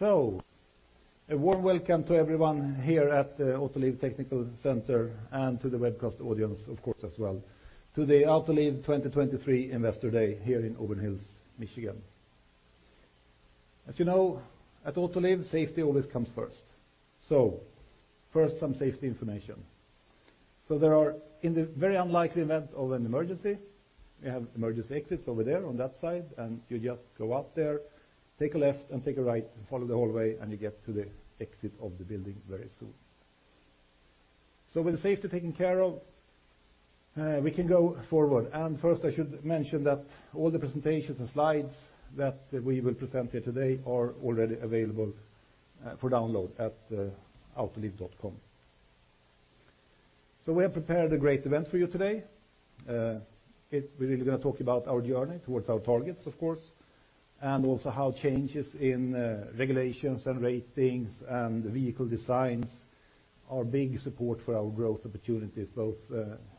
A warm welcome to everyone here at the Autoliv Technical Center, and to the webcast audience, of course, as well, to the Autoliv 2023 Investor Day here in Auburn Hills, Michigan. As you know, at Autoliv, safety always comes first. First, some safety information. There are, in the very unlikely event of an emergency, we have emergency exits over there on that side, and you just go out there, take a left and take a right, and follow the hallway, and you get to the exit of the building very soon. With the safety taken care of, we can go forward. First, I should mention that all the presentations and slides that we will present here today are already available for download at autoliv.com. We have prepared a great event for you today. We're really going to talk about our journey towards our targets, of course, and also how changes in regulations and ratings and vehicle designs are big support for our growth opportunities, both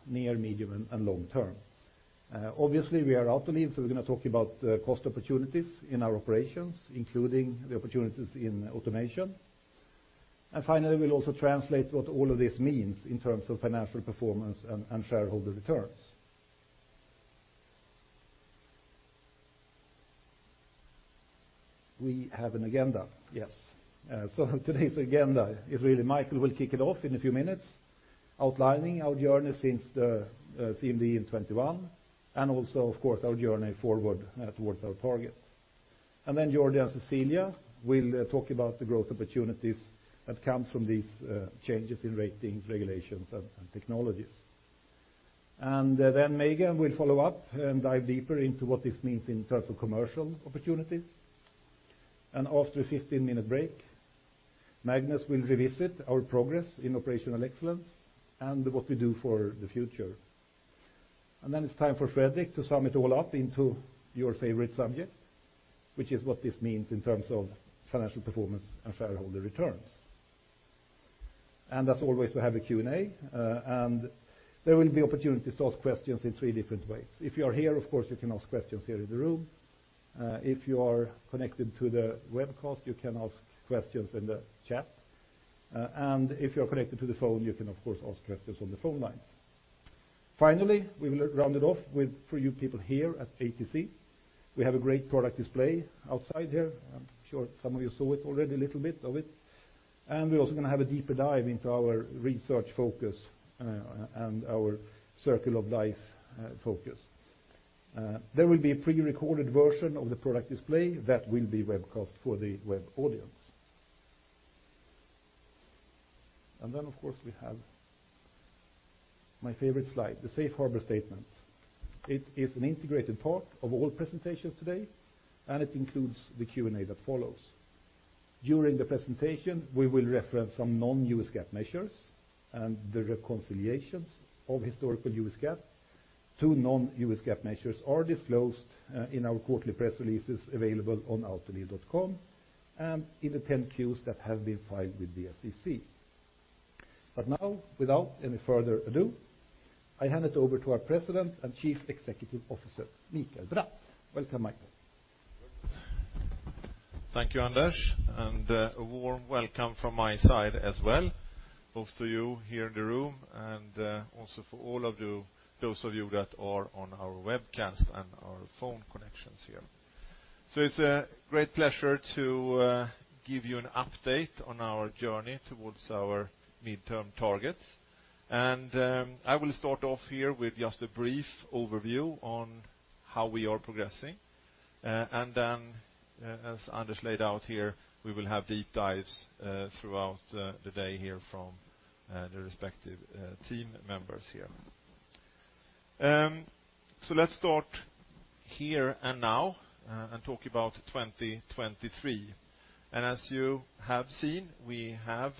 near, medium, and long term. Obviously, we are Autoliv, so we're going to talk about the cost opportunities in our operations, including the opportunities in automation. Finally, we'll also translate what all of this means in terms of financial performance and shareholder returns. We have an agenda, yes. Today's agenda is really Mikael will kick it off in a few minutes, outlining our journey since the CMD in 21, and also, of course, our journey forward towards our target. Jordi and Cecilia will talk about the growth opportunities that come from these changes in ratings, regulations, and technologies. Megan will follow up and dive deeper into what this means in terms of commercial opportunities. After a 15-minute break, Magnus will revisit our progress in operational excellence and what we do for the future. It's time for Fredrik to sum it all up into your favorite subject, which is what this means in terms of financial performance and shareholder returns. As always, we have a Q&A. There will be opportunities to ask questions in three different ways. If you are here, of course, you can ask questions here in the room. If you are connected to the webcast, you can ask questions in the chat. If you are connected to the phone, you can, of course, ask questions on the phone lines. Finally, we will round it off with, for you people here at ATC, we have a great product display outside here. I'm sure some of you saw it already, a little bit of it. We're also going to have a deeper dive into our research focus, and our Autoliv's Circle of Life focus. There will be a pre-recorded version of the product display that will be webcast for the web audience. Then, of course, we have my favorite slide, the safe harbor statement. It is an integrated part of all presentations today, and it includes the Q&A that follows. During the presentation, we will reference some non-U.S. GAAP measures, and the reconciliations of historical U.S. GAAP to non-U.S. GAAP measures are disclosed, in our quarterly press releases available on autoliv.com and in the 10-Qs that have been filed with the SEC. Now, without any further ado, I hand it over to our President and Chief Executive Officer, Mikael Bratt. Welcome, Mikael. Thank you, Anders. A warm welcome from my side as well, both to you here in the room and also for all of you, those of you that are on our webcast and our phone connections here. It's a great pleasure to give you an update on our journey towards our midterm targets. As Anders laid out here, we will have deep dives throughout the day here from the respective team members here. Let's start here and now and talk about 2023. As you have seen, we have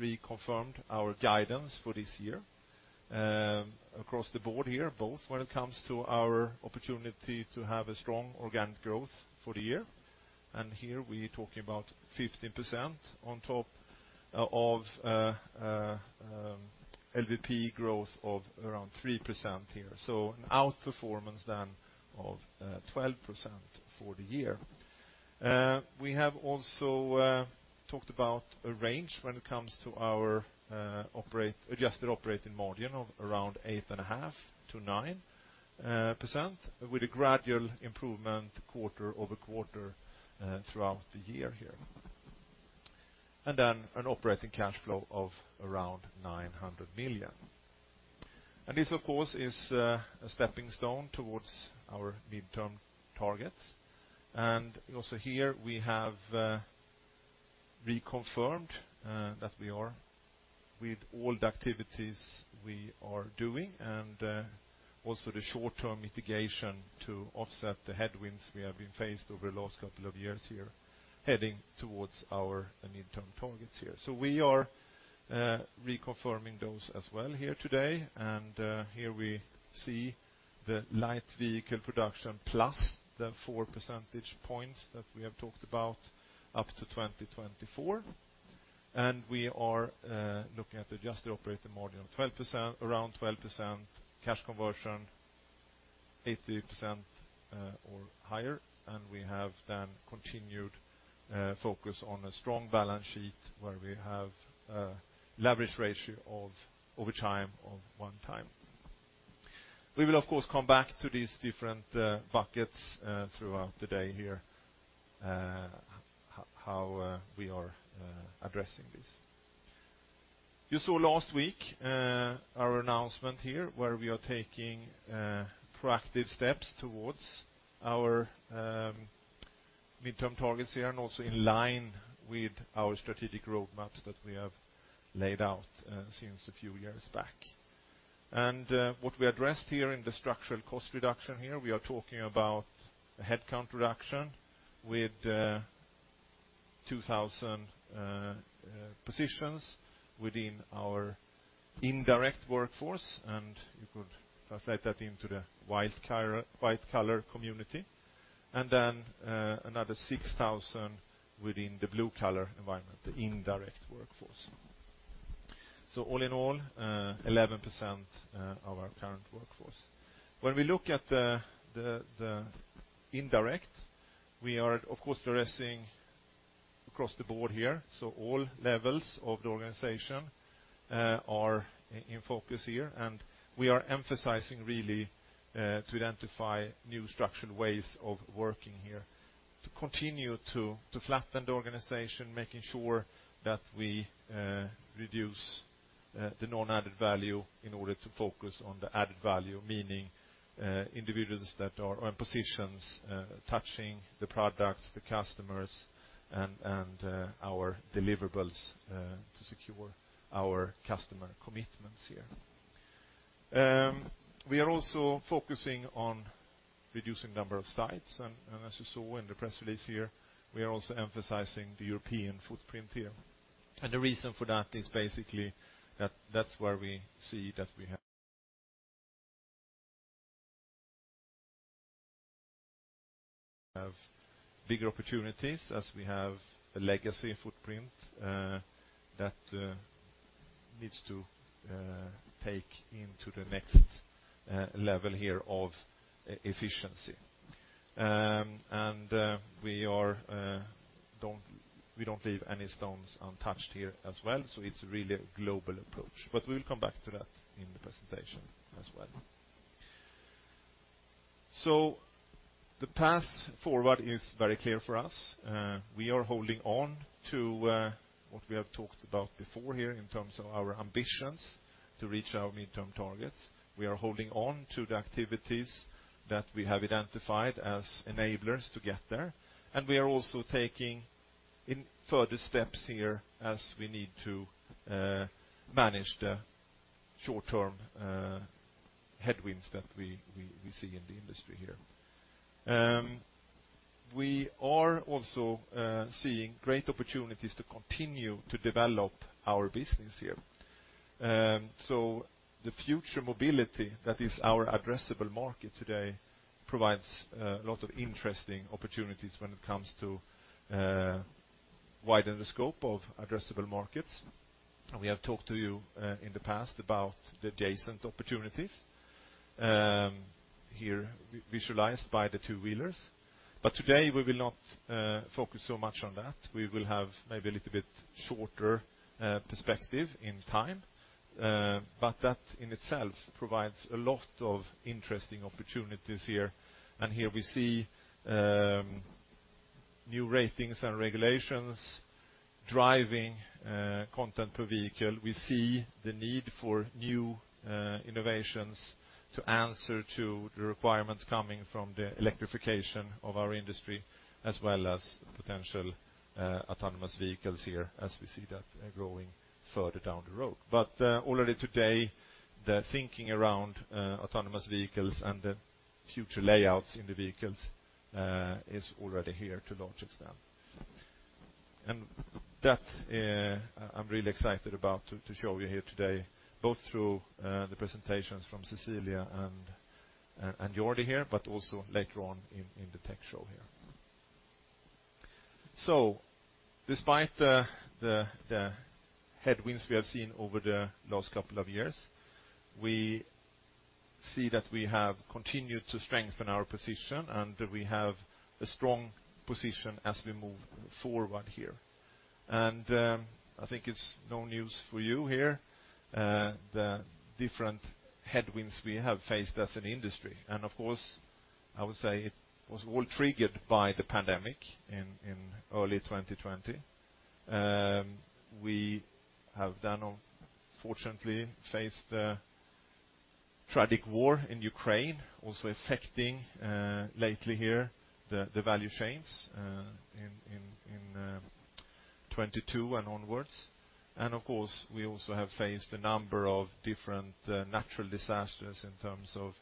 reconfirmed our guidance for this year, across the board here, both when it comes to our opportunity to have a strong organic growth for the year, and here we're talking about 15% on top of LVP growth of around 3% here, so an outperformance then of 12% for the year. We have also talked about a range when it comes to our adjusted operating margin of around 8.5%-9%, with a gradual improvement quarter-over-quarter throughout the year here. An operating cash flow of around $900 million. This, of course, is a stepping stone towards our midterm targets. Also here, we have reconfirmed that we are with all the activities we are doing, and also the short-term mitigation to offset the headwinds we have been faced over the last couple of years here, heading towards our midterm targets here. We are reconfirming those as well here today, and here we see the light vehicle production plus the 4 percentage points that we have talked about up to 2024. We are looking at adjusted operating margin of 12%, around 12%, cash conversion 80% or higher, and we have then continued focus on a strong balance sheet, where we have a leverage ratio of over time of 1 time. We will, of course, come back to these different buckets throughout the day here, how we are addressing this. You saw last week, our announcement here, where we are taking proactive steps towards our midterm targets here, and also in line with our strategic roadmaps that we have laid out since a few years back. What we addressed here in the structural cost reduction here, we are talking about a headcount reduction with 2,000 positions within our indirect workforce, and you could translate that into the white collar community, and then another 6,000 within the blue collar environment, the indirect workforce. All in all, 11% of our current workforce. When we look at the indirect, we are, of course, addressing across the board here, so all levels of the organization are in focus here, and we are emphasizing really to identify new structured ways of working here to continue to flatten the organization, making sure that we reduce the non-added value in order to focus on the added value, meaning individuals that are on positions touching the products, the customers, and our deliverables to secure our customer commitments here. We are also focusing on reducing number of sites, and as you saw in the press release here, we are also emphasizing the European footprint here. The reason for that is basically that that's where we see that we have bigger opportunities, as we have a legacy footprint that needs to take into the next level here of efficiency. We don't leave any stones untouched here as well, so it's really a global approach, but we will come back to that in the presentation as well. The path forward is very clear for us. We are holding on to what we have talked about before here in terms of our ambitions to reach our midterm targets. We are holding on to the activities that we have identified as enablers to get there, and we are also taking in further steps here as we need to manage the short-term headwinds that we see in the industry here. We are also seeing great opportunities to continue to develop our business here. The future mobility that is our addressable market today provides a lot of interesting opportunities when it comes to widening the scope of addressable markets. We have talked to you in the past about the adjacent opportunities, here visualized by the two-wheelers. Today we will not focus so much on that. We will have maybe a little bit shorter perspective in time, but that in itself provides a lot of interesting opportunities here, and here we see new ratings and regulations driving content per vehicle. We see the need for new innovations to answer to the requirements coming from the electrification of our industry, as well as potential autonomous vehicles here, as we see that going further down the road. Already today, the thinking around autonomous vehicles and the future layouts in the vehicles is already here to a large extent. That I'm really excited about to show you here today, both through the presentations from Cecilia and Jordi here, but also later on in the tech show here. Despite the headwinds we have seen over the last couple of years, we see that we have continued to strengthen our position, and we have a strong position as we move forward here. I think it's no news for you here, the different headwinds we have faced as an industry. Of course, I would say it was all triggered by the pandemic in early 2020. We have then, unfortunately, faced the tragic war in Ukraine, also affecting lately here, the value chains in 2022 and onwards. Of course, we also have faced a number of different natural disasters in terms of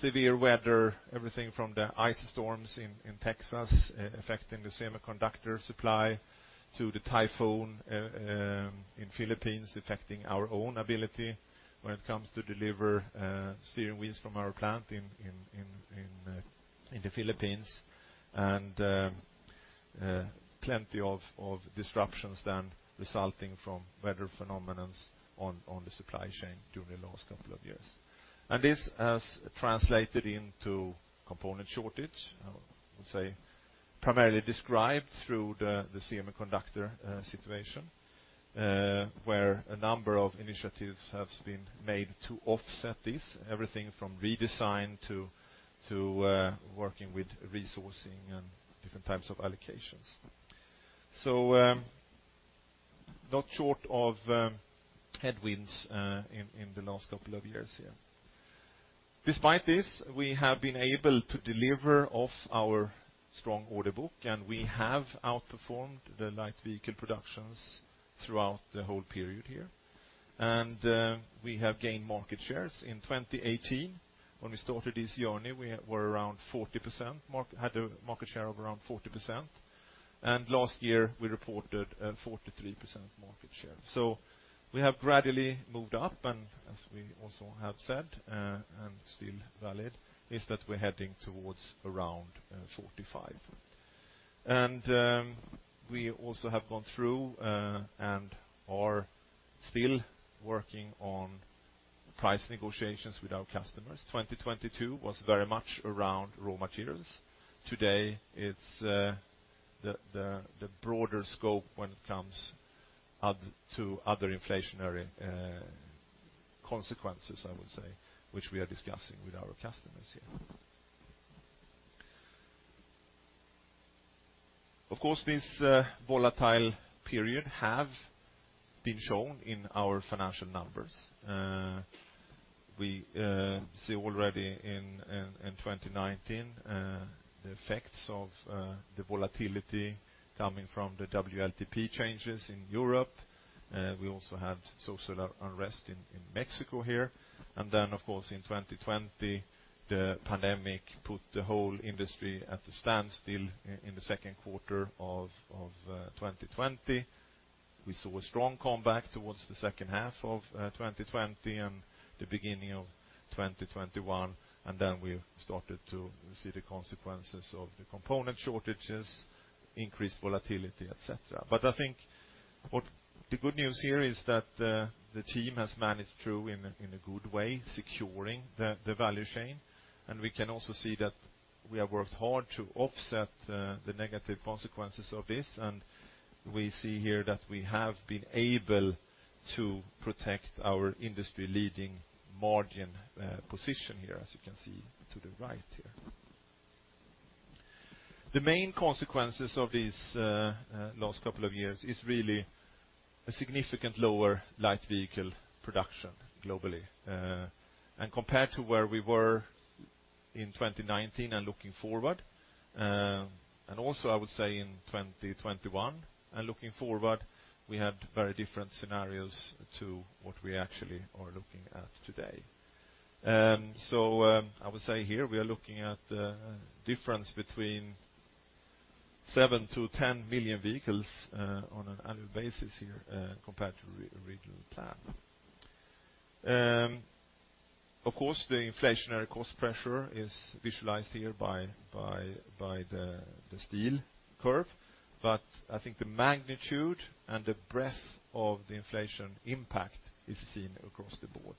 severe weather, everything from the ice storms in Texas, affecting the semiconductor supply, to the typhoon in Philippines, affecting our own ability when it comes to deliver steering wheels from our plant in the Philippines, and plenty of disruptions then resulting from weather phenomenons on the supply chain during the last couple of years. This has translated into component shortage, I would say, primarily described through the semiconductor situation, where a number of initiatives have been made to offset this, everything from redesign to working with resourcing and different types of allocations. Not short of headwinds in the last couple of years here. Despite this, we have been able to deliver off our strong order book, and we have outperformed the light vehicle productions throughout the whole period here. We have gained market shares. In 2018, when we started this journey, we were around 40%, had a market share of around 40%, and last year, we reported 43% market share. We have gradually moved up, and as we also have said, and still valid, is that we're heading towards around 45. We also have gone through and are still working on price negotiations with our customers. 2022 was very much around raw materials. Today, it's the broader scope when it comes to other inflationary consequences, I would say, which we are discussing with our customers here. Of course, this volatile period have been shown in our financial numbers. We see already in 2019 the effects of the volatility coming from the WLTP changes in Europe. We also had social unrest in Mexico here. Of course, in 2020, the pandemic put the whole industry at a standstill in the second quarter of 2020. We saw a strong comeback towards the second half of 2020 and the beginning of 2021, and then we started to see the consequences of the component shortages, increased volatility, et cetera. I think what the good news here is that the team has managed through in a good way, securing the value chain, and we can also see that we have worked hard to offset the negative consequences of this. We see here that we have been able to protect our industry-leading margin position here, as you can see to the right here. The main consequences of these last couple of years is really a significant lower light vehicle production globally. Compared to where we were in 2019 and looking forward, and also I would say, in 2021, and looking forward, we had very different scenarios to what we actually are looking at today. I would say here, we are looking at a difference between 7 to 10 million vehicles on an annual basis here compared to original plan. Of course, the inflationary cost pressure is visualized here by the steel curve, but I think the magnitude and the breadth of the inflation impact is seen across the board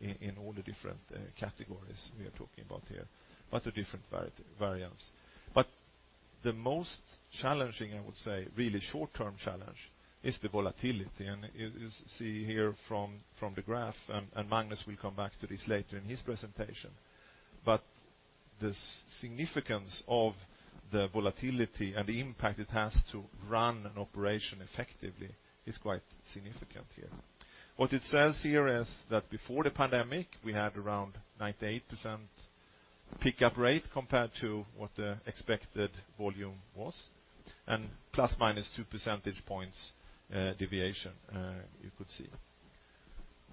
in all the different categories we are talking about here, but the different variance. The most challenging, I would say, really short-term challenge, is the volatility, and you see here from the graph, and Magnus will come back to this later in his presentation. The significance of the volatility and the impact it has to run an operation effectively is quite significant here. What it says here is that before the pandemic, we had around 98% pickup rate compared to what the expected volume was, and ±2 percentage points deviation, you could see.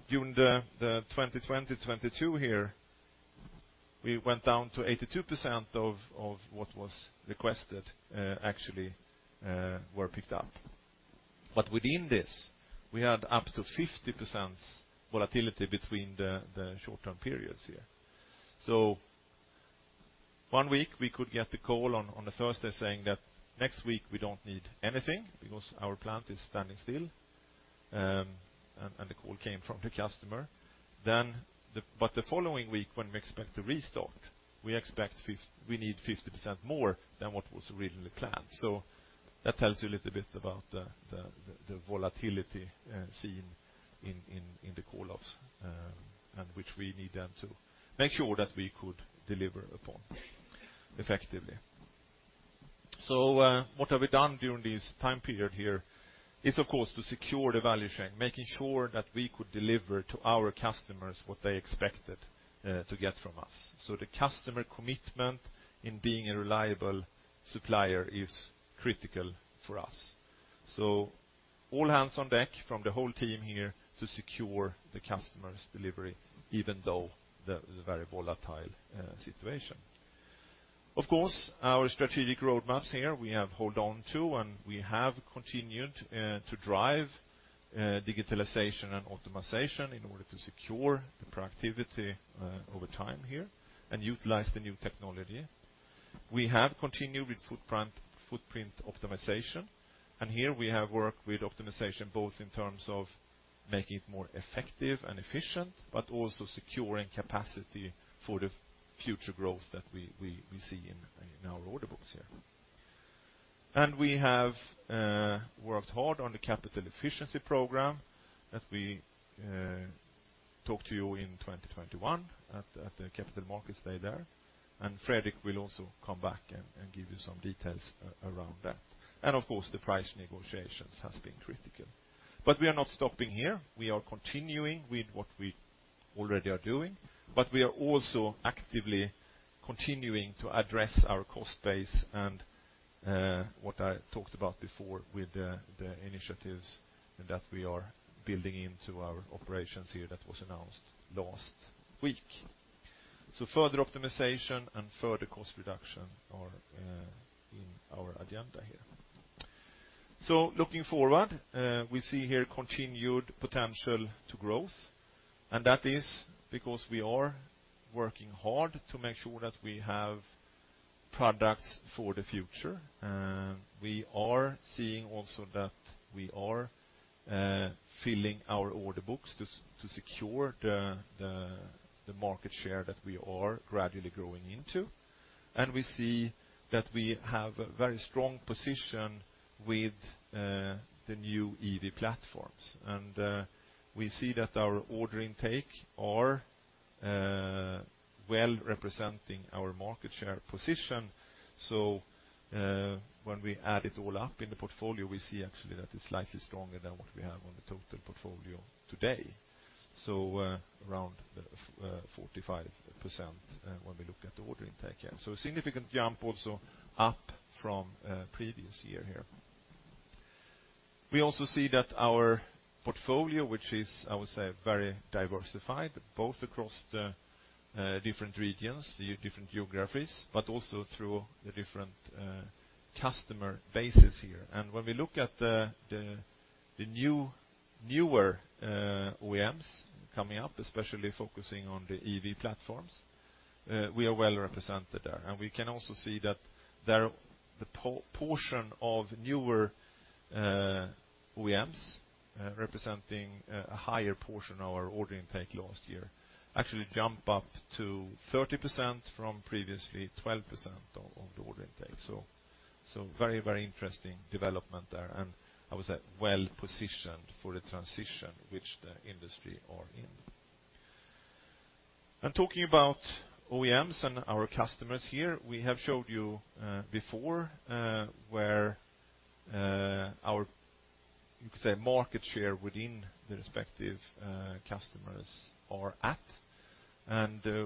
During the 2020, 2022 here, we went down to 82% of what was requested, actually, were picked up. Within this, we had up to 50% volatility between the short-term periods here. One week, we could get the call on a Thursday saying that, next week, we don't need anything because our plant is standing still, and the call came from the customer. The following week, when we expect to restock, we expect we need 50% more than what was originally planned. That tells you a little bit about the volatility seen in the call-offs, and which we need then to make sure that we could deliver upon effectively. What have we done during this time period here is, of course, to secure the value chain, making sure that we could deliver to our customers what they expected to get from us. The customer commitment in being a reliable supplier is critical for us. All hands on deck from the whole team here to secure the customer's delivery, even though the very volatile situation. Of course, our strategic roadmaps here, we have hold on to, and we have continued to drive digitalization and optimization in order to secure the productivity over time here and utilize the new technology. We have continued with footprint optimization, and here we have worked with optimization, both in terms of making it more effective and efficient, but also securing capacity for the future growth that we see in our order books here. We have worked hard on the capital efficiency program that we talked to you in 2021 at the Capital Markets Day there, and Fredrik will also come back and give you some details around that. Of course, the price negotiations has been critical. We are not stopping here. We are continuing with what we already are doing, but we are also actively continuing to address our cost base and what I talked about before with the initiatives that we are building into our operations here that was announced last week. Further optimization and further cost reduction are in our agenda here. Looking forward, we see here continued potential to growth, and that is because we are working hard to make sure that we have products for the future. We are seeing also that we are filling our order books to secure the market share that we are gradually growing into. We see that we have a very strong position with the new EV platforms. We see that our order intake are well representing our market share position. When we add it all up in the portfolio, we see actually that it's slightly stronger than what we have on the total portfolio today. Around 45%, when we look at the order intake here. A significant jump also up from previous year here. We also see that our portfolio, which is, I would say, very diversified, both across the different regions, the different geographies, but also through the different customer bases here. When we look at the new, newer OEMs coming up, especially focusing on the EV platforms, we are well represented there. We can also see that there, the portion of newer OEMs, representing a higher portion of our order intake last year, actually jump up to 30% from previously 12% of the order intake. Very, very interesting development there, and I would say well-positioned for the transition which the industry are in. Talking about OEMs and our customers here, we have showed you before where our, you could say, market share within the respective customers are at.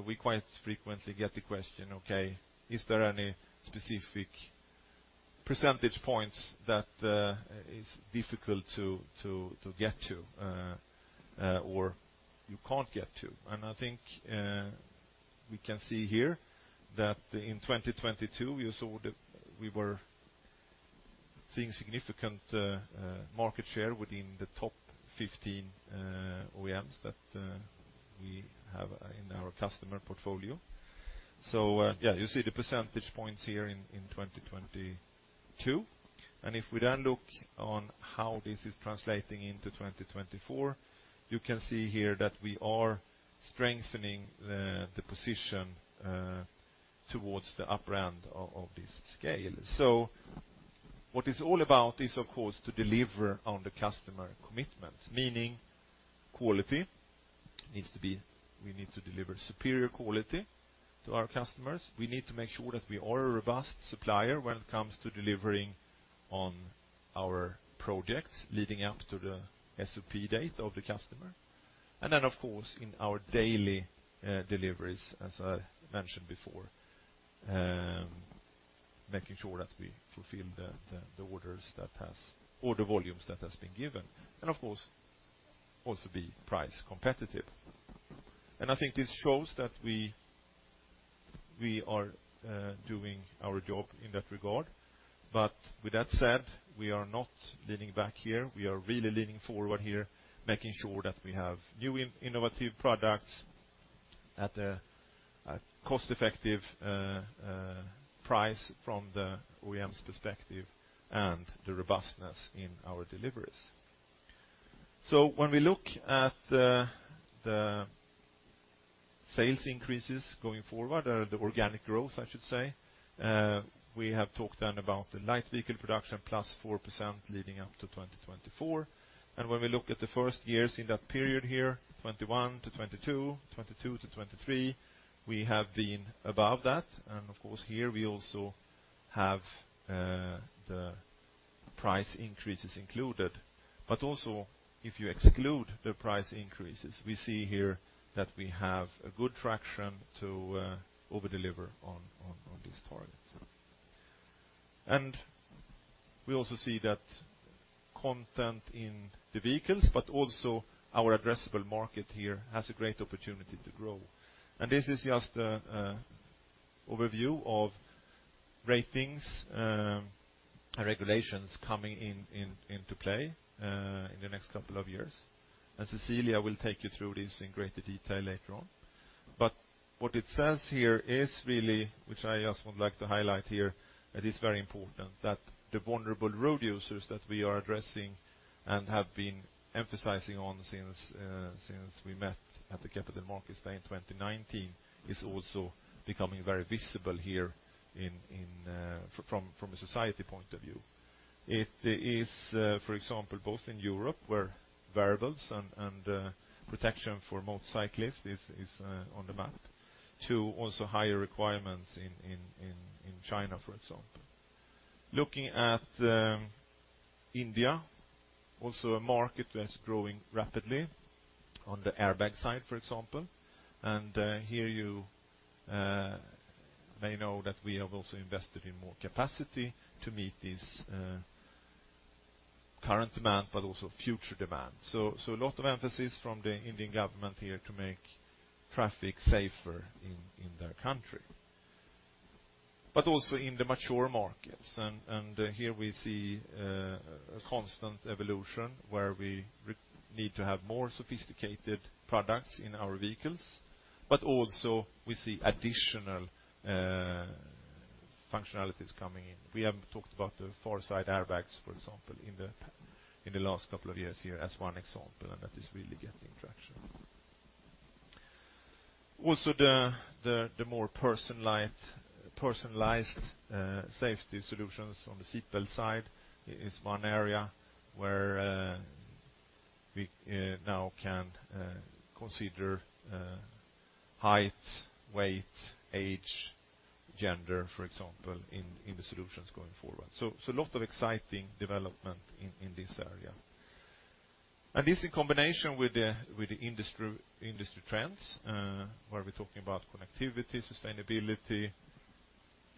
We quite frequently get the question, okay, is there any specific percentage points that is difficult to get to or you can't get to? I think we can see here that in 2022, you saw that we were seeing significant market share within the top 15 OEMs that we have in our customer portfolio. Yeah, you see the percentage points here in 2022. If we then look on how this is translating into 2024, you can see here that we are strengthening the position towards the upper end of this scale. What it's all about is, of course, to deliver on the customer commitments, meaning we need to deliver superior quality to our customers. We need to make sure that we are a robust supplier when it comes to delivering on our projects leading up to the SOP date of the customer. Of course, in our daily deliveries, as I mentioned before, making sure that we fulfill the orders that has, order volumes that has been given, and of course, also be price competitive. I think this shows that we are doing our job in that regard. With that said, we are not leaning back here. We are really leaning forward here, making sure that we have new innovative products at a cost-effective price from the OEM's perspective and the robustness in our deliveries. When we look at the sales increases going forward, or the organic growth, I should say, we have talked then about the light vehicle production, +4% leading up to 2024. When we look at the first years in that period here, 2021 to 2022, 2022 to 2023, we have been above that. Of course, here, we also have the price increases included. Also, if you exclude the price increases, we see here that we have a good traction to over-deliver on this target. We also see that content in the vehicles, but also our addressable market here has a great opportunity to grow. This is just a overview of ratings and regulations coming into play in the next couple of years. Cecilia will take you through this in greater detail later on. What it says here is really, which I just would like to highlight here, it is very important that the vulnerable road users that we are addressing and have been emphasizing on since we met at the Capital Markets Day in 2019, is also becoming very visible here in, from a society point of view. It is, for example, both in Europe, where variables and protection for motorcyclists is on the map, to also higher requirements in China, for example. Looking at India, also a market that's growing rapidly on the airbag side, for example. And here you may know that we have also invested in more capacity to meet this current demand, but also future demand. A lot of emphasis from the Indian government here to make traffic safer in their country. Also in the mature markets, and here we see a constant evolution where we need to have more sophisticated products in our vehicles, but also we see additional functionalities coming in. We have talked about the far side airbags, for example, in the last couple of years here as one example, and that is really getting traction. The more personalized safety solutions on the seatbelt side is one area where we now can consider height, weight, age, gender, for example, in the solutions going forward. A lot of exciting development in this area. This in combination with the industry trends, where we're talking about connectivity, sustainability,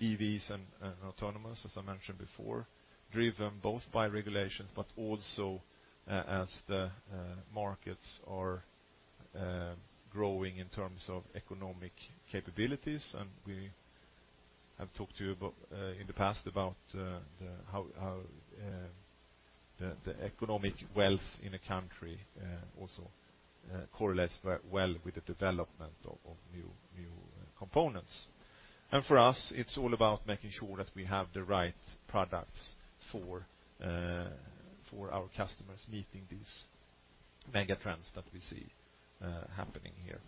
EVs, and autonomous, as I mentioned before, driven both by regulations, but also as the markets are growing in terms of economic capabilities. We have talked to you about in the past about the how the economic wealth in a country also correlates very well with the development of new components. For us, it's all about making sure that we have the right products for our customers, meeting these mega trends that we see happening here.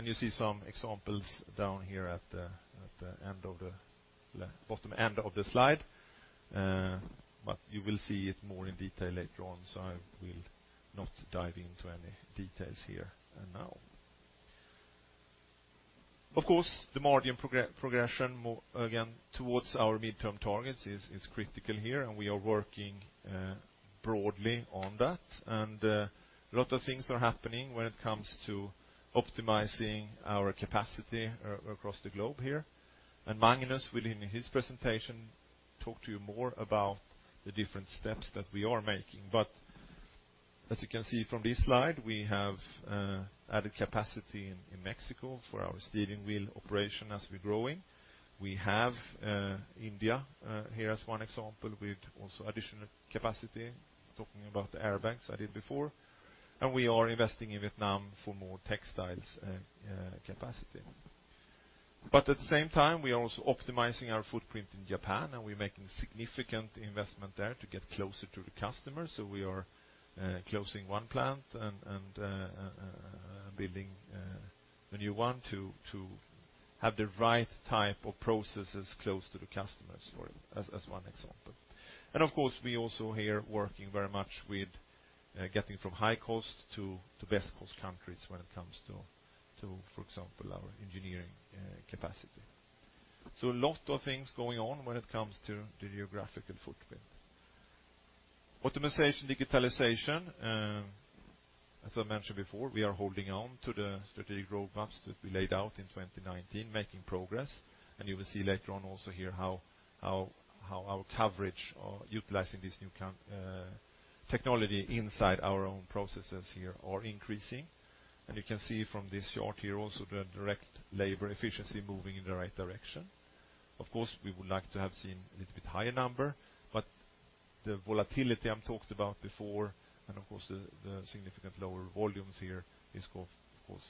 You see some examples down here at the bottom end of the slide, but you will see it more in detail later on, so I will not dive into any details here and now. Of course, the margin progression, more again, towards our mid-term targets is critical here, and we are working broadly on that. A lot of things are happening when it comes to optimizing our capacity across the globe here. Magnus will, in his presentation, talk to you more about the different steps that we are making. As you can see from this slide, we have added capacity in Mexico for our steering wheel operation as we're growing. We have India here as one example, with also additional capacity, talking about the airbags I did before. We are investing in Vietnam for more textiles capacity. At the same time, we are also optimizing our footprint in Japan, and we're making significant investment there to get closer to the customers. We are closing one plant and building a new one to have the right type of processes close to the customers for as one example. Of course, we also here working very much with getting from high cost to best cost countries when it comes to for example our engineering capacity. A lot of things going on when it comes to the geographical footprint. Optimization, digitalization, as I mentioned before, we are holding on to the strategic roadmaps that we laid out in 2019, making progress, and you will see later on also here how our coverage or utilizing this new technology inside our own processes here are increasing. You can see from this chart here also the direct labor efficiency moving in the right direction. Of course, we would like to have seen a little bit higher number, but the volatility I'm talked about before, and of course, the significant lower volumes here, is of course,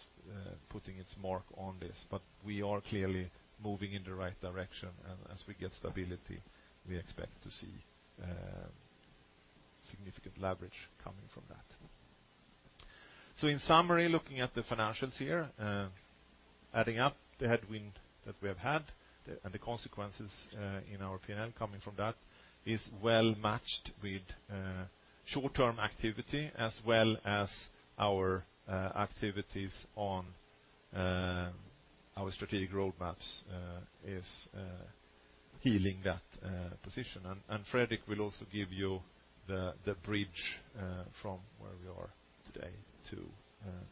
putting its mark on this. We are clearly moving in the right direction, and as we get stability, we expect to see, significant leverage coming from that. In summary, looking at the financials here, adding up the headwind that we have had, and the consequences in our P&L coming from that, is well matched with short-term activity, as well as our activities on our strategic roadmaps, is healing that position. Fredrik will also give you the bridge from where we are today to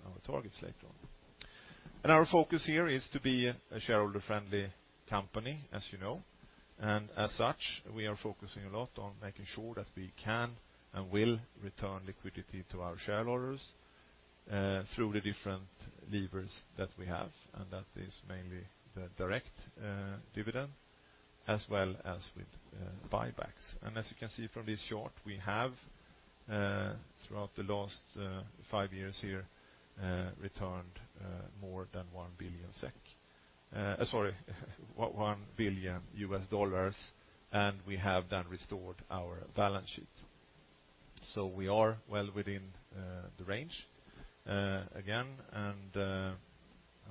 our targets later on. Our focus here is to be a shareholder-friendly company, as you know, and as such, we are focusing a lot on making sure that we can and will return liquidity to our shareholders through the different levers that we have, and that is mainly the direct dividend, as well as with buybacks. As you can see from this chart, we have throughout the last 5 years here returned more than 1 billion SEK. Sorry, $1 billion, and we have then restored our balance sheet. We are well within the range again, I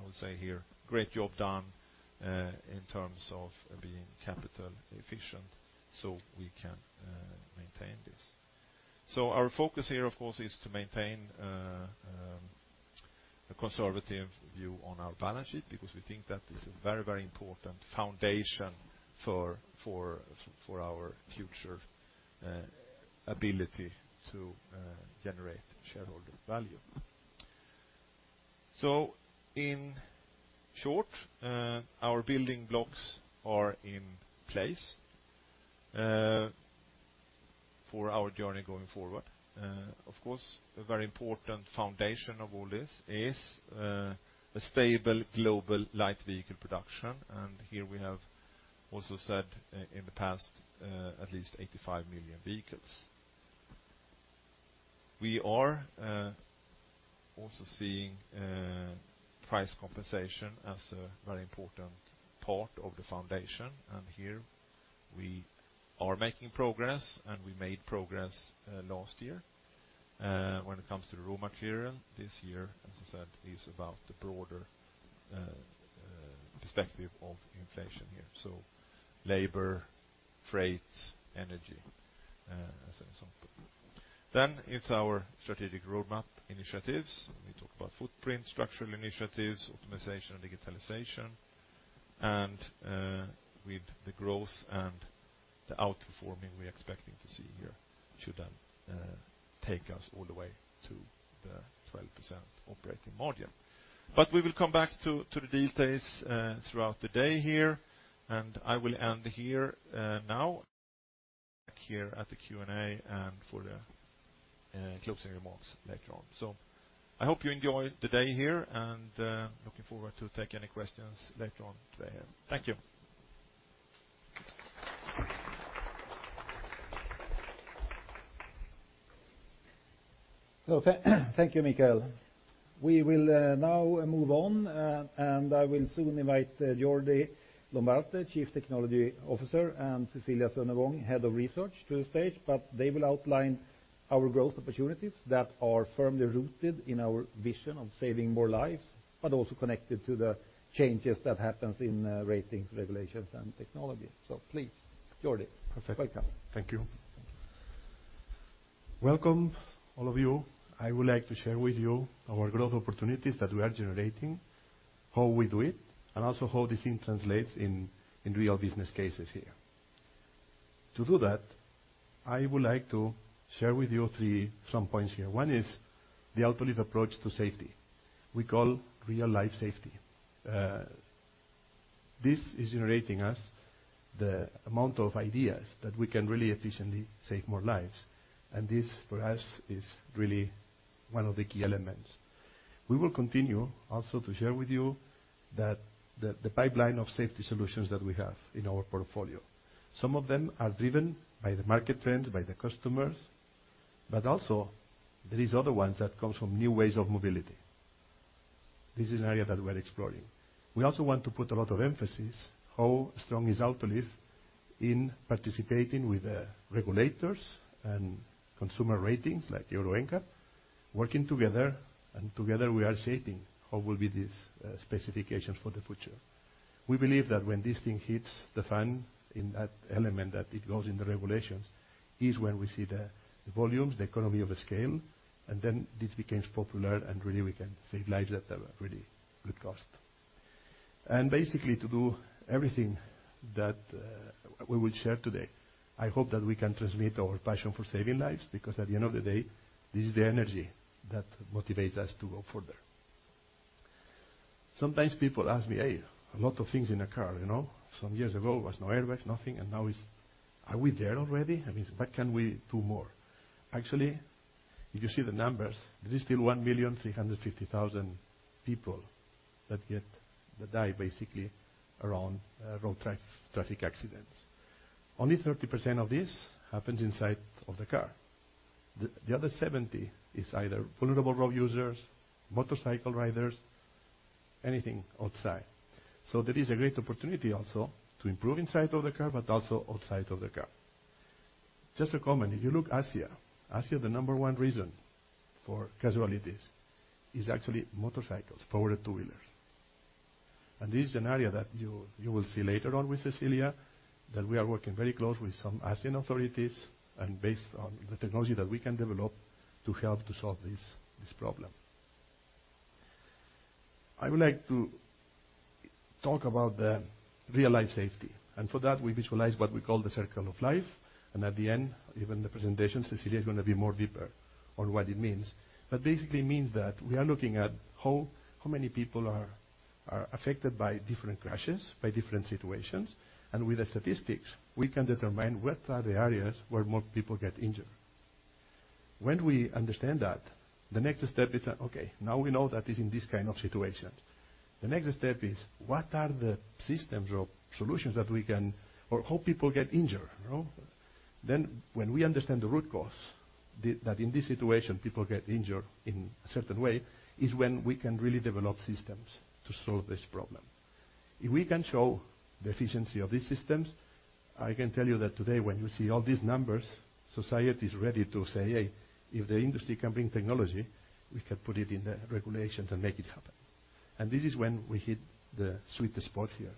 will say here, great job done in terms of being capital efficient, so we can maintain this. Our focus here, of course, is to maintain a conservative view on our balance sheet, because we think that is a very, very important foundation for our future ability to generate shareholder value. In short, our building blocks are in place for our journey going forward. Of course, a very important foundation of all this is a stable global light vehicle production. Here we have also said in the past, at least 85 million vehicles. We are also seeing price compensation as a very important part of the foundation, and here we are making progress, and we made progress last year. When it comes to the raw material, this year, as I said, is about the broader perspective of inflation here, so labor, freight, energy as an example. It's our strategic roadmap initiatives. We talk about footprint, structural initiatives, optimization, and digitalization. With the growth and the outperforming we're expecting to see here should then take us all the way to the 12% operating margin. We will come back to the details throughout the day here, and I will end here now. Back here at the Q&A and for the closing remarks later on. I hope you enjoyed the day here, and looking forward to take any questions later on today. Thank you. Thank you, Mikael. We will now move on, and I will soon invite Jordi Lombarte, Chief Technology Officer, and Cecilia Sunnevång, Head of Research, to the stage, but they will outline our growth opportunities that are firmly rooted in our vision on saving more lives, but also connected to the changes that happens in ratings, regulations, and technology. Please, Jordi. Perfect. Welcome. Thank you. Welcome, all of you. I would like to share with you our growth opportunities that we are generating, how we do it, and also how this thing translates in real business cases here. To do that, I would like to share with you some points here. One is the Autoliv approach to safety. We call real-life safety. This is generating us the amount of ideas that we can really efficiently save more lives, and this, for us, is really one of the key elements. We will continue also to share with you that the pipeline of safety solutions that we have in our portfolio. Some of them are driven by the market trends, by the customers, but also there is other ones that comes from new ways of mobility. This is an area that we're exploring. We also want to put a lot of emphasis how strong is Autoliv in participating with the regulators and consumer ratings, like Euro NCAP, working together we are shaping what will be these specifications for the future. We believe that when this thing hits the fan, in that element, that it goes in the regulations, is when we see the volumes, the economy of the scale, then this becomes popular and really we can save lives at a really good cost. Basically, to do everything that we will share today, I hope that we can transmit our passion for saving lives, because at the end of the day, this is the energy that motivates us to go further. Sometimes people ask me, hey, a lot of things in a car, you know? Some years ago, was no airbags, nothing, and now it's, are we there already? I mean, what can we do more? Actually, if you see the numbers, there is still 1,350,000 people that die, basically, around road traffic accidents. Only 30% of this happens inside of the car. The other 70 is either vulnerable road users, motorcycle riders, anything outside. There is a great opportunity also to improve inside of the car, but also outside of the car. Just a comment, if you look Asia, the number one reason for casualties is actually motorcycles, powered two-wheelers. This is an area that you will see later on with Cecilia, that we are working very closely with some Asian authorities, and based on the technology that we can develop to help to solve this problem. I would like to talk about the real-life safety, for that, we visualize what we call the Circle of Life, at the end, even the presentation, Cecilia is going to be more deeper on what it means. Basically means that we are looking at how many people are affected by different crashes, by different situations, with the statistics, we can determine what are the areas where more people get injured. When we understand that, the next step is that, okay, now we know that is in this kind of situation. The next step is, what are the systems or solutions that we can or how people get injured, you know? When we understand the root cause, that in this situation, people get injured in a certain way, is when we can really develop systems to solve this problem. If we can show the efficiency of these systems, I can tell you that today, when you see all these numbers, society is ready to say, hey, if the industry can bring technology, we can put it in the regulations and make it happen. This is when we hit the sweet spot here.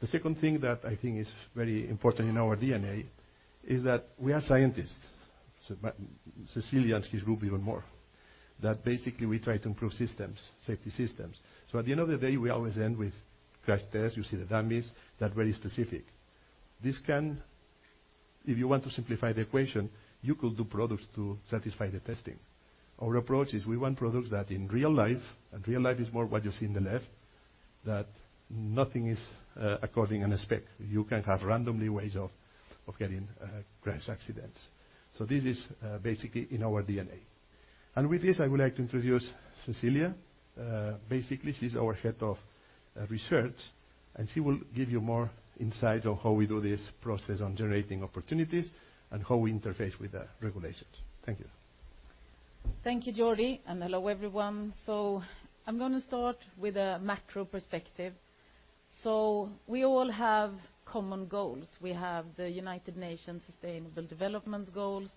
The second thing that I think is very important in our D&A is that we are scientists. Cecilia and his group even more, that basically we try to improve systems, safety systems. At the end of the day, we always end with crash test. You see the dummies, they're very specific. If you want to simplify the equation, you could do products to satisfy the testing. Our approach is we want products that in real life, and real life is more what you see in the left, that nothing is according on a spec. You can have randomly ways of getting crash accidents. This is basically in our D&A. With this, I would like to introduce Cecilia. Basically, she's our Head of Research, and she will give you more insight on how we do this process on generating opportunities and how we interface with the regulations. Thank you. Thank you, Jordi, hello, everyone. I'm gonna start with a macro perspective. We all have common goals. We have the United Nations Sustainable Development Goals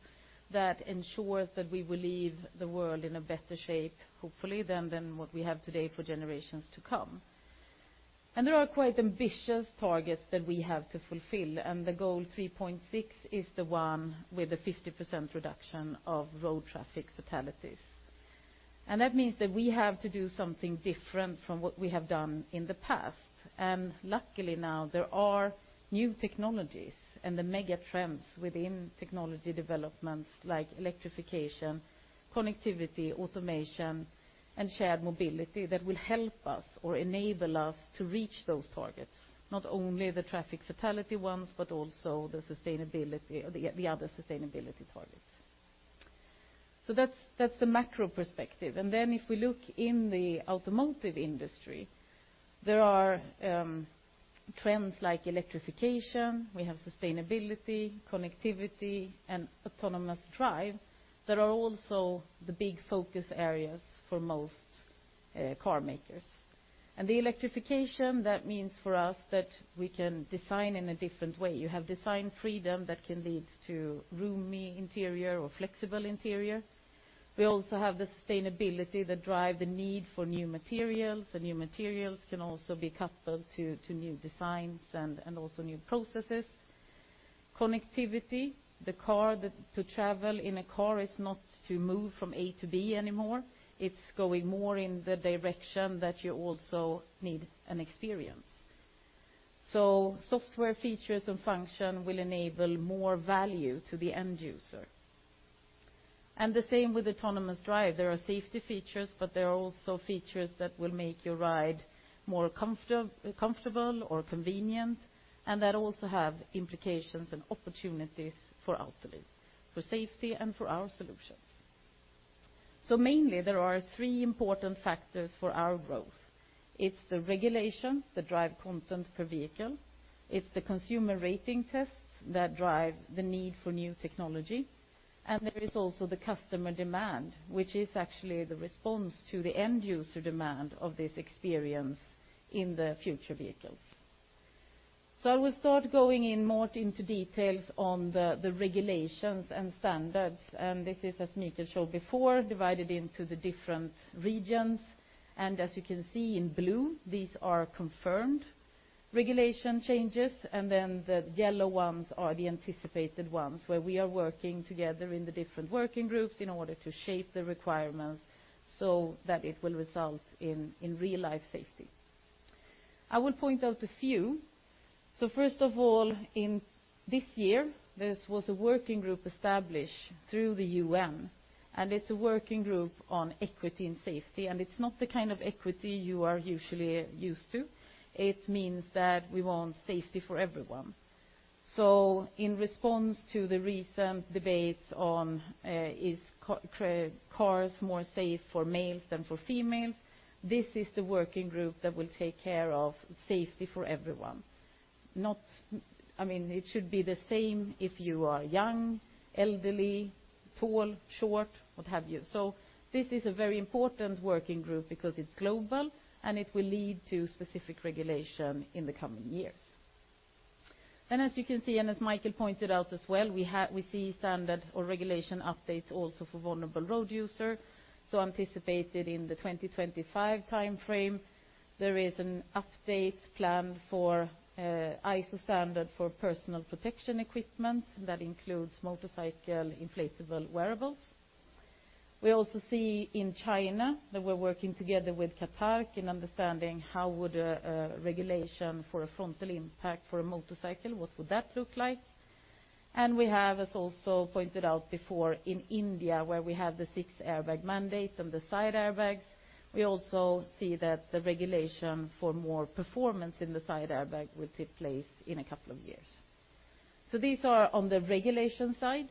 that ensures that we will leave the world in a better shape, hopefully, than what we have today for generations to come. There are quite ambitious targets that we have to fulfill, and the goal 3.6 is the one with the 50% reduction of road traffic fatalities. That means that we have to do something different from what we have done in the past. Luckily, now, there are new technologies and the mega trends within technology developments like electrification, connectivity, automation, and shared mobility that will help us or enable us to reach those targets, not only the traffic fatality ones, but also the sustainability, the other sustainability targets. That's the macro perspective. If we look in the automotive industry, there are trends like electrification, we have sustainability, connectivity, and autonomous drive that are also the big focus areas for most carmakers. The electrification, that means for us that we can design in a different way. You have design freedom that can lead to roomy interior or flexible interior. We also have the sustainability that drive the need for new materials. The new materials can also be coupled to new designs and also new processes. Connectivity, the car to travel in a car is not to move from A to B anymore. It's going more in the direction that you also need an experience. Software features and function will enable more value to the end user. The same with autonomous drive. There are safety features, but there are also features that will make your ride more comfortable or convenient, and that also have implications and opportunities for Autoliv, for safety and for our solutions. Mainly, there are three important factors for our growth: it's the regulation, that drive content per vehicle, it's the consumer rating tests that drive the need for new technology, and there is also the customer demand, which is actually the response to the end user demand of this experience in the future vehicles. I will start going in more into details on the regulations and standards, and this is, as Mikael showed before, divided into the different regions. As you can see in blue, these are confirmed regulation changes, then the yellow ones are the anticipated ones, where we are working together in the different working groups in order to shape the requirements so that it will result in real-life safety. I will point out a few. First of all, in this year, this was a working group established through the UN, and it's a working group on equity and safety, and it's not the kind of equity you are usually used to. It means that we want safety for everyone. In response to the recent debates on, is cars more safe for males than for females, this is the working group that will take care of safety for everyone. I mean, it should be the same if you are young, elderly, tall, short, what have you. This is a very important working group because it's global, and it will lead to specific regulation in the coming years. As you can see, as Mikael pointed out as well, we see standard or regulation updates also for vulnerable road user. Anticipated in the 2025 time frame, there is an update planned for ISO standard for personal protection equipment. That includes motorcycle inflatable wearables. We also see in China that we're working together with CATARC in understanding how would a regulation for a frontal impact for a motorcycle, what would that look like? We have, as also pointed out before, in India, where we have the six airbag mandates and the side airbags, we also see that the regulation for more performance in the side airbag will take place in a couple of years. These are on the regulation side.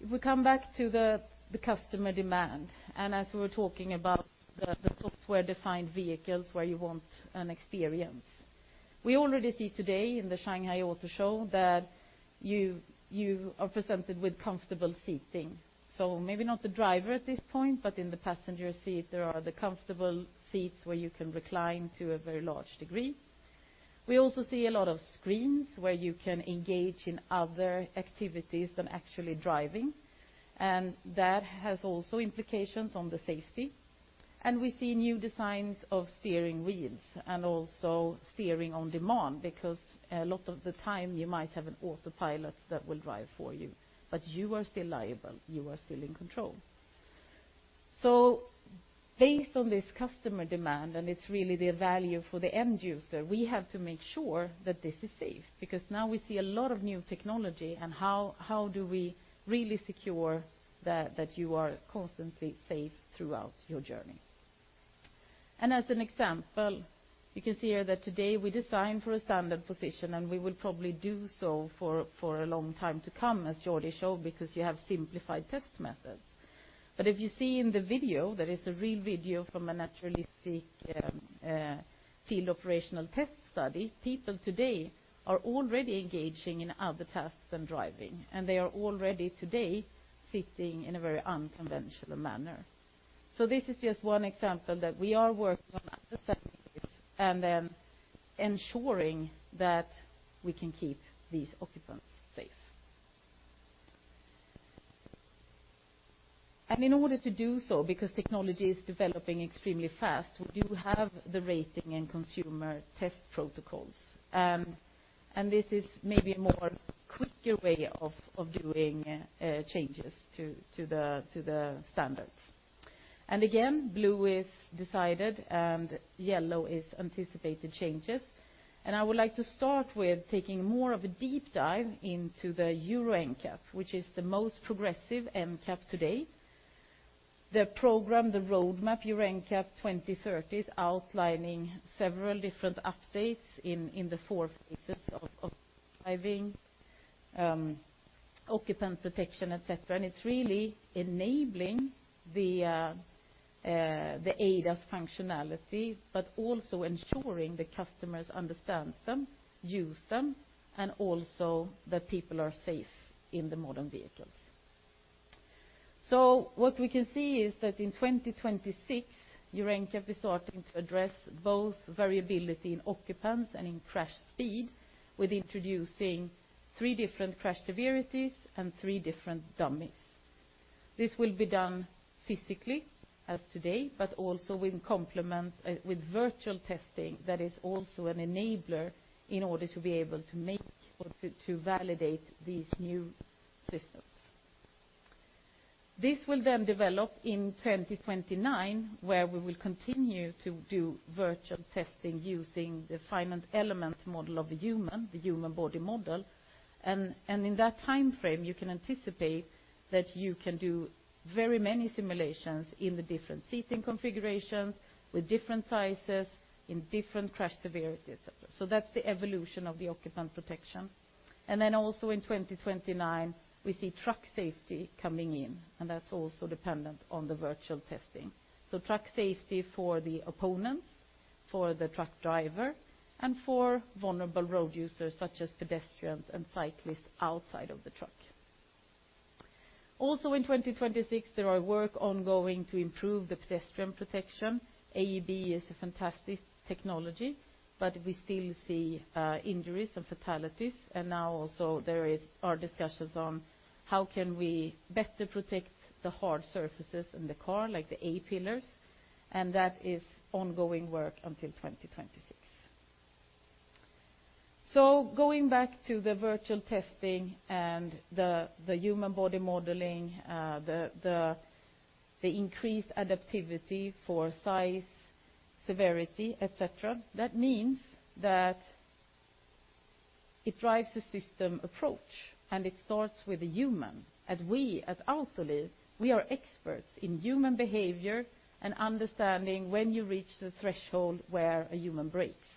If we come back to the customer demand, as we were talking about the software-defined vehicles, where you want an experience. We already see today in the Shanghai Auto Show that you are presented with comfortable seating. Maybe not the driver at this point, but in the passenger seat, there are the comfortable seats where you can recline to a very large degree. We also see a lot of screens where you can engage in other activities than actually driving, and that has also implications on the safety. We see new designs of steering wheels, and also steering on demand, because a lot of the time you might have an autopilot that will drive for you, but you are still liable, you are still in control. Based on this customer demand, and it's really the value for the end user, we have to make sure that this is safe, because now we see a lot of new technology, and how do we really secure that you are constantly safe throughout your journey? As an example, you can see here that today we design for a standard position, and we will probably do so for a long time to come, as Jordi showed, because you have simplified test methods. If you see in the video, that is a real video from a naturalistic field operational test study, people today are already engaging in other tasks than driving, and they are already today sitting in a very unconventional manner. This is just one example that we are working on other techniques and ensuring that we can keep these occupants safe. In order to do so, because technology is developing extremely fast, we do have the rating and consumer test protocols. This is maybe a more quicker way of doing changes to the, to the standards. Again, blue is decided and yellow is anticipated changes. I would like to start with taking more of a deep dive into the Euro NCAP, which is the most progressive NCAP to date. The program, the roadmap Euro NCAP 2030's outlining several different updates in the four phases of driving, occupant protection, et cetera. It's really enabling the ADAS functionality, but also ensuring the customers understand them, use them, and also that people are safe in the modern vehicles. What we can see is that in 2026, Euro NCAP is starting to address both variability in occupants and in crash speed, with introducing three different crash severities and three different dummies. This will be done physically, as today, but also in complement with virtual testing, that is also an enabler in order to be able to make or to validate these new systems. This will develop in 2029, where we will continue to do virtual testing using the finite element model of the human, the human body model. In that time frame, you can anticipate that you can do very many simulations in the different seating configurations, with different sizes, in different crash severities. That's the evolution of the occupant protection. Also in 2029, we see truck safety coming in, and that's also dependent on the virtual testing. Truck safety for the opponents, for the truck driver, and for vulnerable road users, such as pedestrians and cyclists outside of the truck. In 2026, there are work ongoing to improve the pedestrian protection. AEB is a fantastic technology, but we still see injuries and fatalities. Now also there are discussions on how can we better protect the hard surfaces in the car, like the A-pillars, and that is ongoing work until 2026. Going back to the virtual testing and the human body modeling, the increased adaptivity for size, severity, et cetera, that means that it drives the system approach, and it starts with a human. As we, at Autoliv, we are experts in human behavior and understanding when you reach the threshold where a human breaks.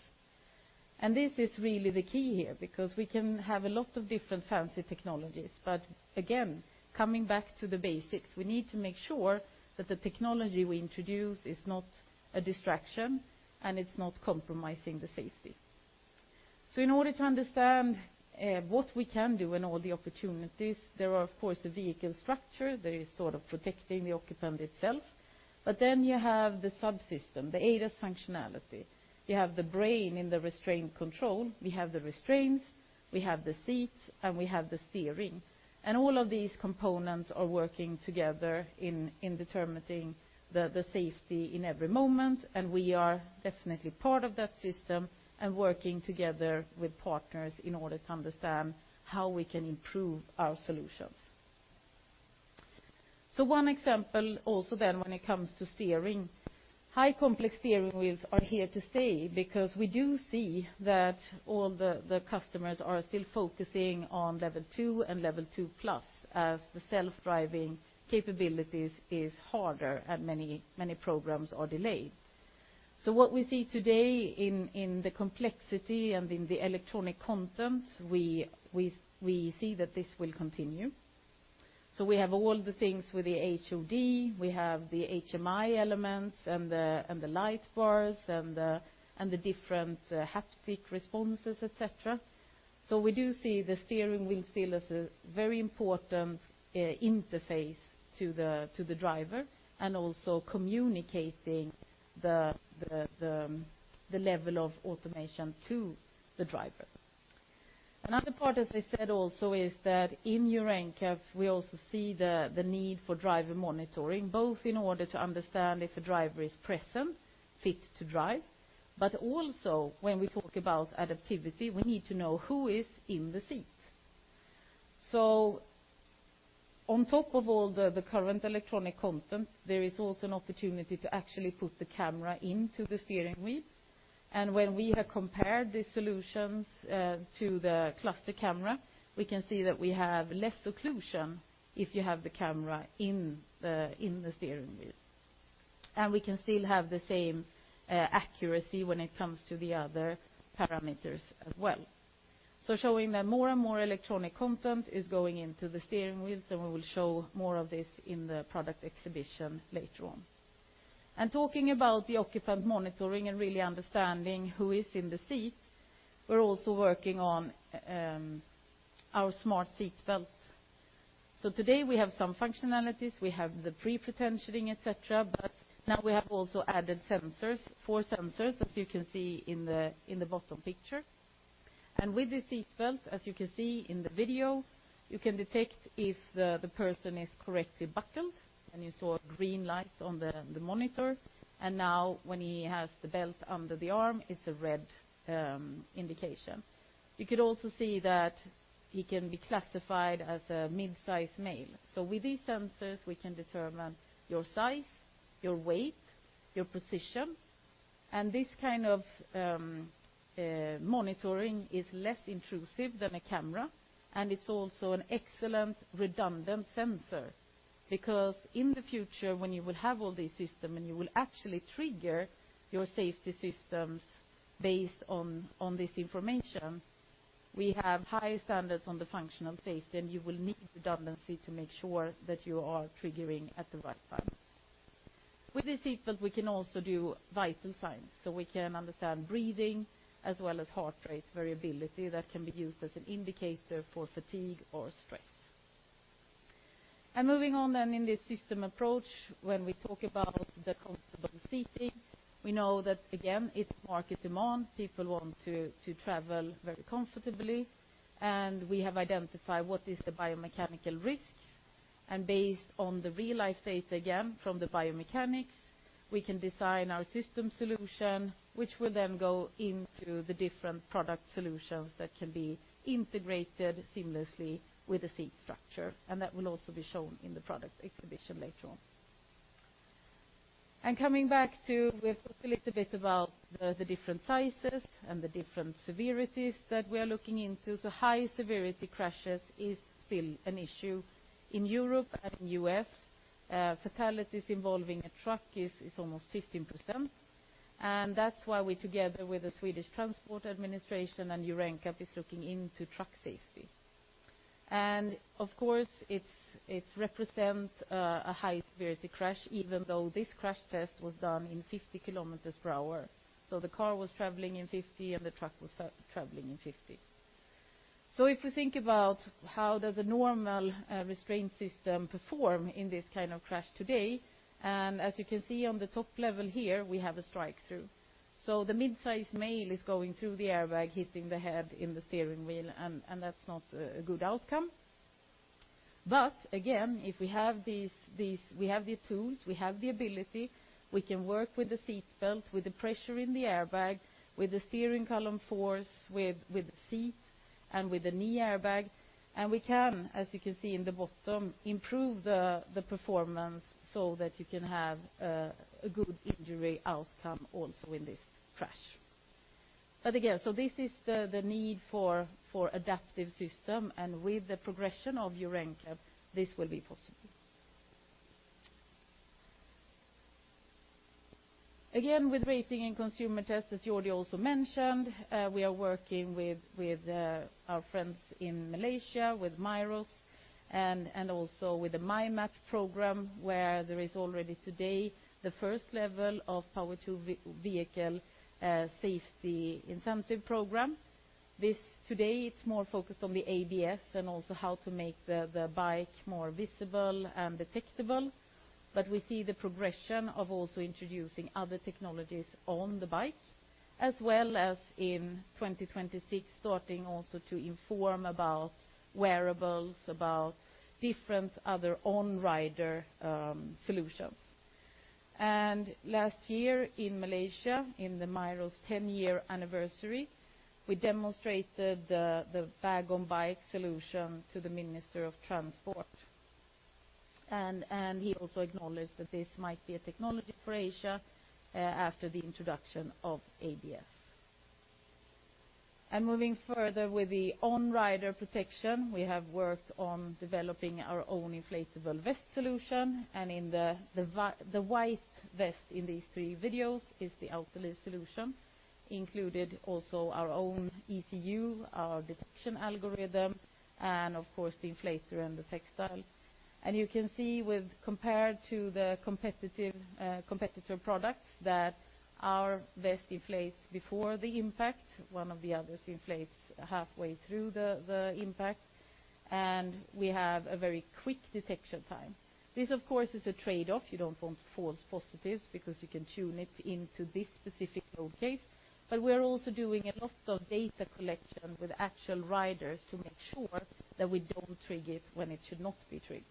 This is really the key here, because we can have a lot of different fancy technologies, but again, coming back to the basics, we need to make sure that the technology we introduce is not a distraction, and it's not compromising the safety. In order to understand what we can do and all the opportunities, there are, of course, the vehicle structure, that is sort of protecting the occupant itself. Then you have the subsystem, the ADAS functionality. You have the brain in the restraint control, we have the restraints, we have the seats, and we have the steering. All of these components are working together in determining the safety in every moment, and we are definitely part of that system and working together with partners in order to understand how we can improve our solutions. One example also then when it comes to steering, high complex steering wheels are here to stay because we do see that all the customers are still focusing on level two and level two plus, as the self-driving capabilities is harder and many programs are delayed. What we see today in the complexity and in the electronic content, we see that this will continue. We have all the things with the HUD, we have the HMI elements, and the light bars, and the different haptic responses, et cetera. We do see the steering wheel still as a very important interface to the driver, and also communicating the level of automation to the driver. Another part, as I said also, is that in Euro NCAP, we also see the need for driver monitoring, both in order to understand if a driver is present, fit to drive, but also when we talk about adaptivity, we need to know who is in the seat. On top of all the current electronic content, there is also an opportunity to actually put the camera into the steering wheel, and when we have compared the solutions to the cluster camera, we can see that we have less occlusion if you have the camera in the steering wheel. We can still have the same accuracy when it comes to the other parameters as well. Showing that more and more electronic content is going into the steering wheel, so we will show more of this in the product exhibition later on. Talking about the occupant monitoring and really understanding who is in the seat, we're also working on our smart seat belt. Today, we have some functionalities. We have the pre-pretensioning, et cetera, but now we have also added sensors, four sensors, as you can see in the, in the bottom picture. With the seat belt, as you can see in the video, you can detect if the person is correctly buckled, and you saw a green light on the monitor. Now, when he has the belt under the arm, it's a red indication. You could also see that he can be classified as a mid-sized male. With these sensors, we can determine your size, your weight, your position, and this kind of monitoring is less intrusive than a camera, and it's also an excellent redundant sensor. Because in the future, when you will have all these system, and you will actually trigger your safety systems based on this information, we have high standards on the functional safety, and you will need redundancy to make sure that you are triggering at the right time. With the seat belt, we can also do vital signs, so we can understand breathing as well as heart rate variability that can be used as an indicator for fatigue or stress. Moving on then in the system approach, when we talk about the comfortable seating, we know that, again, it's market demand. People want to travel very comfortably, we have identified what is the biomechanical risks. Based on the real-life data, again, from the biomechanics, we can design our system solution, which will then go into the different product solutions that can be integrated seamlessly with the seat structure, and that will also be shown in the product exhibition later on. Coming back to, we've talked a little bit about the different sizes and the different severities that we are looking into. High-severity crashes is still an issue in Europe and in U.S. Fatalities involving a truck is almost 15%, and that's why we, together with the Swedish Transport Administration and Euro NCAP, is looking into truck safety. Of course, it's represent a high-severity crash, even though this crash test was done in 50km per hour. The car was traveling in 50, and the truck was traveling in 50. If you think about how does a normal restraint system perform in this kind of crash today, and as you can see on the top level here, we have a strikethrough. The mid-sized male is going through the airbag, hitting the head in the steering wheel, and that's not a good outcome. Again, if we have these we have the tools, we have the ability, we can work with the seat belt, with the pressure in the airbag, with the steering column force, with seat, and with the knee airbag. We can, as you can see in the bottom, improve the performance so that you can have a good injury outcome also in this crash. This is the need for adaptive system, with the progression of Euro NCAP, this will be possible. With rating and consumer tests, as Jordi also mentioned, we are working with our friends in Malaysia, with MIROS, and also with the MyMAP program, where there is already today the first level of power to vehicle safety incentive program. This today, it's more focused on the ABS and also how to make the bike more visible and detectable. We see the progression of also introducing other technologies on the bikes, as well as in 2026, starting also to inform about wearables, about different other on-rider solutions. Last year in Malaysia, in the MIROS 10-year anniversary, we demonstrated the Bag-on-Bike solution to the Minister of Transport. He also acknowledged that this might be a technology for Asia after the introduction of ABS. Moving further with the on-rider protection, we have worked on developing our own inflatable vest solution, and the white vest in these three videos is the Autoliv solution, included also our own ECU, our detection algorithm, and of course, the inflator and the textile. You can see with, compared to the competitive competitor products, that our vest inflates before the impact. One of the others inflates halfway through the impact, and we have a very quick detection time. This, of course, is a trade-off. You don't want false positives because you can tune it into this specific use case, but we're also doing a lot of data collection with actual riders to make sure that we don't trigger it when it should not be triggered.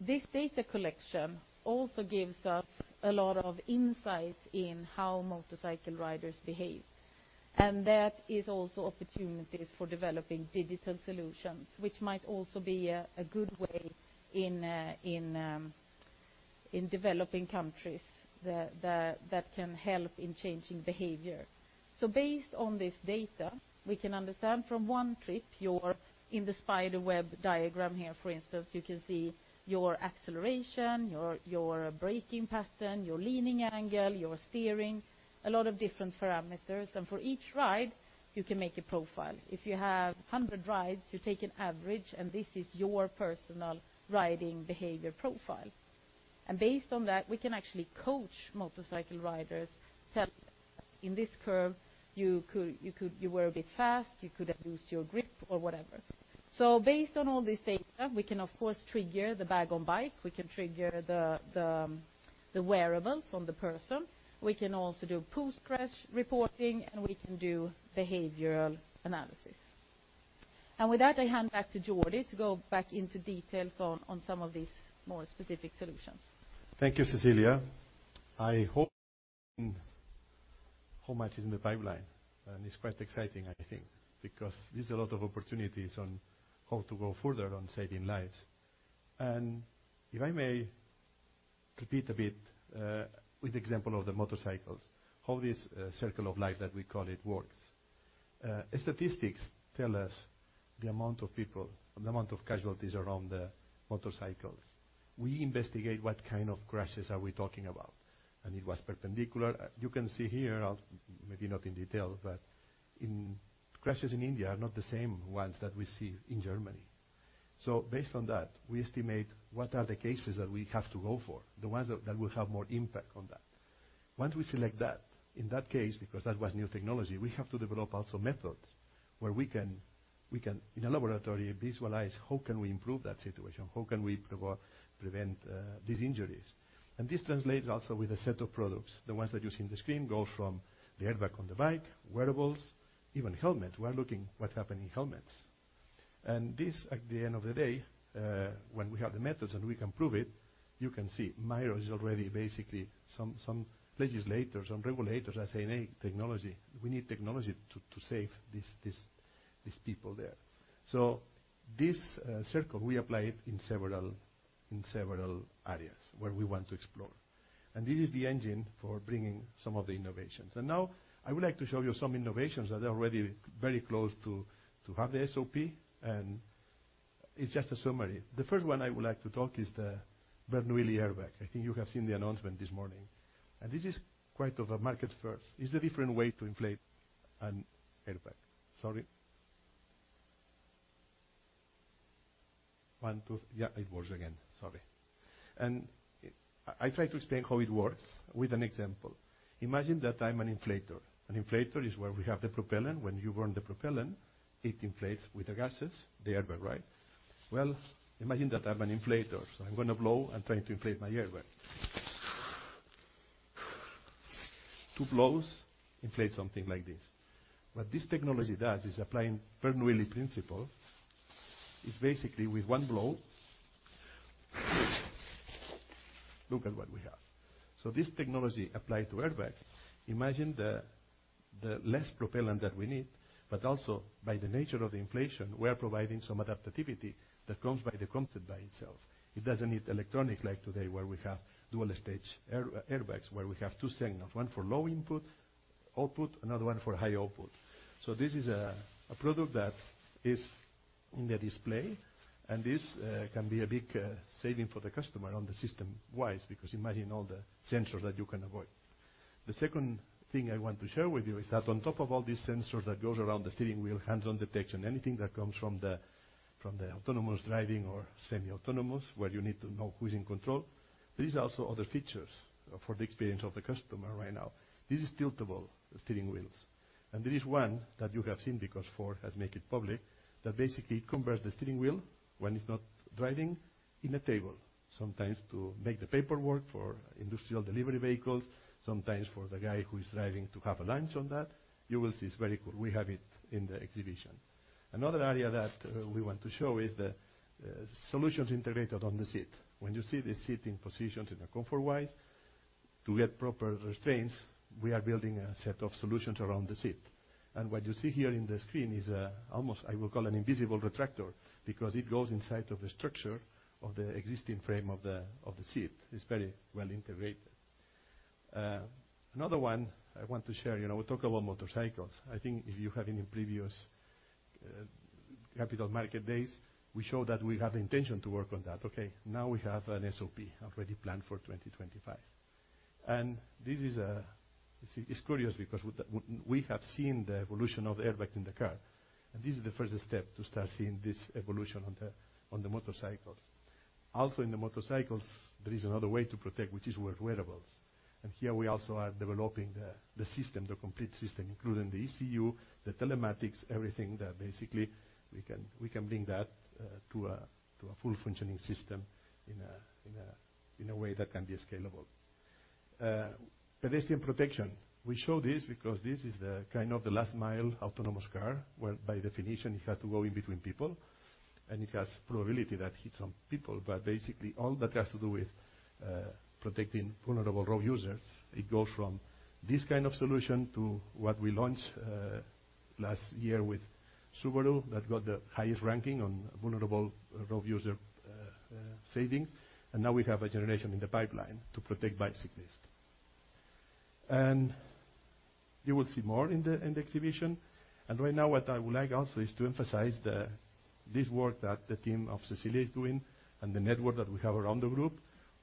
This data collection also gives us a lot of insight in how motorcycle riders behave, and that is also opportunities for developing digital solutions, which might also be a good way in in developing countries, that can help in changing behavior. Based on this data, we can understand from one trip, in the spider web diagram here, for instance, you can see your acceleration, your braking pattern, your leaning angle, your steering, a lot of different parameters, and for each ride, you can make a profile. If you have 100 rides, you take an average, and this is your personal riding behavior profile. Based on that, we can actually coach motorcycle riders, tell, in this curve, you were a bit fast, you could have used your grip or whatever. Based on all this data, we can of course, trigger the Bag-on-Bike, we can trigger the wearables on the person. We can also do post-crash reporting, and we can do behavioral analysis. With that, I hand back to Jordi to go back into details on some of these more specific solutions. Thank you, Cecilia. How much is in the pipeline, and it's quite exciting, I think, because there's a lot of opportunities on how to go further on saving lives. If I may repeat a bit with the example of the motorcycles, how this Autoliv's Circle of Life that we call it, works. Statistics tell us the amount of people, the amount of casualties around the motorcycles. We investigate what kind of crashes are we talking about, and it was perpendicular. You can see here, maybe not in detail, but crashes in India are not the same ones that we see in Germany. Based on that, we estimate what are the cases that we have to go for, the ones that will have more impact on that. Once we select that, in that case, because that was new technology, we have to develop also methods where we can in a laboratory, visualize how can we improve that situation? How can we prevent these injuries? This translates also with a set of products. The ones that you see in the screen go from the airbag on the bike, wearables, even helmets. We are looking what happened in helmets. This, at the end of the day, when we have the methods and we can prove it, you can see MIROS is already basically some legislators, some regulators are saying, hey, technology, we need technology to save these people there. This circle, we apply it in several areas where we want to explore. This is the engine for bringing some of the innovations. Now I would like to show you some innovations that are already very close to have the SOP. It's just a summary. The first one I would like to talk is the Bernoulli Airbag. I think you have seen the announcement this morning. This is quite of a market first. It's a different way to inflate an airbag. Sorry. One, two. Yeah, it works again. Sorry. I try to explain how it works with an example. Imagine that I'm an inflator. An inflator is where we have the propellant. When you burn the propellant, it inflates with the gases, the airbag, right? Well, imagine that I'm an inflator. I'm going to blow and trying to inflate my airbag. Two blows, inflate something like this. What this technology does is applying Bernoulli's principle. It's basically with one blow, look at what we have. This technology applied to airbags, imagine the less propellant that we need, but also by the nature of the inflation, we are providing some adaptivity that comes by the concept by itself. It doesn't need electronics like today, where we have dual-stage airbags, where we have two signals, one for low input, output, another one for high output. This is a product that is in the display, and this can be a big saving for the customer on the system-wise, because imagine all the sensors that you can avoid. The second thing I want to share with you is that on top of all these sensors that goes around the steering wheel, hands-on detection, anything that comes from the, from the autonomous driving or semi-autonomous, where you need to know who's in control, there is also other features for the experience of the customer right now. This is tiltable steering wheels. There is one that you have seen because Ford has made it public, that basically converts the steering wheel when it's not driving, in a table. Sometimes to make the paperwork for industrial delivery vehicles, sometimes for the guy who is driving to have a lunch on that. You will see it's very cool. We have it in the exhibition. Another area that we want to show is the solutions integrated on the seat. When you see the seat in positions in a comfort wise, to get proper restraints, we are building a set of solutions around the seat. What you see here in the screen is almost, I will call an invisible retractor, because it goes inside of the structure of the existing frame of the seat. It's very well integrated. Another one I want to share, you know, we talk about motorcycles. I think if you have any previous Capital Markets Days, we showed that we have intention to work on that. Now we have an SOP already planned for 2025. This is it's curious because with the we have seen the evolution of the airbag in the car, and this is the first step to start seeing this evolution on the motorcycle. In the motorcycles, there is another way to protect, which is with wearables. Here we also are developing the system, the complete system, including the ECU, the telematics, everything that basically we can bring that to a full functioning system in a way that can be scalable. Pedestrian protection. We show this because this is the kind of the last mile autonomous car, where by definition, it has to go in between people, and it has probability that hits on people. Basically, all that has to do with protecting vulnerable road users, it goes from this kind of solution to what we launched last year with Subaru, that got the highest ranking on vulnerable road user savings. Now we have a generation in the pipeline to protect bicyclists. You will see more in the exhibition. Right now, what I would like also is to emphasize this work that the team of Cecilia is doing and the network that we have around the group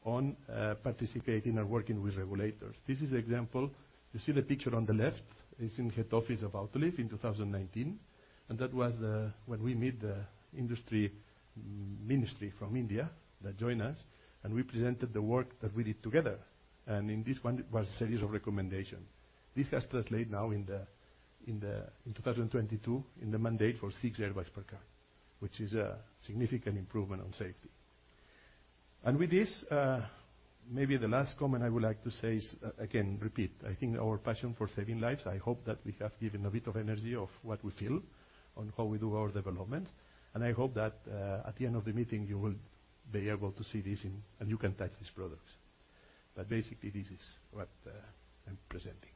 on participating and working with regulators. This is an example. You see the picture on the left is in head office of Autoliv in 2019, that was when we meet the industry ministry from India that joined us, and we presented the work that we did together. In this one, it was a series of recommendations. This has translated now in 2022, in the mandate for six airbags per car, which is a significant improvement on safety. With this, maybe the last comment I would like to say is, again, repeat, I think our passion for saving lives. I hope that we have given a bit of energy of what we feel on how we do our development. I hope that, at the end of the meeting, you will be able to see this in, and you can touch these products. Basically, this is what I'm presenting.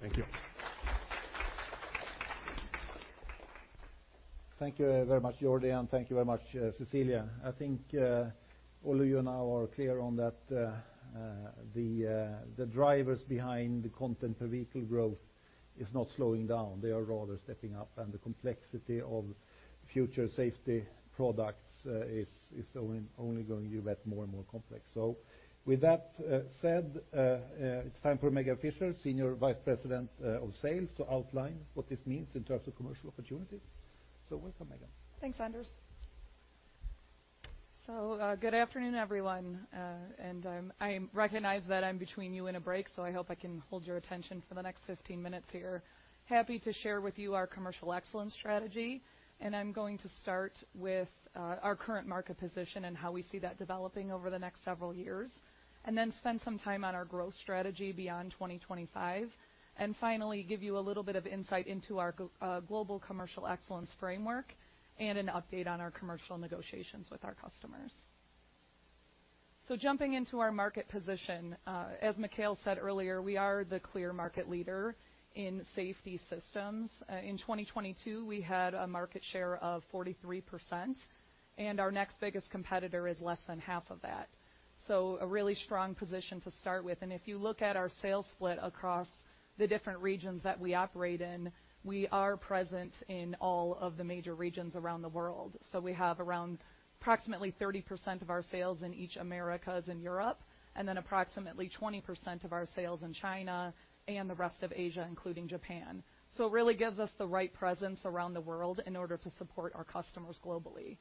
Thank you. Thank you very much, Jordi, and thank you very much, Cecilia. I think all of you now are clear on that the drivers behind the content per vehicle growth is not slowing down. They are rather stepping up, and the complexity of future safety products is only going to get more and more complex. With that said, it's time for Megan Fisher, Senior Vice President of Sales, to outline what this means in terms of commercial opportunities. Welcome, Megan. Thanks, Anders. Good afternoon, everyone, I recognize that I'm between you and a break, so I hope I can hold your attention for the next 15 minutes here. Happy to share with you our commercial excellence strategy, and I'm going to start with our current market position and how we see that developing over the next several years, and then spend some time on our growth strategy beyond 2025. Finally, give you a little bit of insight into our global commercial excellence framework and an update on our commercial negotiations with our customers. Jumping into our market position, as Mikael said earlier, we are the clear market leader in safety systems. In 2022, we had a market share of 43%, and our next biggest competitor is less than half of that. A really strong position to start with. If you look at our sales split across the different regions that we operate in, we are present in all of the major regions around the world. We have around approximately 30% of our sales in each Americas and Europe, approximately 20% of our sales in China and the rest of Asia, including Japan. It really gives us the right presence around the world in order to support our customers globally.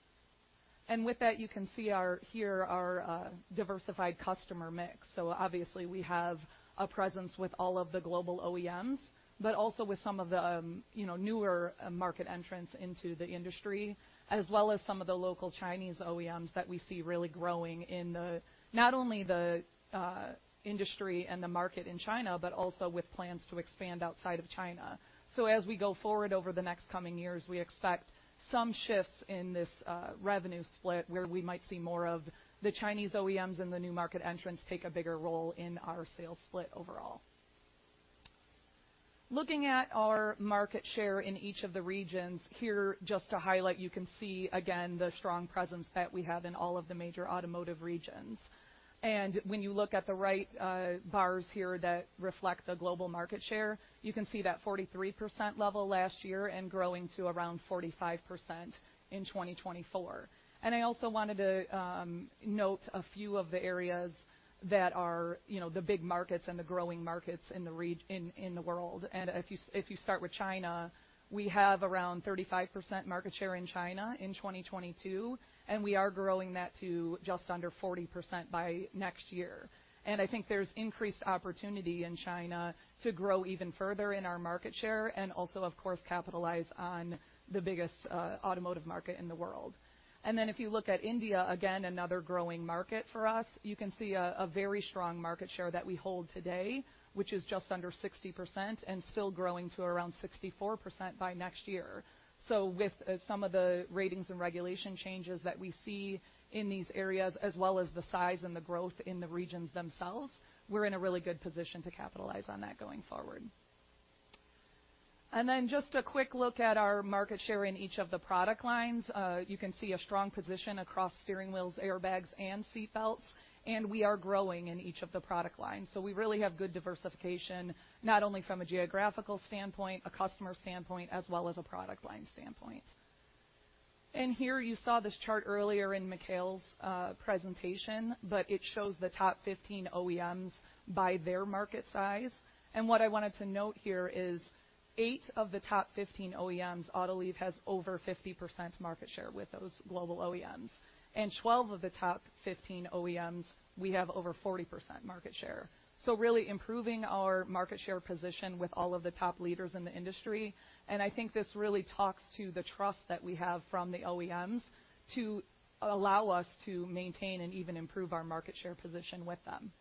With that, you can see our here, our diversified customer mix. Obviously, we have a presence with all of the global OEMs, but also with some of the, you know, newer market entrants into the industry, as well as some of the local Chinese OEMs that we see really growing in the, not only the industry and the market in China, but also with plans to expand outside of China. As we go forward over the next coming years, we expect some shifts in this revenue split, where we might see more of the Chinese OEMs and the new market entrants take a bigger role in our sales split overall. Looking at our market share in each of the regions here, just to highlight, you can see again, the strong presence that we have in all of the major automotive regions. When you look at the right bars here that reflect the global market share, you can see that 43% level last year and growing to around 45% in 2024. I also wanted to note a few of the areas that are, you know, the big markets and the growing markets in the world. If you start with China, we have around 35% market share in China in 2022, and we are growing that to just under 40% by next year. I think there's increased opportunity in China to grow even further in our market share and also, of course, capitalize on the biggest automotive market in the world. If you look at India, again, another growing market for us, you can see a very strong market share that we hold today, which is just under 60% and still growing to around 64% by next year. With some of the ratings and regulation changes that we see in these areas, as well as the size and the growth in the regions themselves, we're in a really good position to capitalize on that going forward. Just a quick look at our market share in each of the product lines. You can see a strong position across steering wheels, airbags, and seat belts, and we are growing in each of the product lines. We really have good diversification, not only from a geographical standpoint, a customer standpoint, as well as a product line standpoint. Here, you saw this chart earlier in Mikael's presentation, but it shows the top 15 OEMs by their market size. What I wanted to note here is eight of the top 15 OEMs, Autoliv has over 50% market share with those global OEMs, and 12 of the top 15 OEMs, we have over 40% market share. Really improving our market share position with all of the top leaders in the industry, and I think this really talks to the trust that we have from the OEMs to allow us to maintain and even improve our market share position with them.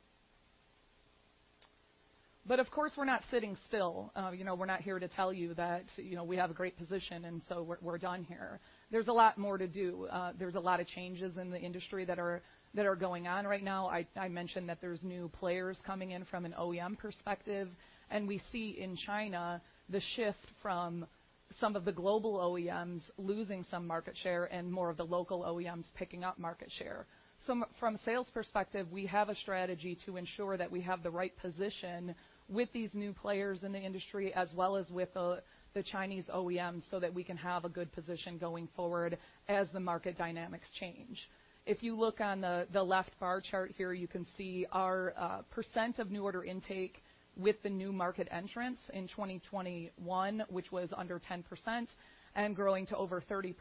Of course, we're not sitting still. You know, we're not here to tell you that, you know, we have a great position, we're done here. There's a lot more to do. There's a lot of changes in the industry that are, that are going on right now. I mentioned that there's new players coming in from an OEM perspective, and we see in China the shift from some of the global OEMs losing some market share and more of the local OEMs picking up market share. From a sales perspective, we have a strategy to ensure that we have the right position with these new players in the industry, as well as with the Chinese OEMs, so that we can have a good position going forward as the market dynamics change. If you look on the left bar chart here, you can see our percent of new order intake with the new market entrants in 2021, which was under 10%, and growing to over 30%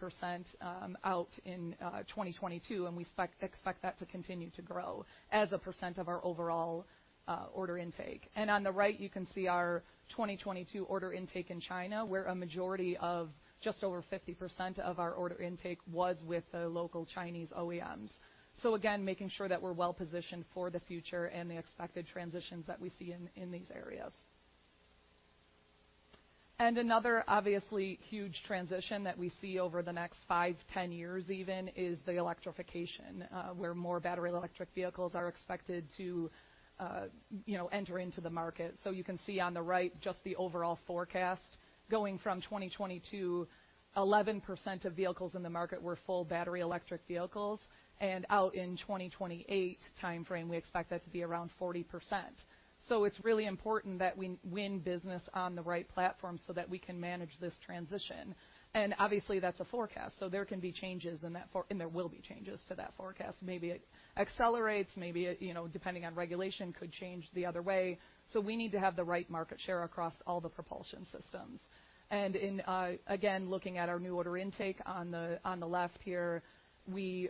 out in 2022, we expect that to continue to grow as a percent of our overall order intake. On the right, you can see our 2022 order intake in China, where a majority of just over 50% of our order intake was with the local Chinese OEMs. Again, making sure that we're well-positioned for the future and the expected transitions that we see in these areas. Another obviously huge transition that we see over the next five, 10 years even, is the electrification, where more battery electric vehicles are expected to, you know, enter into the market. You can see on the right, just the overall forecast. Going from 2020 to 11% of vehicles in the market were full battery electric vehicles. Out in 2028 timeframe, we expect that to be around 40%. It's really important that we win business on the right platform so that we can manage this transition. Obviously, that's a forecast, so there can be changes in that and there will be changes to that forecast. Maybe it accelerates, maybe it, you know, depending on regulation, could change the other way. We need to have the right market share across all the propulsion systems. In, again, looking at our new order intake on the left here, we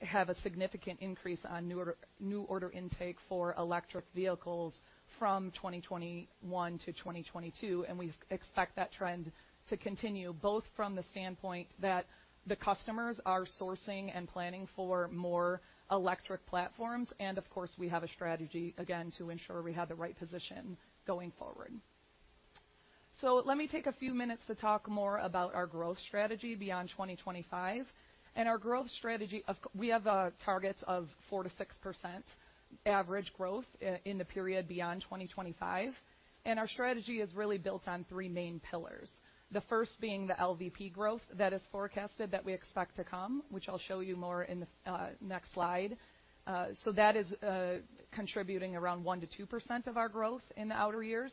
have a significant increase on new order intake for electric vehicles from 2021 to 2022, and we expect that trend to continue, both from the standpoint that the customers are sourcing and planning for more electric platforms, and of course, we have a strategy again, to ensure we have the right position going forward. Let me take a few minutes to talk more about our growth strategy beyond 2025. Our growth strategy, we have targets of 4%-6% average growth in the period beyond 2025, and our strategy is really built on three main pillars. The first being the LVP growth that is forecasted that we expect to come, which I'll show you more in the next slide. That is contributing around 1%-2% of our growth in the outer years.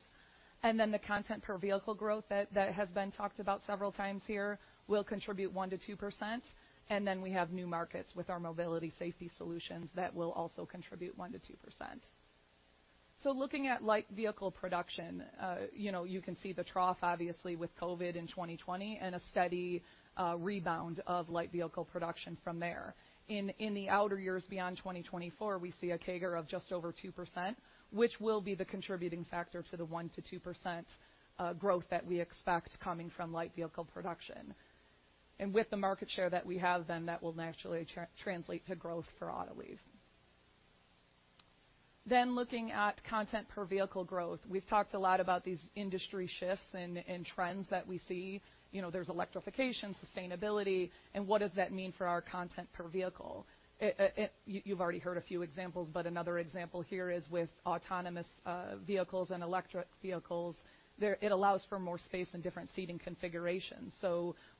The content per vehicle growth that has been talked about several times here, will contribute 1%-2%, and then we have new markets with our Mobility Safety Solutions that will also contribute 1%-2%. Looking at light vehicle production, you know, you can see the trough, obviously, with COVID in 2020 and a steady rebound of light vehicle production from there. In the outer years beyond 2024, we see a CAGR of just over 2%, which will be the contributing factor to the 1%-2% growth that we expect coming from light vehicle production. With the market share that we have, that will naturally translate to growth for Autoliv. Looking at content per vehicle growth, we've talked a lot about these industry shifts and trends that we see. You know, there's electrification, sustainability, and what does that mean for our content per vehicle? You've already heard a few examples, but another example here is with autonomous vehicles and electric vehicles, it allows for more space and different seating configurations.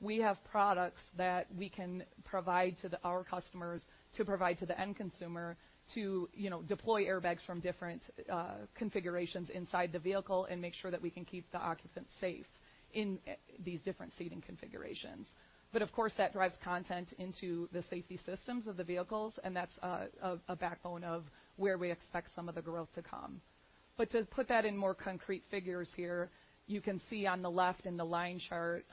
We have products that we can provide to the our customers to provide to the end consumer, to, you know, deploy airbags from different configurations inside the vehicle and make sure that we can keep the occupants safe in these different seating configurations. Of course, that drives content into the safety systems of the vehicles, and that's a backbone of where we expect some of the growth to come. To put that in more concrete figures here, you can see on the left in the line chart,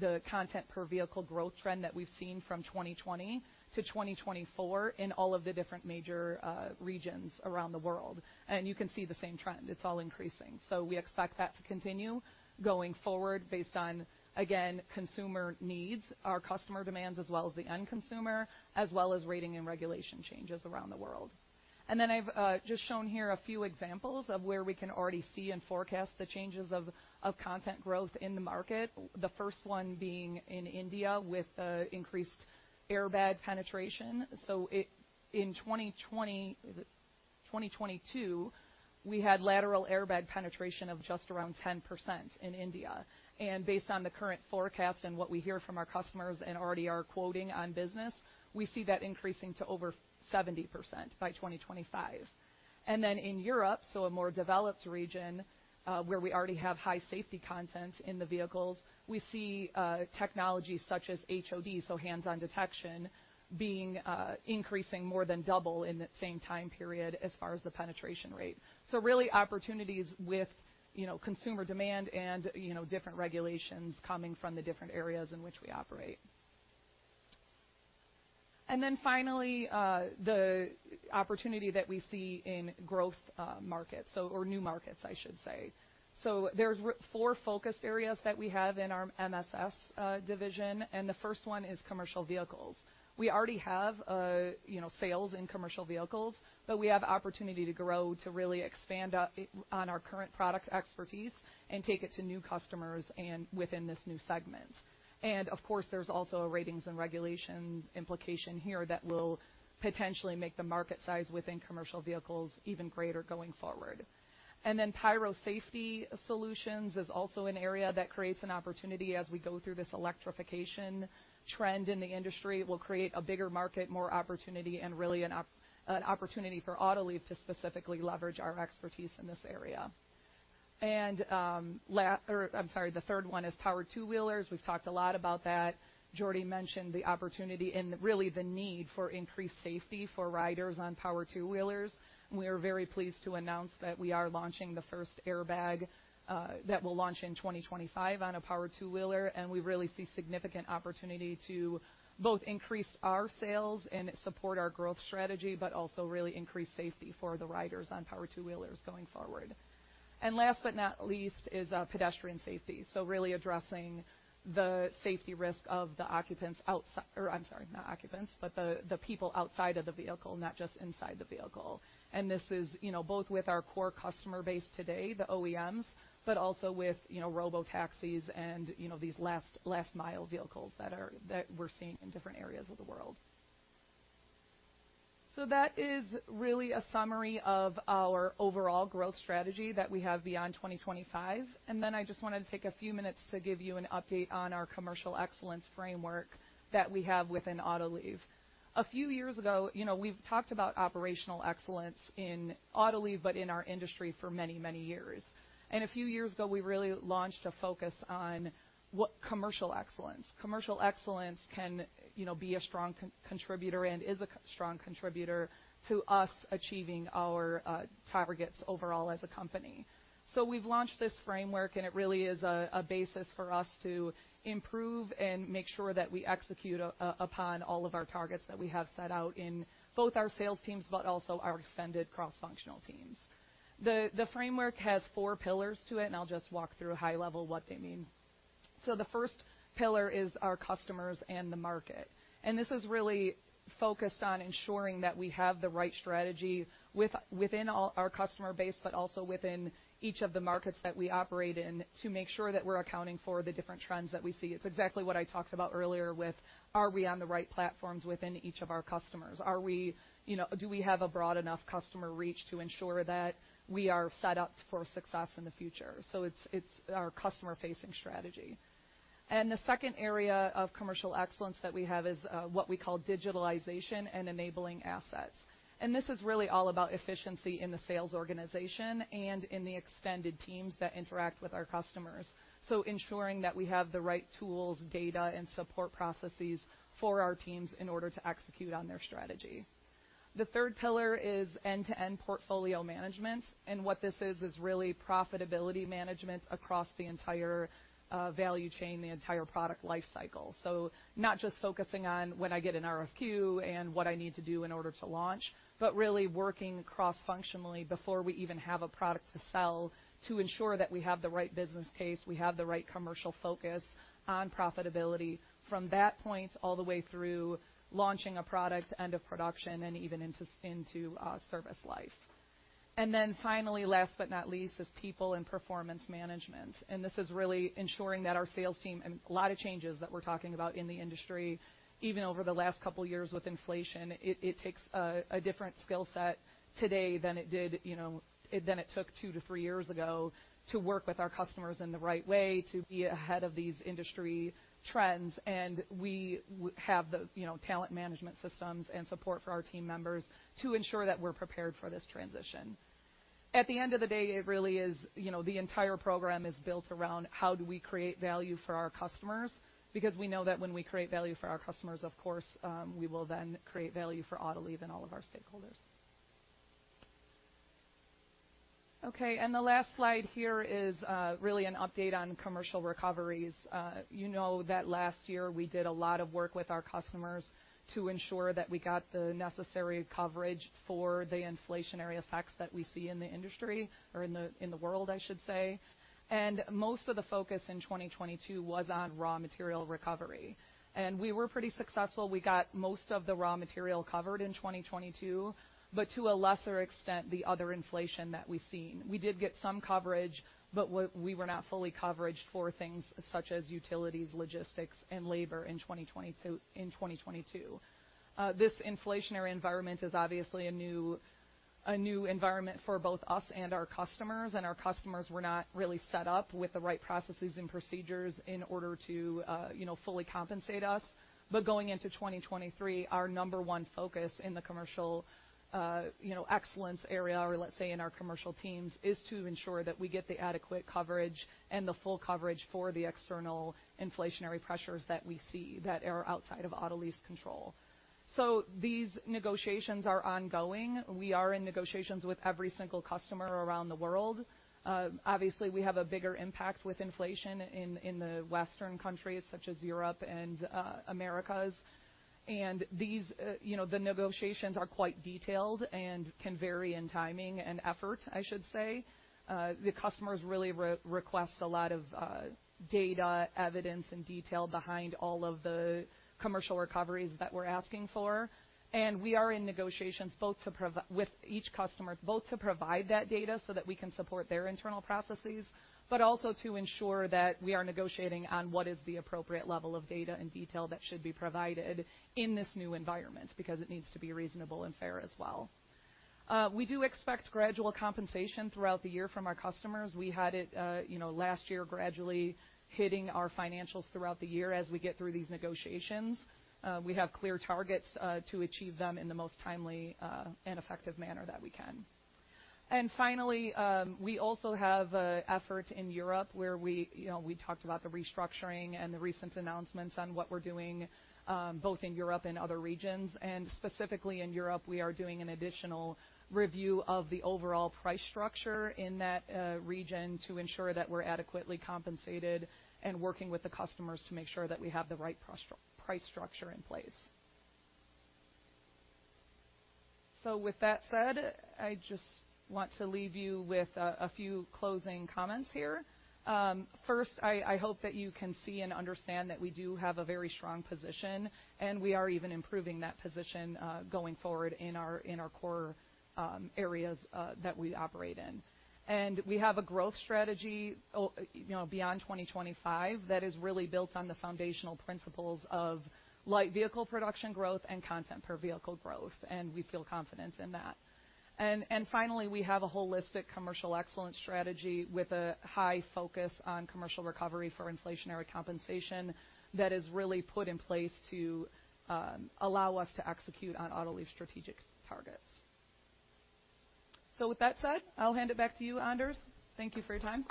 the content per vehicle growth trend that we've seen from 2020 to 2024 in all of the different major regions around the world. You can see the same trend. It's all increasing. We expect that to continue going forward based on, again, consumer needs, our customer demands, as well as the end consumer, as well as rating and regulation changes around the world. Then I've just shown here a few examples of where we can already see and forecast the changes of content growth in the market, the first one being in India with increased airbag penetration. In 2022, we had lateral airbag penetration of just around 10% in India. Based on the current forecast and what we hear from our customers and already are quoting on business, we see that increasing to over 70% by 2025. In Europe, so a more developed region, where we already have high safety content in the vehicles, we see technologies such as HOD, so hands-on detection, being increasing more than double in the same time period as far as the penetration rate. Really opportunities with, you know, consumer demand and, you know, different regulations coming from the different areas in which we operate. Finally, the opportunity that we see in growth markets, or new markets, I should say. There's four focus areas that we have in our MSS division, and the first one is commercial vehicles. We already have sales in commercial vehicles, but we have opportunity to grow, to really expand up on our current product expertise and take it to new customers and within this new segment. Of course, there's also a ratings and regulation implication here that will potentially make the market size within commercial vehicles even greater going forward. Pyro Safety Solutions is also an area that creates an opportunity as we go through this electrification trend in the industry. It will create a bigger market, more opportunity, and really an opportunity for Autoliv to specifically leverage our expertise in this area. I'm sorry, the third one is powered two-wheelers. We've talked a lot about that. Jordi mentioned the opportunity and really the need for increased safety for riders on powered two-wheelers. We are very pleased to announce that we are launching the first airbag that will launch in 2025 on a powered two-wheeler. We really see significant opportunity to both increase our sales and support our growth strategy, but also really increase safety for the riders on powered two-wheelers going forward. Last but not least is pedestrian safety. Really addressing the safety risk of the occupants, or I'm sorry, not occupants, but the people outside of the vehicle, not just inside the vehicle. This is, you know, both with our core customer base today, the OEMs, but also with, you know, robotaxis and, you know, these last mile vehicles that we're seeing in different areas of the world. That is really a summary of our overall growth strategy that we have beyond 2025. I just wanted to take a few minutes to give you an update on our commercial excellence framework that we have within Autoliv. A few years ago, you know, we've talked about operational excellence in Autoliv, but in our industry for many, many years. A few years ago, we really launched a focus on what commercial excellence. Commercial excellence can, you know, be a strong contributor and is a strong contributor to us achieving our targets overall as a company. We've launched this framework, and it really is a basis for us to improve and make sure that we execute upon all of our targets that we have set out in both our sales teams, but also our extended cross-functional teams. The framework has four pillars to it, and I'll just walk through high level what they mean. The first pillar is our customers and the market, this is really focused on ensuring that we have the right strategy within our customer base, but also within each of the markets that we operate in, to make sure that we're accounting for the different trends that we see. It's exactly what I talked about earlier with, are we on the right platforms within each of our customers? Are we, do we have a broad enough customer reach to ensure that we are set up for success in the future? It's our customer-facing strategy. The second area of commercial excellence that we have is what we call digitalization and enabling assets. This is really all about efficiency in the sales organization and in the extended teams that interact with our customers. Ensuring that we have the right tools, data, and support processes for our teams in order to execute on their strategy. The third pillar is end-to-end portfolio management, and what this is really profitability management across the entire value chain, the entire product life cycle. Not just focusing on when I get an RFQ and what I need to do in order to launch, but really working cross-functionally before we even have a product to sell, to ensure that we have the right business case, we have the right commercial focus on profitability from that point all the way through launching a product, end of production, and even into service life. Finally, last but not least, is people and performance management, and this is really ensuring that our sales team. A lot of changes that we're talking about in the industry, even over the last couple of years with inflation, it takes a different skill set today than it did, you know, than it took two to three years ago to work with our customers in the right way, to be ahead of these industry trends. We have the, you know, talent management systems and support for our team members to ensure that we're prepared for this transition. At the end of the day, it really is, you know, the entire program is built around how do we create value for our customers, because we know that when we create value for our customers, of course, we will then create value for Autoliv and all of our stakeholders. Okay, the last slide here is really an update on commercial recoveries. You know that last year, we did a lot of work with our customers to ensure that we got the necessary coverage for the inflationary effects that we see in the industry or in the world, I should say. Most of the focus in 2022 was on raw material recovery. We were pretty successful. We got most of the raw material covered in 2022, but to a lesser extent, the other inflation that we've seen. We did get some coverage, but we were not fully covered for things such as utilities, logistics, and labor in 2022. This inflationary environment is obviously a new environment for both us and our customers, and our customers were not really set up with the right processes and procedures in order to, you know, fully compensate us. Going into 2023, our number one focus in the commercial, you know, excellence area, or let's say in our commercial teams, is to ensure that we get the adequate coverage and the full coverage for the external inflationary pressures that we see that are outside of Autoliv's control. These negotiations are ongoing. We are in negotiations with every single customer around the world. Obviously, we have a bigger impact with inflation in the Western countries, such as Europe and Americas. These, you know, the negotiations are quite detailed and can vary in timing and effort, I should say. The customers really request a lot of data, evidence, and detail behind all of the commercial recoveries that we're asking for. We are in negotiations both with each customer, both to provide that data so that we can support their internal processes, but also to ensure that we are negotiating on what is the appropriate level of data and detail that should be provided in this new environment, because it needs to be reasonable and fair as well. We do expect gradual compensation throughout the year from our customers. We had it, you know, last year, gradually hitting our financials throughout the year as we get through these negotiations. We have clear targets, to achieve them in the most timely and effective manner that we can. Finally, we also have an effort in Europe where we, you know, we talked about the restructuring and the recent announcements on what we're doing, both in Europe and other regions. Specifically in Europe, we are doing an additional review of the overall price structure in that region to ensure that we're adequately compensated and working with the customers to make sure that we have the right price structure in place. With that said, I just want to leave you with a few closing comments here. First, I hope that you can see and understand that we do have a very strong position, and we are even improving that position going forward in our core areas that we operate in. We have a growth strategy, you know, beyond 2025, that is really built on the foundational principles of light vehicle production growth and content per vehicle growth, and we feel confidence in that. Finally, we have a holistic commercial excellence strategy with a high focus on commercial recovery for inflationary compensation that is really put in place to allow us to execute on Autoliv's strategic targets. With that said, I'll hand it back to you, Anders. Thank you for your time.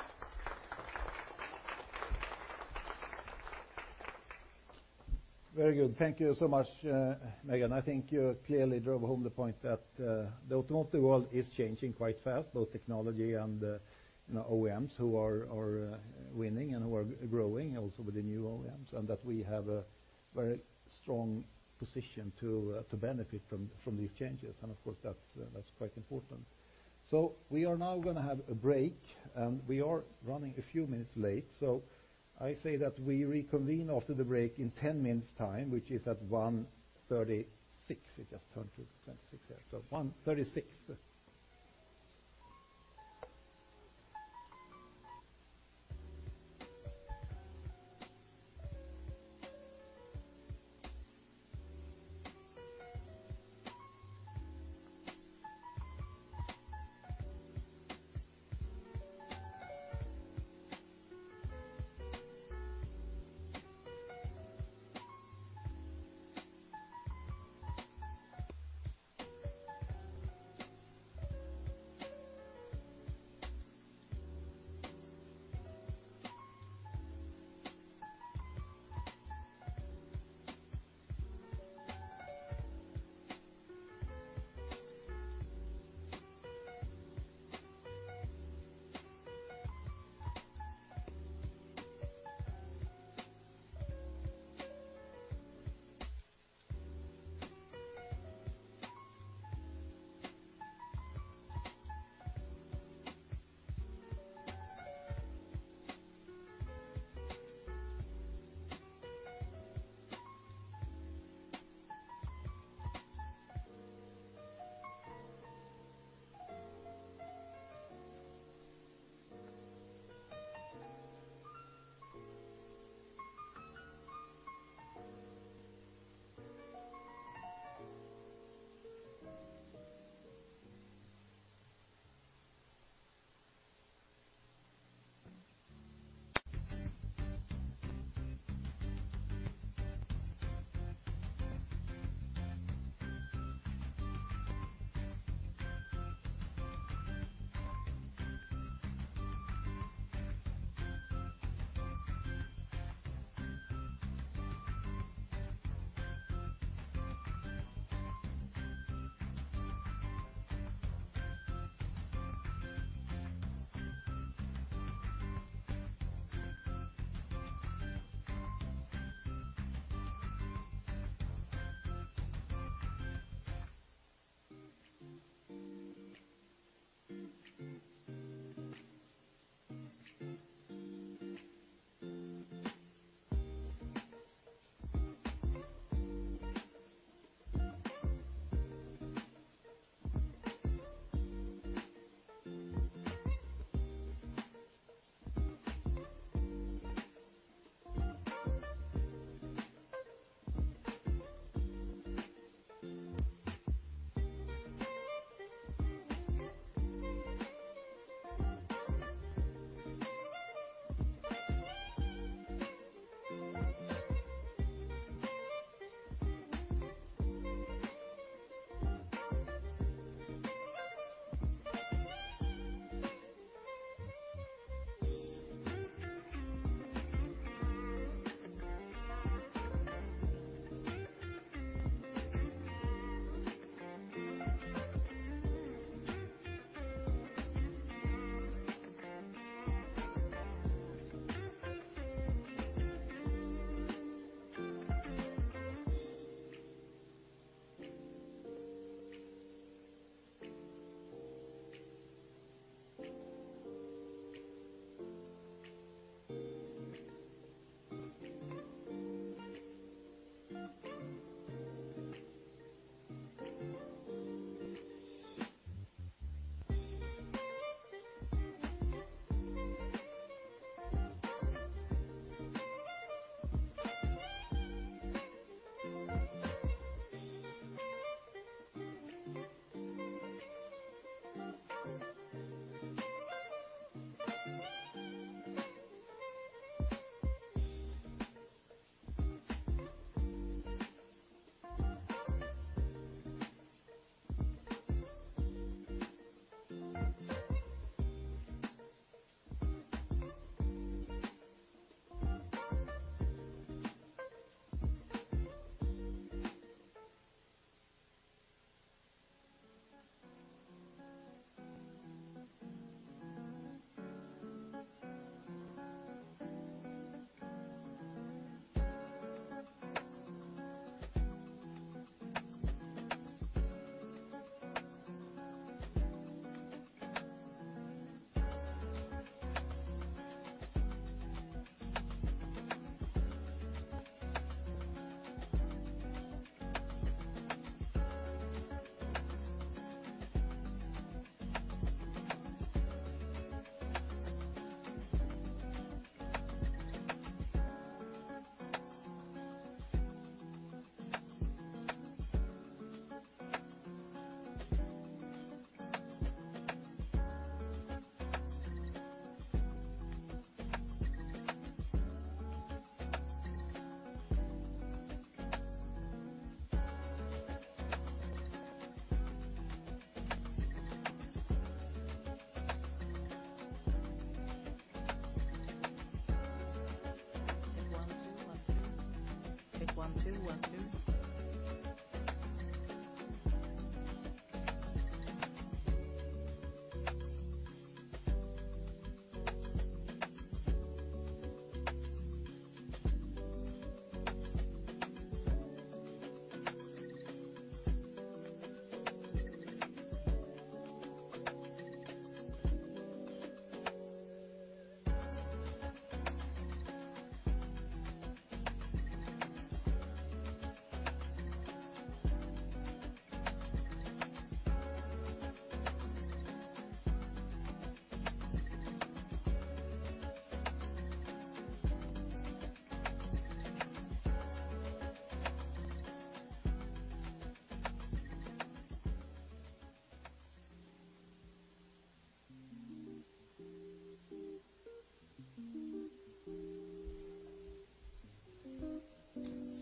Very good. Thank you so much, Megan. I think you clearly drove home the point that the automotive world is changing quite fast, both technology and, you know, OEMs who are winning and who are growing, also with the new OEMs, and that we have a very strong position to benefit from these changes. Of course, that's quite important. We are now gonna have a break, and we are running a few minutes late. I say that we reconvene after the break in 10 minutes time, which is at 1:36. It just turned to 26 here, so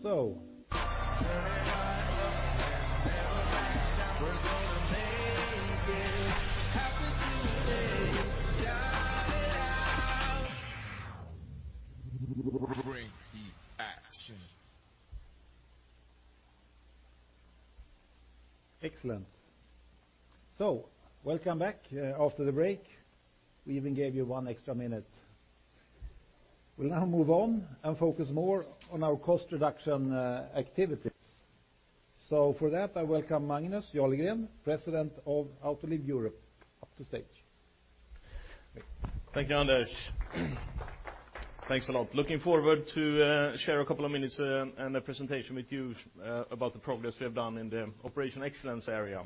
1:36. Excellent. Welcome back after the break. We even gave you one extra minute. We'll now move on and focus more on our cost reduction activities. For that, I welcome Magnus Jarlegren, President of Autoliv Europe, up to stage. Thank you, Anders. Thanks a lot. Looking forward to share a couple of minutes and a presentation with you about the progress we have done in the operation excellence area.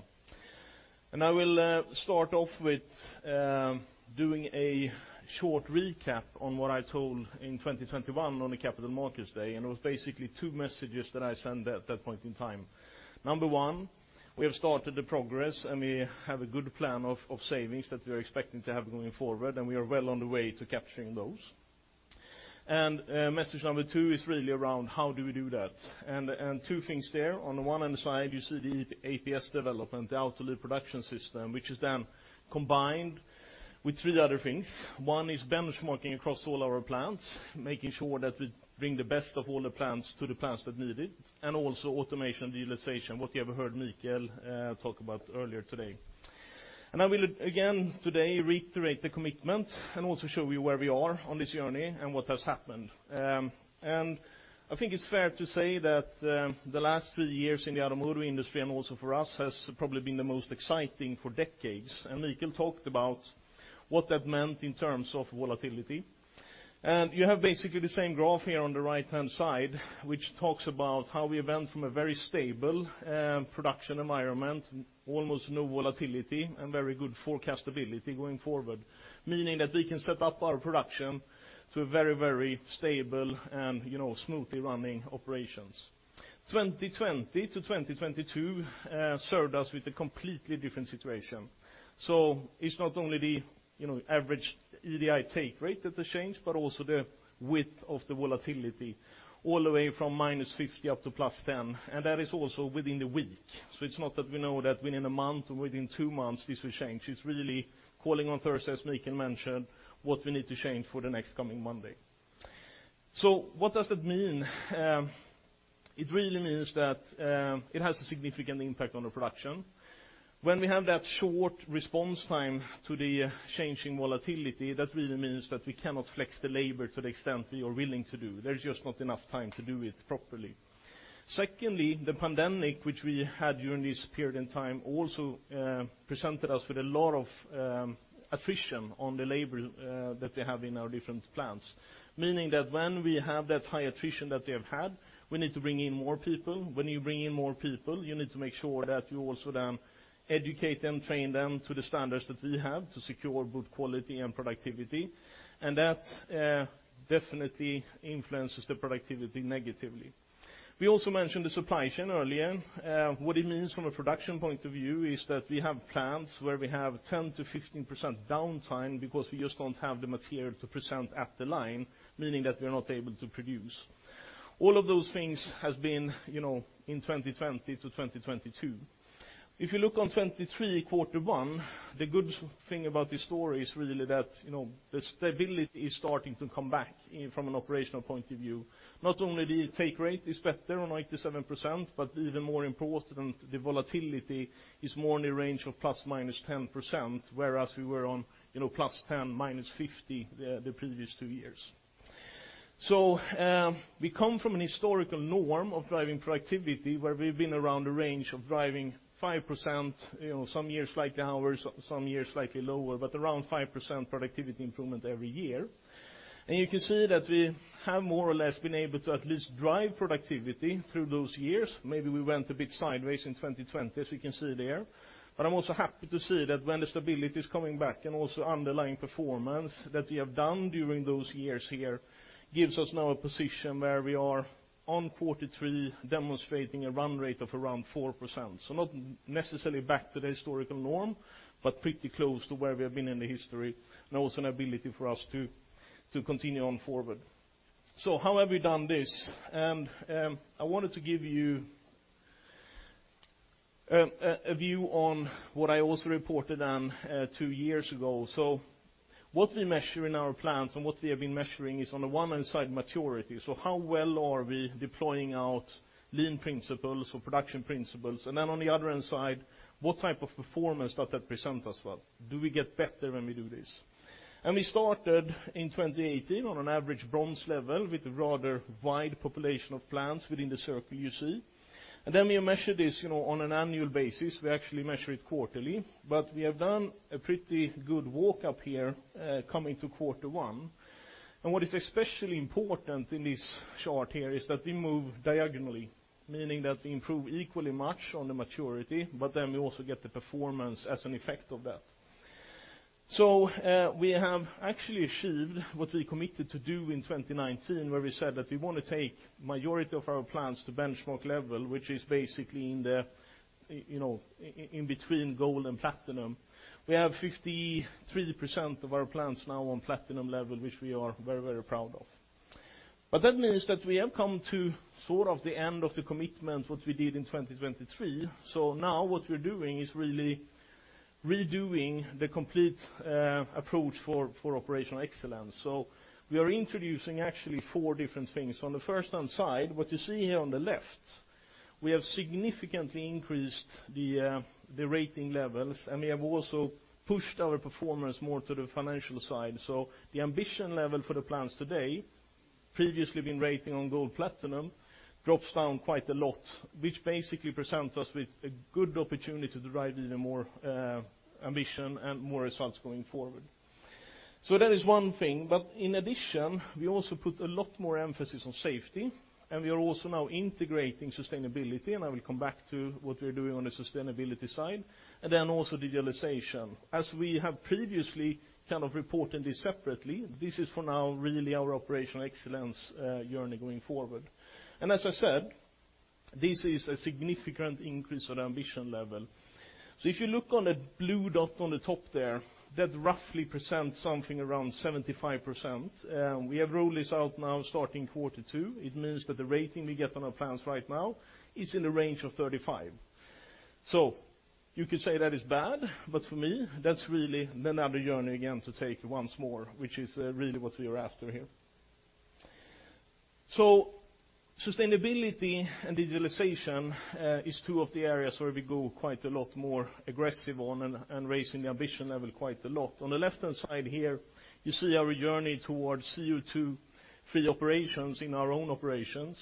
I will start off with doing a short recap on what I told in 2021 on the Capital Markets Day. It was basically two messages that I sent at that point in time. Number one, we have started the progress. We have a good plan of savings that we are expecting to have going forward. We are well on the way to capturing those. Message number two is really around how do we do that? Two things there. On the one hand side, you see the APS development, the Autoliv Production System, which is then combined with three other things. One is benchmarking across all our plants, making sure that we bring the best of all the plants to the plants that need it, and also automation utilization, what you have heard Mikael talk about earlier today. I will again today reiterate the commitment, and also show you where we are on this journey and what has happened. I think it's fair to say that the last three years in the automotive industry, and also for us, has probably been the most exciting for decades. Mikael talked about what that meant in terms of volatility. You have basically the same graph here on the right-hand side, which talks about how we went from a very stable production environment, almost no volatility, and very good forecastability going forward, meaning that we can set up our production to a very, very stable and, you know, smoothly running operations. 2020 to 2022 served us with a completely different situation. It's not only the, you know, average EDI take rate that has changed, but also the width of the volatility, all the way from -50 up to +10, and that is also within the week. It's not that we know that within a month or within two months this will change. It's really calling on Thursday, as Mikael mentioned, what we need to change for the next coming Monday. What does that mean? It really means that it has a significant impact on the production. We have that short response time to the changing volatility, that really means that we cannot flex the labor to the extent we are willing to do. There's just not enough time to do it properly. Secondly, the pandemic, which we had during this period in time, also presented us with a lot of attrition on the labor that we have in our different plants. When we have that high attrition that we have had, we need to bring in more people. You bring in more people, you need to make sure that you also then educate them, train them to the standards that we have to secure good quality and productivity, and that definitely influences the productivity negatively. We also mentioned the supply chain earlier. What it means from a production point of view is that we have plants where we have 10%-15% downtime because we just don't have the material to present at the line, meaning that we're not able to produce. All of those things has been, you know, in 2020 to 2022. If you look on 2023, quarter one, the good thing about this story is really that, you know, the stability is starting to come back in from an operational point of view. Not only the take rate is better on 97%, but even more important, the volatility is more in the range of ±10%, whereas we were on, you know, +10%, -50% the previous two years. We come from an historical norm of driving productivity, where we've been around the range of driving 5%, you know, some years slightly hours, some years slightly lower, but around 5% productivity improvement every year. You can see that we have more or less been able to at least drive productivity through those years. Maybe we went a bit sideways in 2020, as you can see there. I'm also happy to see that when the stability is coming back and also underlying performance that we have done during those years here, gives us now a position where we are on quarter three, demonstrating a run rate of around 4%. Not necessarily back to the historical norm, but pretty close to where we have been in the history, and also an ability for us to continue on forward. How have we done this? I wanted to give you a view on what I also reported on two years ago. What we measure in our plants and what we have been measuring is on the one hand side, maturity. How well are we deploying out lean principles or production principles? On the other hand side, what type of performance does that present us well? Do we get better when we do this? We started in 2018 on an average bronze level with a rather wide population of plants within the circle you see. We measured this, you know, on an annual basis. We actually measure it quarterly, but we have done a pretty good walk-up here, coming to quarter one. What is especially important in this chart here is that we move diagonally, meaning that we improve equally much on the maturity, but then we also get the performance as an effect of that. We have actually achieved what we committed to do in 2019, where we said that we want to take majority of our plants to benchmark level, which is basically in the, you know, in between gold and platinum. We have 53% of our plants now on platinum level, which we are very, very proud of. That means that we have come to sort of the end of the commitment, what we did in 2023. Now what we're doing is really redoing the complete approach for operational excellence. We are introducing actually four different things. On the first-hand side, what you see here on the left, we have significantly increased the rating levels, and we have also pushed our performance more to the financial side. The ambition level for the plants today, previously been rating on gold, platinum, drops down quite a lot, which basically presents us with a good opportunity to drive even more ambition and more results going forward. That is one thing, but in addition, we also put a lot more emphasis on safety, and we are also now integrating sustainability, and I will come back to what we're doing on the sustainability side, and then also digitalization. As we have previously kind of reported this separately, this is for now really our operational excellence journey going forward. As I said, this is a significant increase on ambition level. If you look on the blue dot on the top there, that roughly presents something around 75%. We have rolled this out now starting quarter two. It means that the rating we get on our plants right now is in the range of 35. You could say that is bad, but for me, that's really another journey again to take once more, which is really what we are after here. Sustainability and digitalization is two of the areas where we go quite a lot more aggressive on and raising the ambition level quite a lot. On the left-hand side here, you see our journey towards CO₂-free operations in our own operations.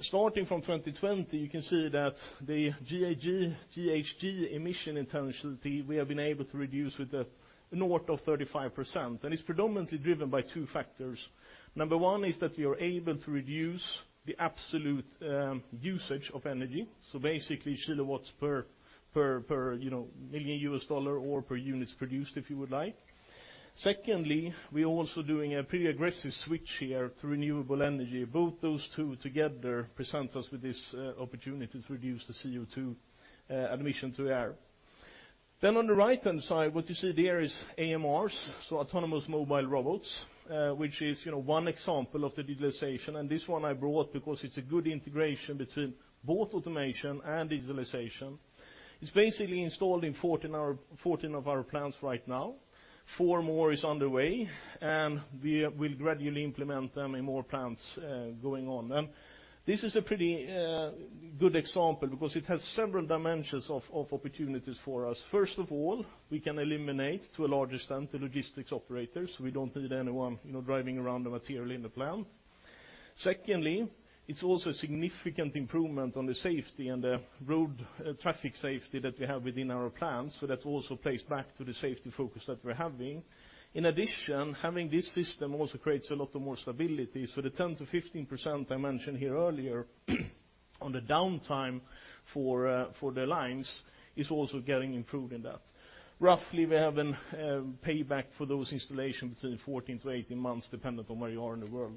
Starting from 2020, you can see that the GHG emission intensity, we have been able to reduce with the north of 35%, it's predominantly driven by two factors. Number one is that we are able to reduce the absolute usage of energy, so basically kW per, you know, million U.S. dollar or per units produced, if you would like. Secondly, we're also doing a pretty aggressive switch here to renewable energy. Both those two together present us with this opportunity to reduce the CO₂ emission to the air. On the right-hand side, what you see there is AMRs, so autonomous mobile robots, which is, you know, one example of the digitalization. This one I brought because it's a good integration between both automation and digitalization. It's basically installed in 14 of our plants right now. Four more is on the way. We will gradually implement them in more plants going on. This is a pretty good example because it has several dimensions of opportunities for us. First of all, we can eliminate, to a large extent, the logistics operators. We don't need anyone, you know, driving around the material in the plant. Secondly, it's also a significant improvement on the safety and the road traffic safety that we have within our plants, so that also plays back to the safety focus that we're having. In addition, having this system also creates a lot more stability. The 10%-15% I mentioned here earlier, on the downtime for the lines, is also getting improved in that. Roughly, we have a payback for those installations between 14 to 18 months, depending on where you are in the world.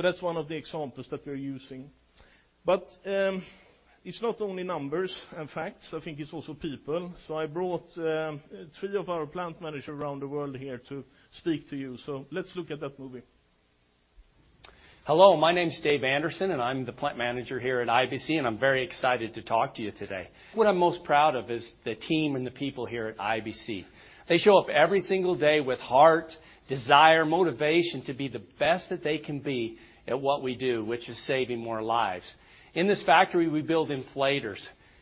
That's one of the examples that we're using. It's not only numbers and facts, I think it's also people. I brought three of our plant managers around the world here to speak to you. Let's look at that movie. Hello, my name is Dave Anderson. I'm the plant manager here at IBC, and I'm very excited to talk to you today. What I'm most proud of is the team and the people here at IBC. They show up every single day with heart, desire, motivation to be the best that they can be at what we do, which is saving more lives. In this factory, we build inflators.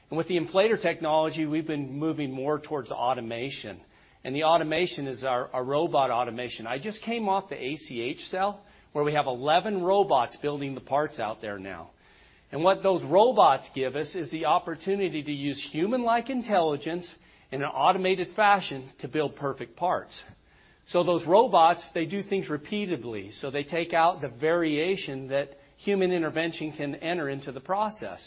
With the inflator technology, we've been moving more towards automation, and the automation is our robot automation. I just came off the ACH cell, where we have 11 robots building the parts out there now. What those robots give us is the opportunity to use human-like intelligence in an automated fashion to build perfect parts. Those robots, they do things repeatedly, so they take out the variation that human intervention can enter into the process.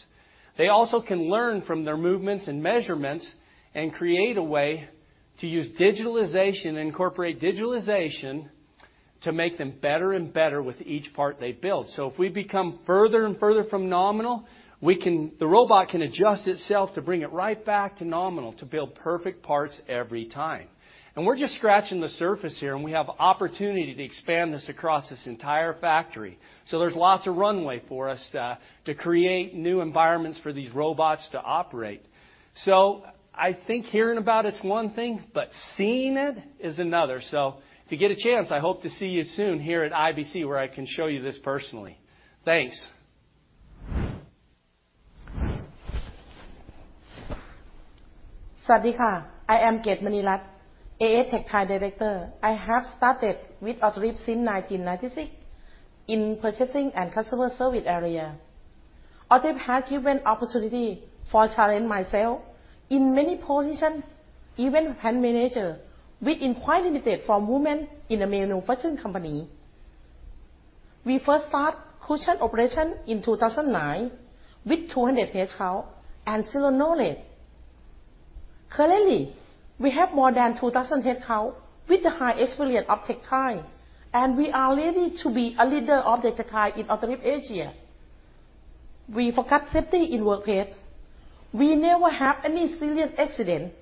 They also can learn from their movements and measurements and create a way to use digitalization, incorporate digitalization, to make them better and better with each part they build. If we become further-and-further from nominal, the robot can adjust itself to bring it right back to nominal, to build perfect parts every time. We're just scratching the surface here, and we have opportunity to expand this across this entire factory. There's lots of runway for us to create new environments for these robots to operate. I think hearing about it is one thing, but seeing it is another. If you get a chance, I hope to see you soon here at IBC, where I can show you this personally. Thanks. I am Ket Manirat, AS Tech Thai director. I have started with Autoliv since 1996 in purchasing and customer service area. Autoliv has given opportunity for challenge myself in many positions, even plant manager, which is quite limited for women in the manufacturing company. We first started cushion operation in 2009 with 200 headcount and 0 knowledge. Currently, we have more than 2,000 headcount with the high experience of textile, and we are ready to be a leader of the textile in Autoliv Asia. We forgot safety in workplace. We never have any serious accident.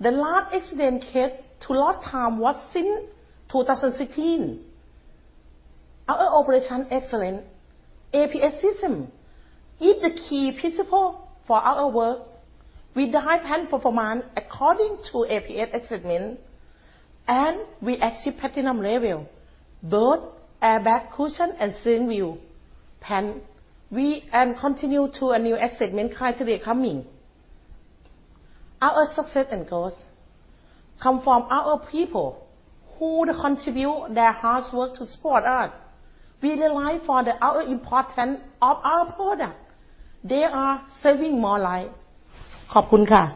The last accident case to last time was since 2016. Our operation excellence, APS system, is the key principle for our work. With the high plant performance according to APS assessment, and we achieve platinum level, both airbag, cushion and steering wheel plant. We continue to a new segment criteria coming. Our success and growth come from our people who contribute their hard work to support us. We rely for the our importance of our product. They are saving more life. My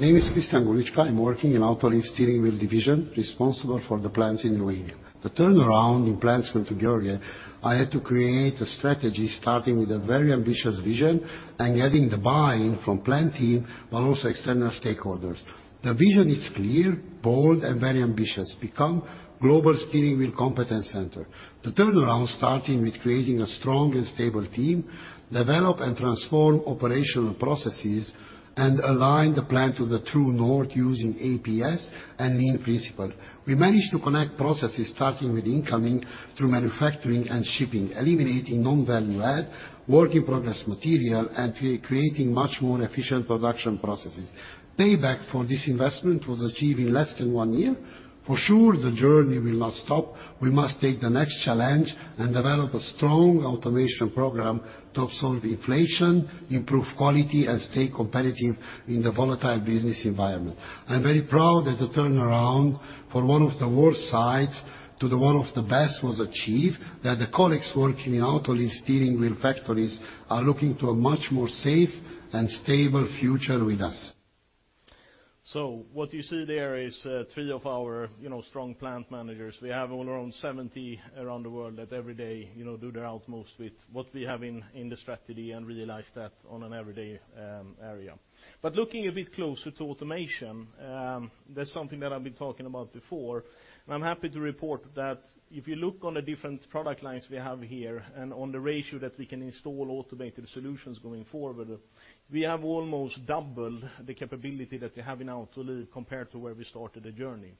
name is Christian Gulicska. I'm working in Autoliv Steering Wheel Division, responsible for the plants in Romania. The turnaround in plants went to Georgia. I had to create a strategy, starting with a very ambitious vision and getting the buy-in from plant team, but also external stakeholders. The vision is clear, bold and very ambitious: Become Global Steering Wheel Competence Center. The turnaround starting with creating a strong and stable team, develop and transform operational processes, and align the plan to the true north using APS and lean principle. We managed to connect processes, starting with incoming through manufacturing and shipping, eliminating non-value add, work in progress material, and creating much more efficient production processes. Payback for this investment was achieved in less than one year. For sure, the journey will not stop. We must take the next challenge and develop a strong automation program to absorb inflation, improve quality, and stay competitive in the volatile business environment. I'm very proud that the turnaround for one of the worst sites to the one of the best was achieved, that the colleagues working in Autoliv steering wheel factories are looking to a much more safe and stable future with us. What you see there is three of our, you know, strong plant managers. We have all around 70 around the world that every day, you know, do their utmost with what we have in the strategy and realize that on an everyday area. Looking a bit closer to automation, that's something that I've been talking about before, and I'm happy to report that if you look on the different product lines we have here, and on the ratio that we can install automated solutions going forward, we have almost doubled the capability that we have in Autoliv compared to where we started the journey.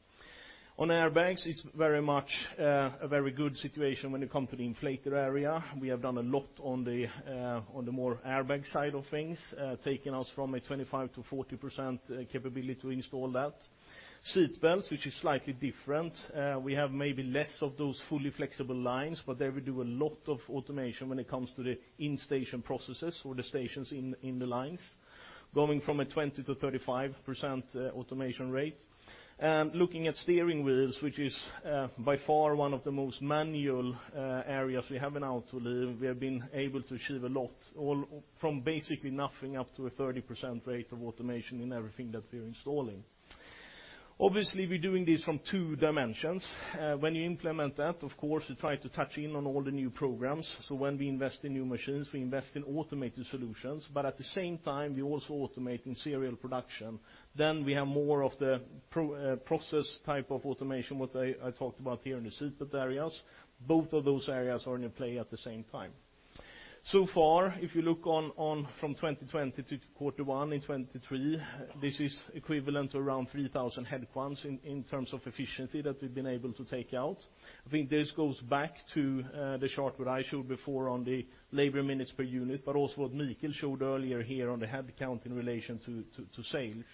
On airbags, it's very much a very good situation when it comes to the inflator area. We have done a lot on the more airbag side of things, taking us from a 25%-40% capability to install that. Seatbelts, which is slightly different, we have maybe less of those fully flexible lines, but there we do a lot of automation when it comes to the in-station processes or the stations in the lines, going from a 20%-35% automation rate. Looking at steering wheels, which is by far one of the most manual areas we have in Autoliv, we have been able to achieve a lot, all from basically nothing up to a 30% rate of automation in everything that we're installing. Obviously, we're doing this from two dimensions. When you implement that, of course, you try to touch in on all the new programs. When we invest in new machines, we invest in automated solutions, but at the same time, we also automate in serial production. We have more of the process type of automation, what I talked about here in the seatbelt areas. Both of those areas are in play at the same time. Far, if you look from 2020 to quarter one in 2023, this is equivalent to around 3,000 head counts in terms of efficiency that we've been able to take out. I think this goes back to the chart what I showed before on the labor minutes per unit, but also what Mikael showed earlier here on the head count in relation to sales.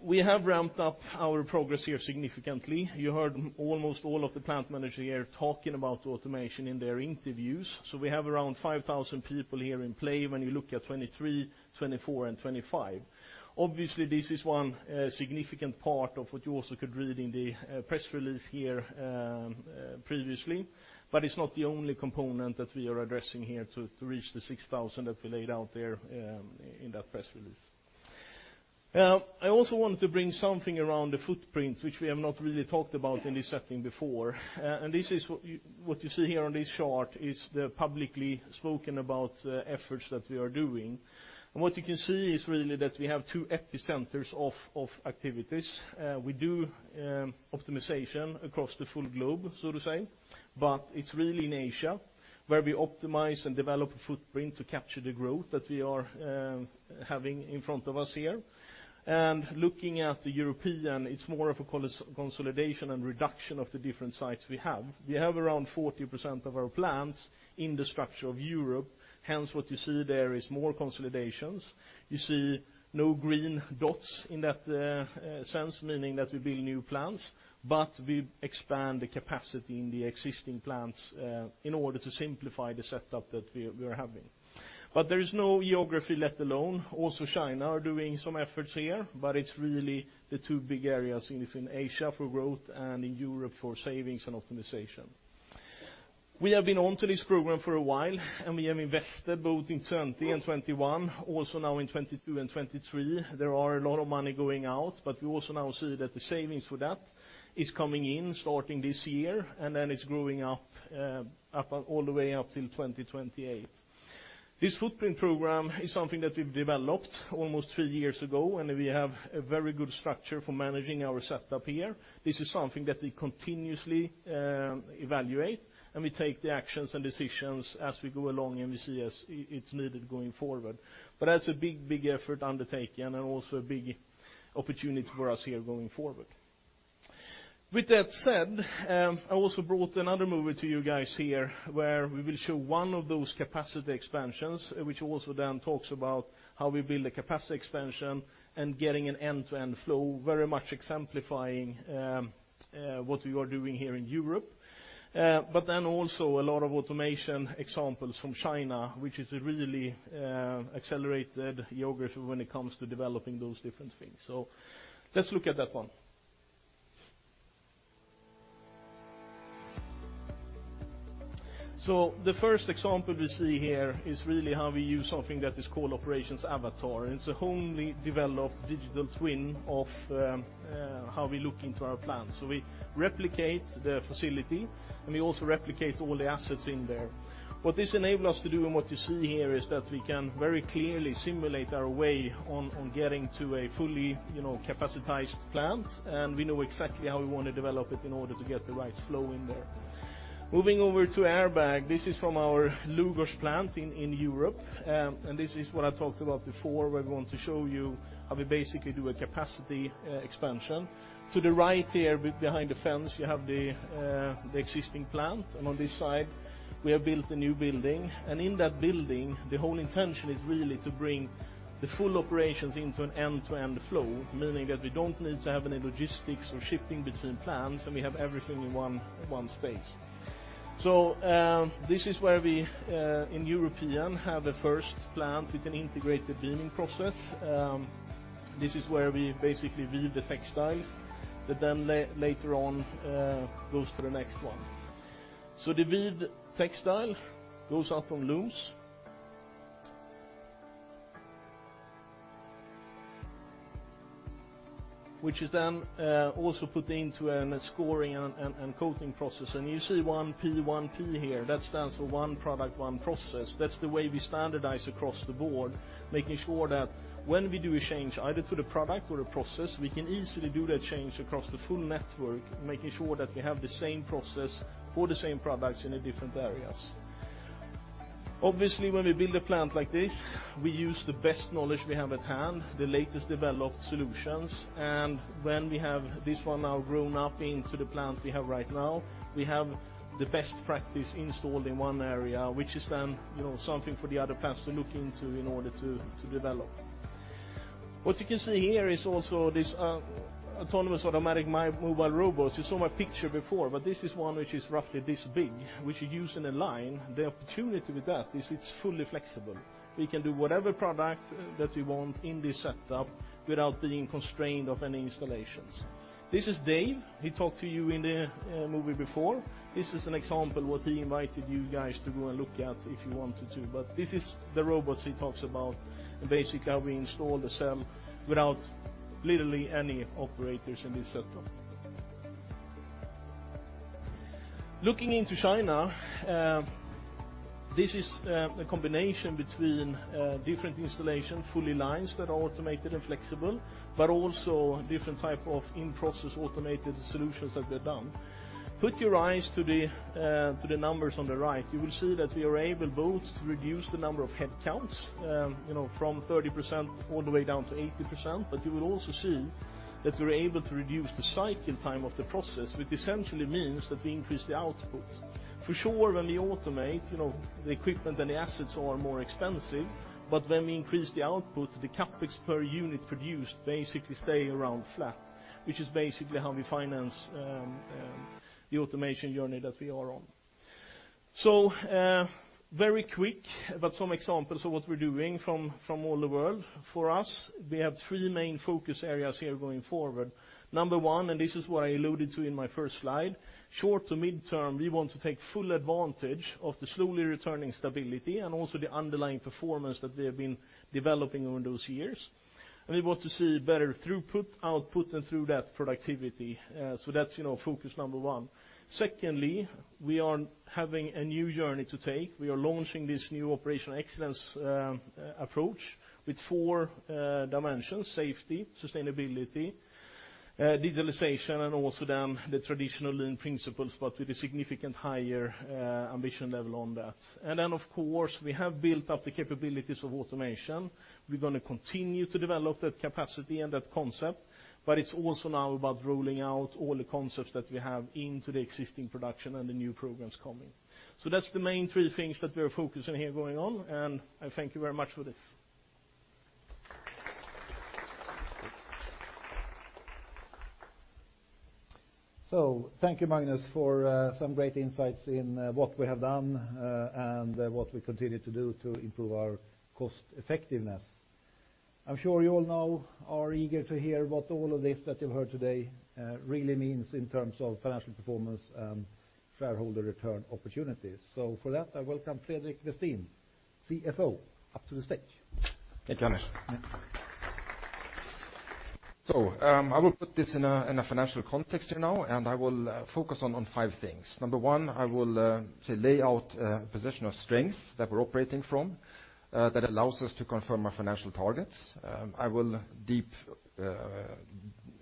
We have ramped up our progress here significantly. You heard almost all of the plant managers here talking about automation in their interviews. We have around 5,000 people here in play when you look at 2023, 2024, and 2025. Obviously, this is one significant part of what you also could read in the press release here previously, but it's not the only component that we are addressing here to reach the 6,000 that we laid out there in that press release. I also wanted to bring something around the footprint, which we have not really talked about in this setting before. This is what you see here on this chart, is the publicly spoken about efforts that we are doing. What you can see is really that we have two epicenters of activities. We do optimization across the full globe, so to say, but it's really in Asia, where we optimize and develop a footprint to capture the growth that we are having in front of us here. Looking at the European, it's more of a consolidation and reduction of the different sites we have. We have around 40% of our plants in the structure of Europe. Hence, what you see there is more consolidations. You see no green dots in that sense, meaning that we build new plants, but we expand the capacity in the existing plants in order to simplify the setup that we are having. There is no geography left alone. Also, China are doing some efforts here, but it's really the two big areas: it is in Asia for growth and in Europe for savings and optimization. We have been onto this program for a while, and we have invested both in 2020 and 2021, also now in 2022 and 2023. There are a lot of money going out, but we also now see that the savings for that is coming in, starting this year, and then it's growing up all the way up till 2028. This footprint program is something that we've developed almost three years ago, and we have a very good structure for managing our setup here. This is something that we continuously evaluate, and we take the actions and decisions as we go along, and we see as it's needed going forward. That's a big, big effort undertaken and also a big opportunity for us here going forward. With that said, I also brought another movie to you guys here, where we will show one of those capacity expansions, which also then talks about how we build a capacity expansion and getting an end-to-end flow, very much exemplifying what we are doing here in Europe. Also a lot of automation examples from China, which is a really accelerated geography when it comes to developing those different things. Let's look at that one. The first example we see here is really how we use something that is called Operations Avatar. It's a homely developed digital twin of how we look into our plants. We replicate the facility, and we also replicate all the assets in there. What this enable us to do, and what you see here, is that we can very clearly simulate our way on getting to a fully, you know, capacitized plant, and we know exactly how we want to develop it in order to get the right flow in there. Moving over to airbag, this is from our Lugoj plant in Europe, and this is what I talked about before, where we want to show you how we basically do a capacity expansion. To the right here, behind the fence, you have the existing plant, and on this side, we have built a new building. In that building, the whole intention is really to bring the full operations into an end-to-end flow, meaning that we don't need to have any logistics or shipping between plants, and we have everything in one space. This is where we in European have the first plant with an integrated beaming process. This is where we basically weave the textiles that then later on goes to the next one. The weaved textile goes out on looms, which is then also put into an scouring and coating process. You see 1P1P here. That stands for One Product, One Process. That's the way we standardize across the board, making sure that when we do a change, either to the product or a process, we can easily do that change across the full network, making sure that we have the same process for the same products in the different areas. Obviously, when we build a plant like this, we use the best knowledge we have at hand, the latest developed solutions. When we have this one now grown up into the plant we have right now, we have the best practice installed in one area, which is then, you know, something for the other plants to look into in order to develop. What you can see here is also this autonomous, automatic, mobile robots. You saw my picture before, this is one which is roughly this big, which you use in a line. The opportunity with that is it's fully flexible. We can do whatever product that we want in this setup without being constrained of any installations. This is Dave. He talked to you in the movie before. what he invited you guys to go and look at if you wanted to. But this is the robots he talks about and basically how we install the cell without literally any operators in this setup. Looking into China, this is a combination between different installation, fully lines that are automated and flexible, but also different type of in-process automated solutions that we've done. Put your eyes to the numbers on the right. You will see that we are able both to reduce the number of headcounts, you know, from 30% all the way down to 80%. But you will also see that we're able to reduce the cycle time of the process, which essentially means that we increase the output. For sure, when we automate, you know, the equipment and the assets are more expensive, but when we increase the output, the CapEx per unit produced basically stay around flat, which is basically how we finance the automation journey that we are on. Very quick, but some examples of what we're doing from all over the world. For us, we have three main focus areas here going forward. Number one, this is what I alluded to in my first slide, short to midterm, we want to take full advantage of the slowly returning stability and also the underlying performance that they have been developing over those years. We want to see better throughput, output, and through that, productivity. That's, you know, focus number one. Secondly, we are having a new journey to take. We are launching this new operational excellence approach with four dimensions: safety, sustainability, digitalization, and also then the traditional lean principles, but with a significant higher ambition level on that. Of course, we have built up the capabilities of automation. We're going to continue to develop that capacity and that concept, but it's also now about rolling out all the concepts that we have into the existing production and the new programs coming. That's the main three things that we're focusing here going on, and I thank you very much for this. Thank you, Magnus, for some great insights in what we have done and what we continue to do to improve our cost effectiveness. I'm sure you all now are eager to hear what all of this that you've heard today really means in terms of financial performance and shareholder return opportunities. For that, I welcome Fredrik Westin, CFO, up to the stage. Thank you, Anders. I will put this in a financial context here now, and I will focus on five things. Number one, I will say, lay out a position of strength that we're operating from that allows us to confirm our financial targets. I will deep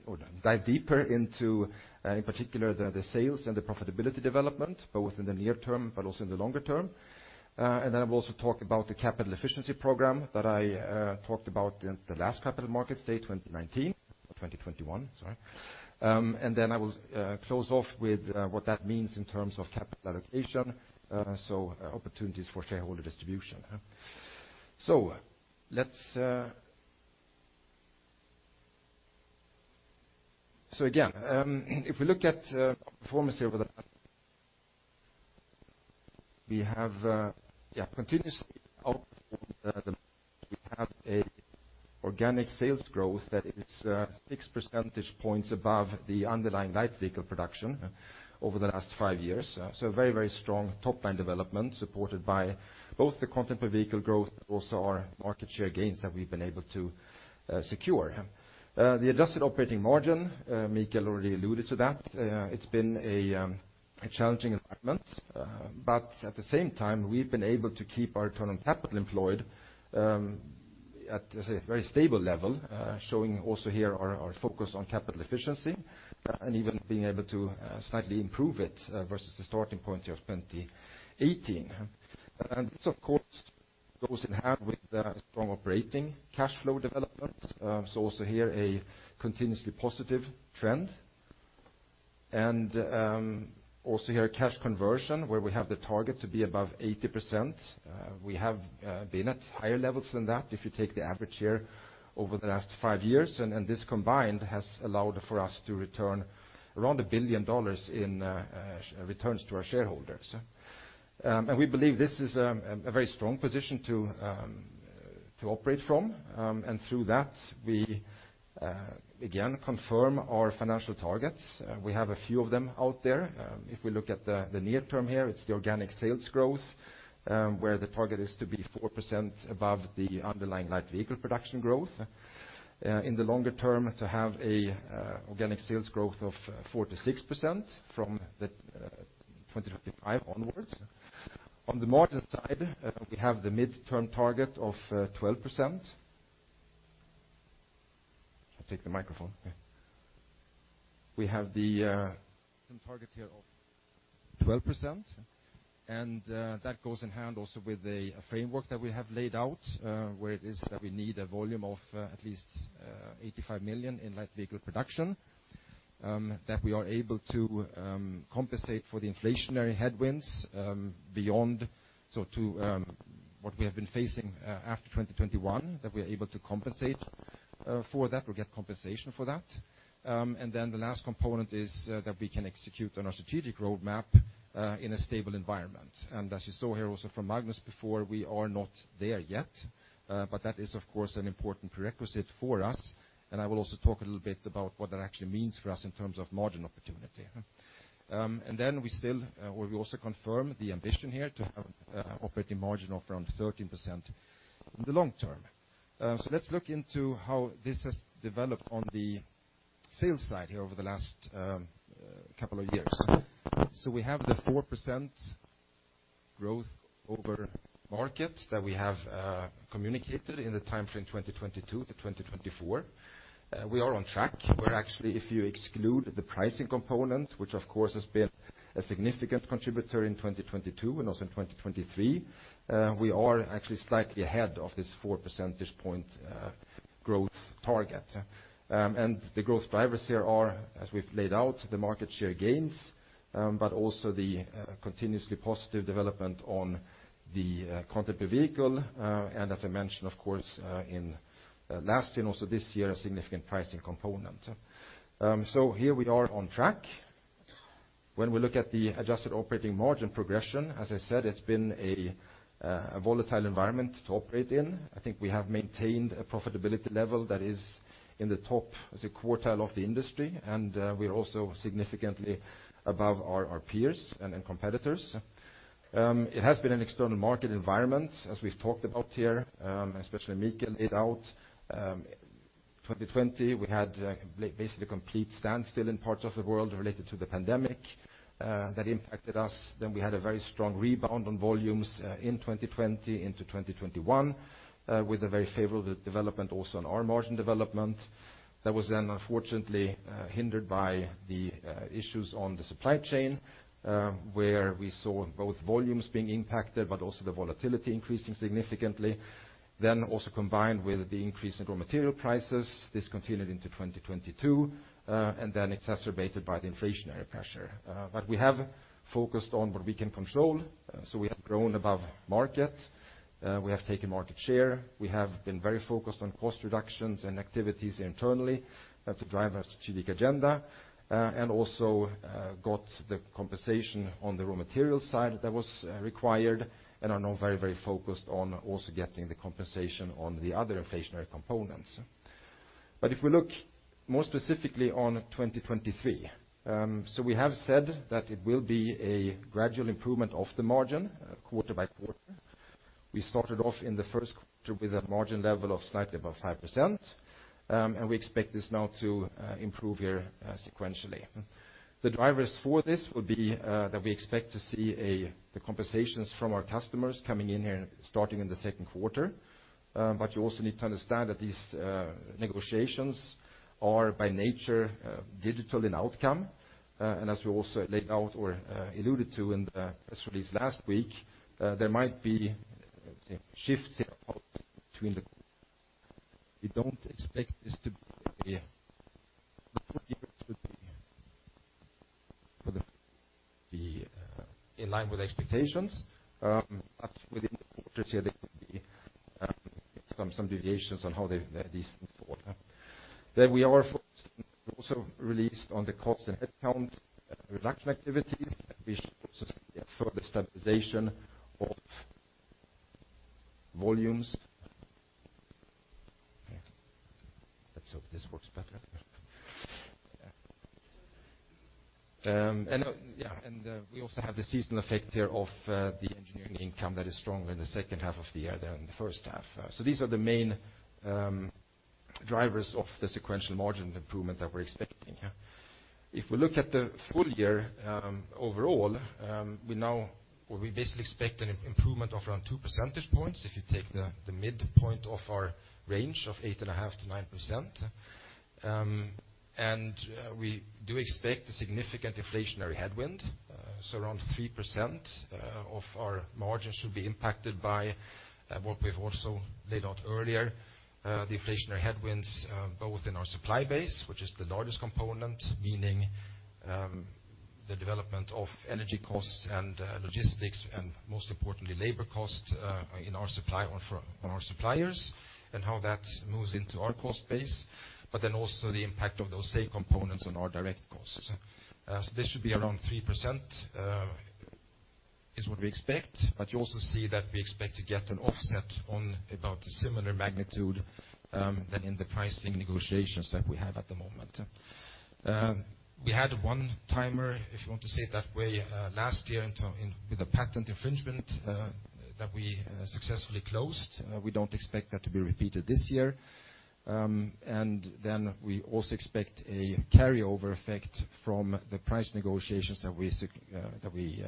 or dive deeper into in particular, the sales and the profitability development, both in the near term but also in the longer term. Then I will also talk about the capital efficiency program that I talked about in the last Capital Markets Day, 2019, 2021, sorry. Then I will close off with what that means in terms of capital allocation, so opportunities for shareholder distribution. Let's again, if we look at performance over the last, we have an organic sales growth that is 6 percentage points above the underlying light vehicle production over the last five years. Very, very strong top-line development, supported by both the content per vehicle growth, also our market share gains that we've been able to secure. The adjusted operating margin, Mikael already alluded to that. It's been a challenging environment, at the same time, we've been able to keep our return on capital employed at a very stable level, showing also here our focus on capital efficiency, and even being able to slightly improve it versus the starting point of 2018. This, of course, goes in hand with the strong operating cash flow development. Also here, a continuously positive trend. Also here, a cash conversion, where we have the target to be above 80%. We have been at higher levels than that, if you take the average year over the last five years, and this combined has allowed for us to return around $1 billion in returns to our shareholders. We believe this is a very strong position to operate from. Through that, we again confirm our financial targets. We have a few of them out there. If we look at the near term here, it's the organic sales growth, where the target is to be 4% above the underlying light vehicle production growth. In the longer term, to have an organic sales growth of 4%-6% from [2035] onwards. On the margin side, we have the midterm target of 12%. I'll take the microphone, okay. We have the target here of 12%, and that goes in hand also with the framework that we have laid out, where it is that we need a volume of at least 85 million in light vehicle production. That we are able to compensate for the inflationary headwinds, beyond, so to, what we have been facing after 2021, that we're able to compensate for that or get compensation for that. The last component is that we can execute on our strategic roadmap in a stable environment. As you saw here also from Magnus before, we are not there yet, but that is, of course, an important prerequisite for us, and I will also talk a little bit about what that actually means for us in terms of margin opportunity. We still or we also confirm the ambition here to have operating margin of around 13% in the long term. Let's look into how this has developed on the sales side here over the last couple of years. We have the 4% growth over market that we have communicated in the timeframe, 2022 to 2024. We are on track, where actually, if you exclude the pricing component, which of course has been a significant contributor in 2022 and also in 2023, we are actually slightly ahead of this 4 percentage point growth target. The growth drivers here are, as we've laid out, the market share gains, but also the continuously positive development on the content per vehicle. As I mentioned, of course, in last year and also this year, a significant pricing component. Here we are on track. When we look at the adjusted operating margin progression, as I said, it's been a volatile environment to operate in. I think we have maintained a profitability level that is in the top, I say, quartile of the industry, and we are also significantly above our peers and then competitors. It has been an external market environment, as we've talked about here, especially Mikael laid out. 2020, we had basically complete standstill in parts of the world related to the pandemic that impacted us. We had a very strong rebound on volumes in 2020 into 2021 with a very favorable development also on our margin development. That was then unfortunately hindered by the issues on the supply chain, where we saw both volumes being impacted, but also the volatility increasing significantly. Also combined with the increase in raw material prices, this continued into 2022, and then exacerbated by the inflationary pressure. We have focused on what we can control, so we have grown above market, we have taken market share, we have been very focused on cost reductions and activities internally to drive our strategic agenda, and also got the compensation on the raw material side that was required, and are now very, very focused on also getting the compensation on the other inflationary components. If we look more specifically on 2023, we have said that it will be a gradual improvement of the margin, quarter by quarter. We started off in the first [inaudible] margin level of slightly above 5%, and we expect this now to improve here sequentially. The drivers for this will be that we expect to see the compensations from our customers coming in here and starting in the second quarter. You also need to understand that these negotiations are by nature digital in outcome. As we also laid out or alluded to in the press release last week, there might be shifts between the. [inaudible] We don't expect this to be in line with expectations, but within the quarters here, there can be some deviations on how these things go. We are also released on the cost and headcount reduction activities, which should also see a further stabilization of volumes. Let's hope this works better. Yeah, and we also have the seasonal effect here of the engineering income that is stronger in the second half of the year than in the first half. So these are the main drivers of the sequential margin improvement that we're expecting, yeah. If we look at the full year, overall, we now, we basically expect an improvement of around 2 percentage points, if you take the midpoint of our range of 8.5%-9%. And we do expect a significant inflationary headwind, so around 3% of our margins should be impacted by what we've also laid out earlier. The inflationary headwinds, both in our supply base, which is the largest component, meaning the development of energy costs and logistics, and most importantly, labor costs on our suppliers, and how that moves into our cost base, but then also the impact of those same components on our direct costs. This should be around 3% is what we expect, but you also see that we expect to get an offset on about a similar magnitude than in the pricing negotiations that we have at the moment. We had one timer, if you want to say it that way, last year in with a patent infringement that we successfully closed. We don't expect that to be repeated this year. Then we also expect a carryover effect from the price negotiations that we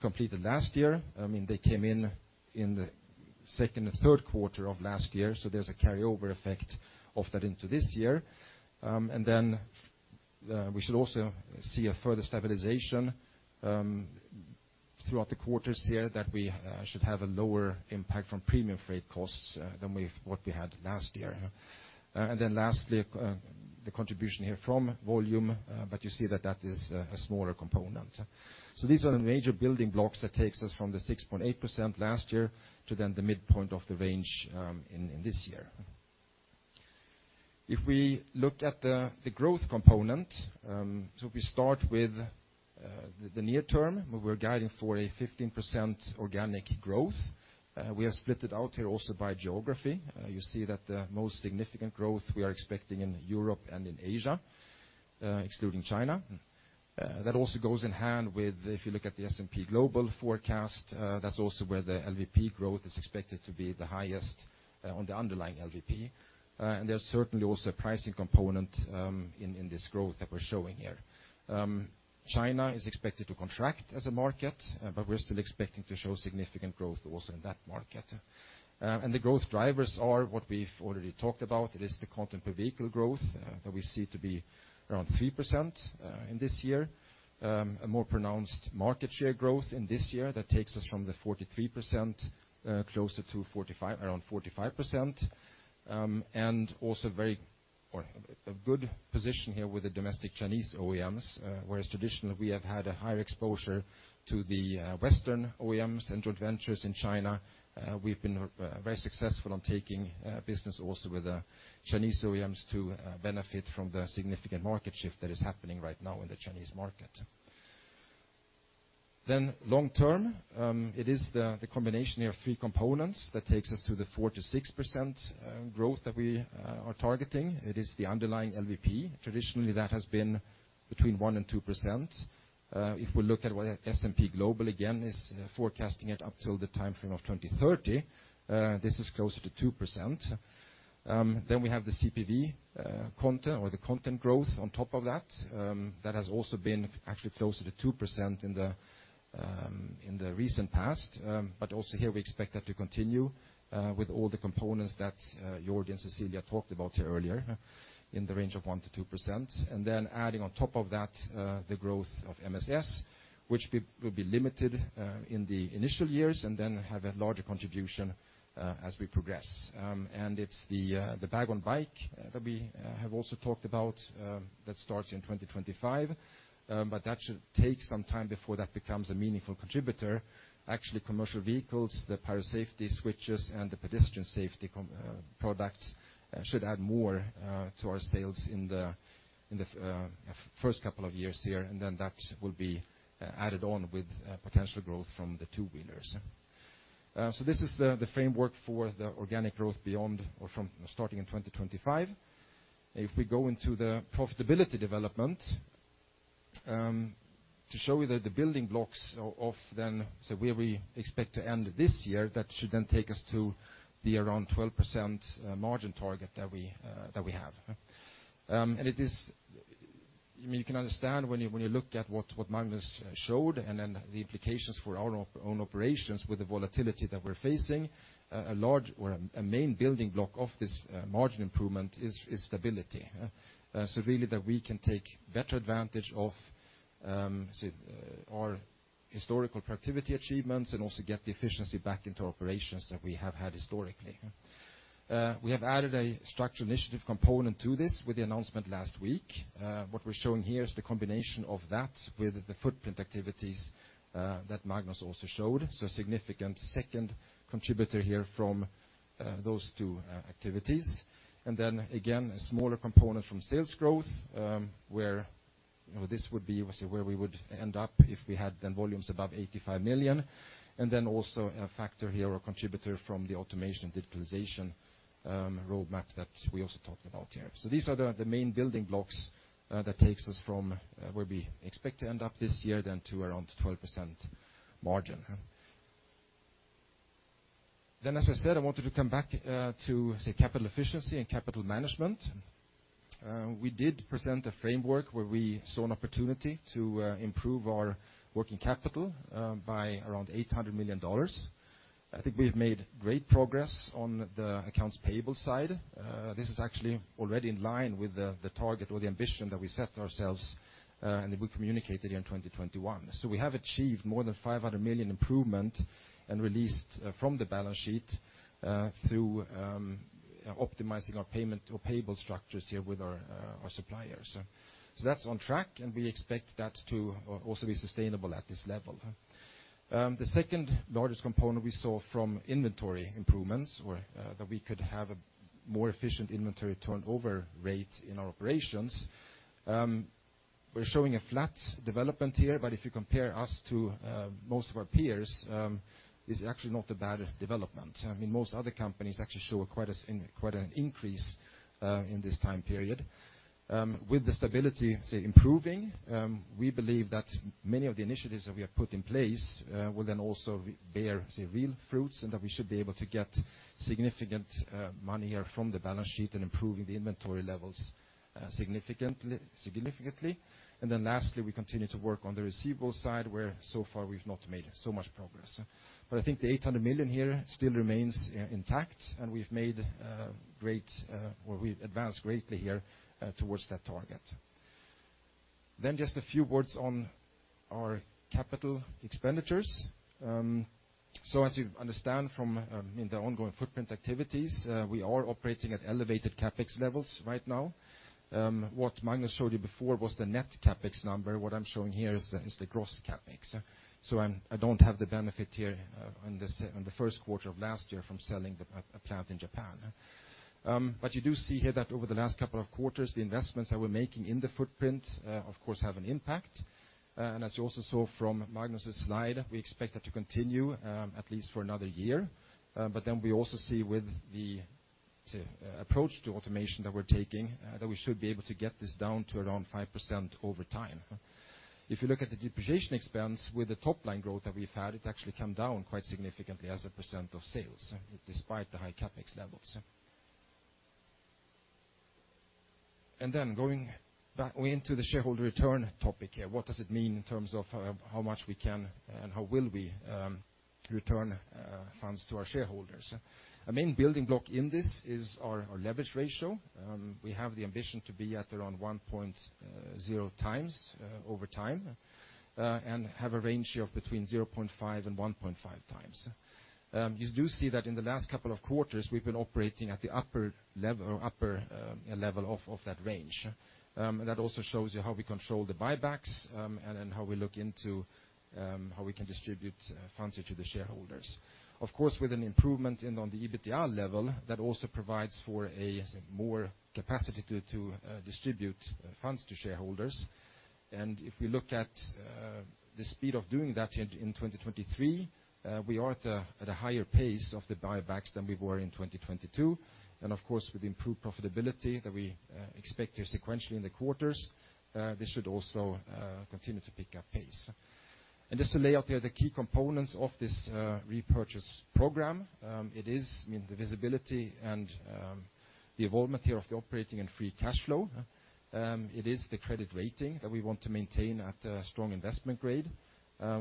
completed last year. I mean, they came in the second quarter or third quarter of last year, so there's a carryover effect of that into this year. Then we should also see a further stabilization throughout the quarters here, that we should have a lower impact from premium freight costs than what we had last year. Then lastly, the contribution here from volume, but you see that that is a smaller component. These are the major building blocks that takes us from the 6.8% last year to then the midpoint of the range in this year. If we look at the growth component, we start with the near term, we're guiding for a 15% organic growth. We have split it out here also by geography. You see that the most significant growth we are expecting in Europe and in Asia, excluding China. That also goes in hand with, if you look at the S&P Global forecast, that's also where the LVP growth is expected to be the highest on the underlying LVP. There's certainly also a pricing component in this growth that we're showing here. China is expected to contract as a market, we're still expecting to show significant growth also in that market. The growth drivers are what we've already talked about. It is the content per vehicle growth that we see to be around 3% in this year. A more pronounced market share growth in this year that takes us from the 43% closer to 45%, around 45%. Also very or a good position here with the domestic Chinese OEMs, whereas traditionally, we have had a higher exposure to the Western OEMs and joint ventures in China. We've been very successful on taking business also with the Chinese OEMs to benefit from the significant market shift that is happening right now in the Chinese market. Long term, it is the combination of three components that takes us to the 4%-6% growth that we are targeting. It is the underlying LVP. Traditionally, that has been between 1% and 2%. If we look at what S&P Global, again, is forecasting it up till the time frame of 2030, this is closer to 2%. We have the CPV content or the content growth on top of that. That has also been actually closer to 2% in the recent past. Also here, we expect that to continue with all the components that Jordi and Cecilia talked about here earlier, in the range of 1%-2%. Adding on top of that, the growth of MSS, which will be limited in the initial years and then have a larger contribution as we progress. It's the Bag-on-Bike that we have also talked about that starts in 2025, that should take some time before that becomes a meaningful contributor. Actually, commercial vehicles, the Pyro Safety Switches, and the pedestrian safety products should add more to our sales in the first couple of years here, that will be added on with potential growth from the two-wheelers. This is the framework for the organic growth beyond or from starting in 2025. If we go into the profitability development, to show you that the building blocks of then, where we expect to end this year, that should then take us to the around 12% margin target that we that we have. I mean, you can understand when you look at what Magnus showed, and then the implications for our own operations with the volatility that we're facing, a large or a main building block of this margin improvement is stability. Really, that we can take better advantage of, say, our historical productivity achievements and also get the efficiency back into operations that we have had historically. We have added a structural initiative component to this with the announcement last week. What we're showing here is the combination of that with the footprint activities that Magnus also showed. A significant second contributor here from those two activities. A smaller component from sales growth, where, you know, this would be obviously where we would end up if we had the volumes above 85 million. Also a factor here or contributor from the automation and digitalization roadmap that we also talked about here. These are the main building blocks that takes us from where we expect to end up this year, then to around 12% margin. As I said, I wanted to come back to say, capital efficiency and capital management. We did present a framework where we saw an opportunity to improve our working capital by around $800 million. I think we've made great progress on the accounts payable side. This is actually already in line with the target or the ambition that we set ourselves, and that we communicated in 2021. We have achieved more than $500 million improvement and released from the balance sheet through optimizing our payment or payable structures here with our suppliers. That's on track, and we expect that to also be sustainable at this level. The second largest component we saw from inventory improvements, where that we could have a more efficient inventory turnover rate in our operations. We're showing a flat development here, but if you compare us to most of our peers, this is actually not a bad development. I mean, most other companies actually show quite an increase in this time period. With the stability improving, we believe that many of the initiatives that we have put in place will then also bear real fruits, and that we should be able to get significant money here from the balance sheet and improving the inventory levels significantly. Lastly, we continue to work on the receivables side, where so far we've not made so much progress. I think the $800 million here still remains intact, and we've made great, or we've advanced greatly here towards that target. Just a few words on our capital expenditures. As you understand from in the ongoing footprint activities, we are operating at elevated CapEx levels right now. What Magnus showed you before was the net CapEx number. What I'm showing here is the gross CapEx. I don't have the benefit here on the first quarter of last year from selling a plant in Japan. You do see here that over the last couple of quarters, the investments that we're making in the footprint, of course, have an impact. As you also saw from Magnus's slide, we expect that to continue at least for another year. Then we also see with the approach to automation that we're taking, that we should be able to get this down to around 5% over time. If you look at the depreciation expense with the top-line growth that we've had, it actually come down quite significantly as a percent of sales, despite the high CapEx levels. Going back into the shareholder return topic here, what does it mean in terms of how much we can and how will we return funds to our shareholders? A main building block in this is our leverage ratio. We have the ambition to be at around 1.0x over time and have a range here of between 0.5x and 1.5x. You do see that in the last couple of quarters, we've been operating at the upper level of that range. That also shows you how we control the buybacks and then how we look into how we can distribute funds to the shareholders. With an improvement on the EBITDA level, that also provides for more capacity to distribute funds to shareholders. If we look at the speed of doing that in 2023, we are at a higher pace of the buybacks than we were in 2022. With the improved profitability that we expect here sequentially in the quarters, this should also continue to pick up pace. Just to lay out here the key components of this repurchase program, it is, I mean, the visibility and the involvement here of the operating and free cash flow. It is the credit rating that we want to maintain at a strong investment grade,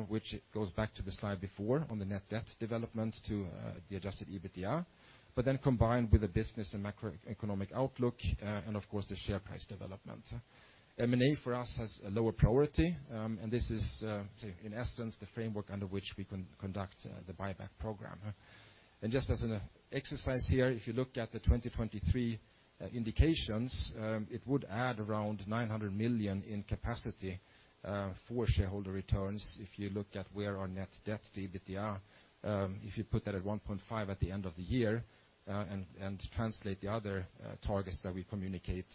which goes back to the slide before on the net debt development to the adjusted EBITDA, but then combined with the business and macroeconomic outlook, and of course, the share price development. M&A, for us, has a lower priority, and this is in essence, the framework under which we conduct the buyback program. Just as an exercise here, if you look at the 2023 indications, it would add around $900 million in capacity for shareholder returns. If you look at where our net debt to EBITDA, if you put that at 1.5 at the end of the year, and translate the other targets that we communicate.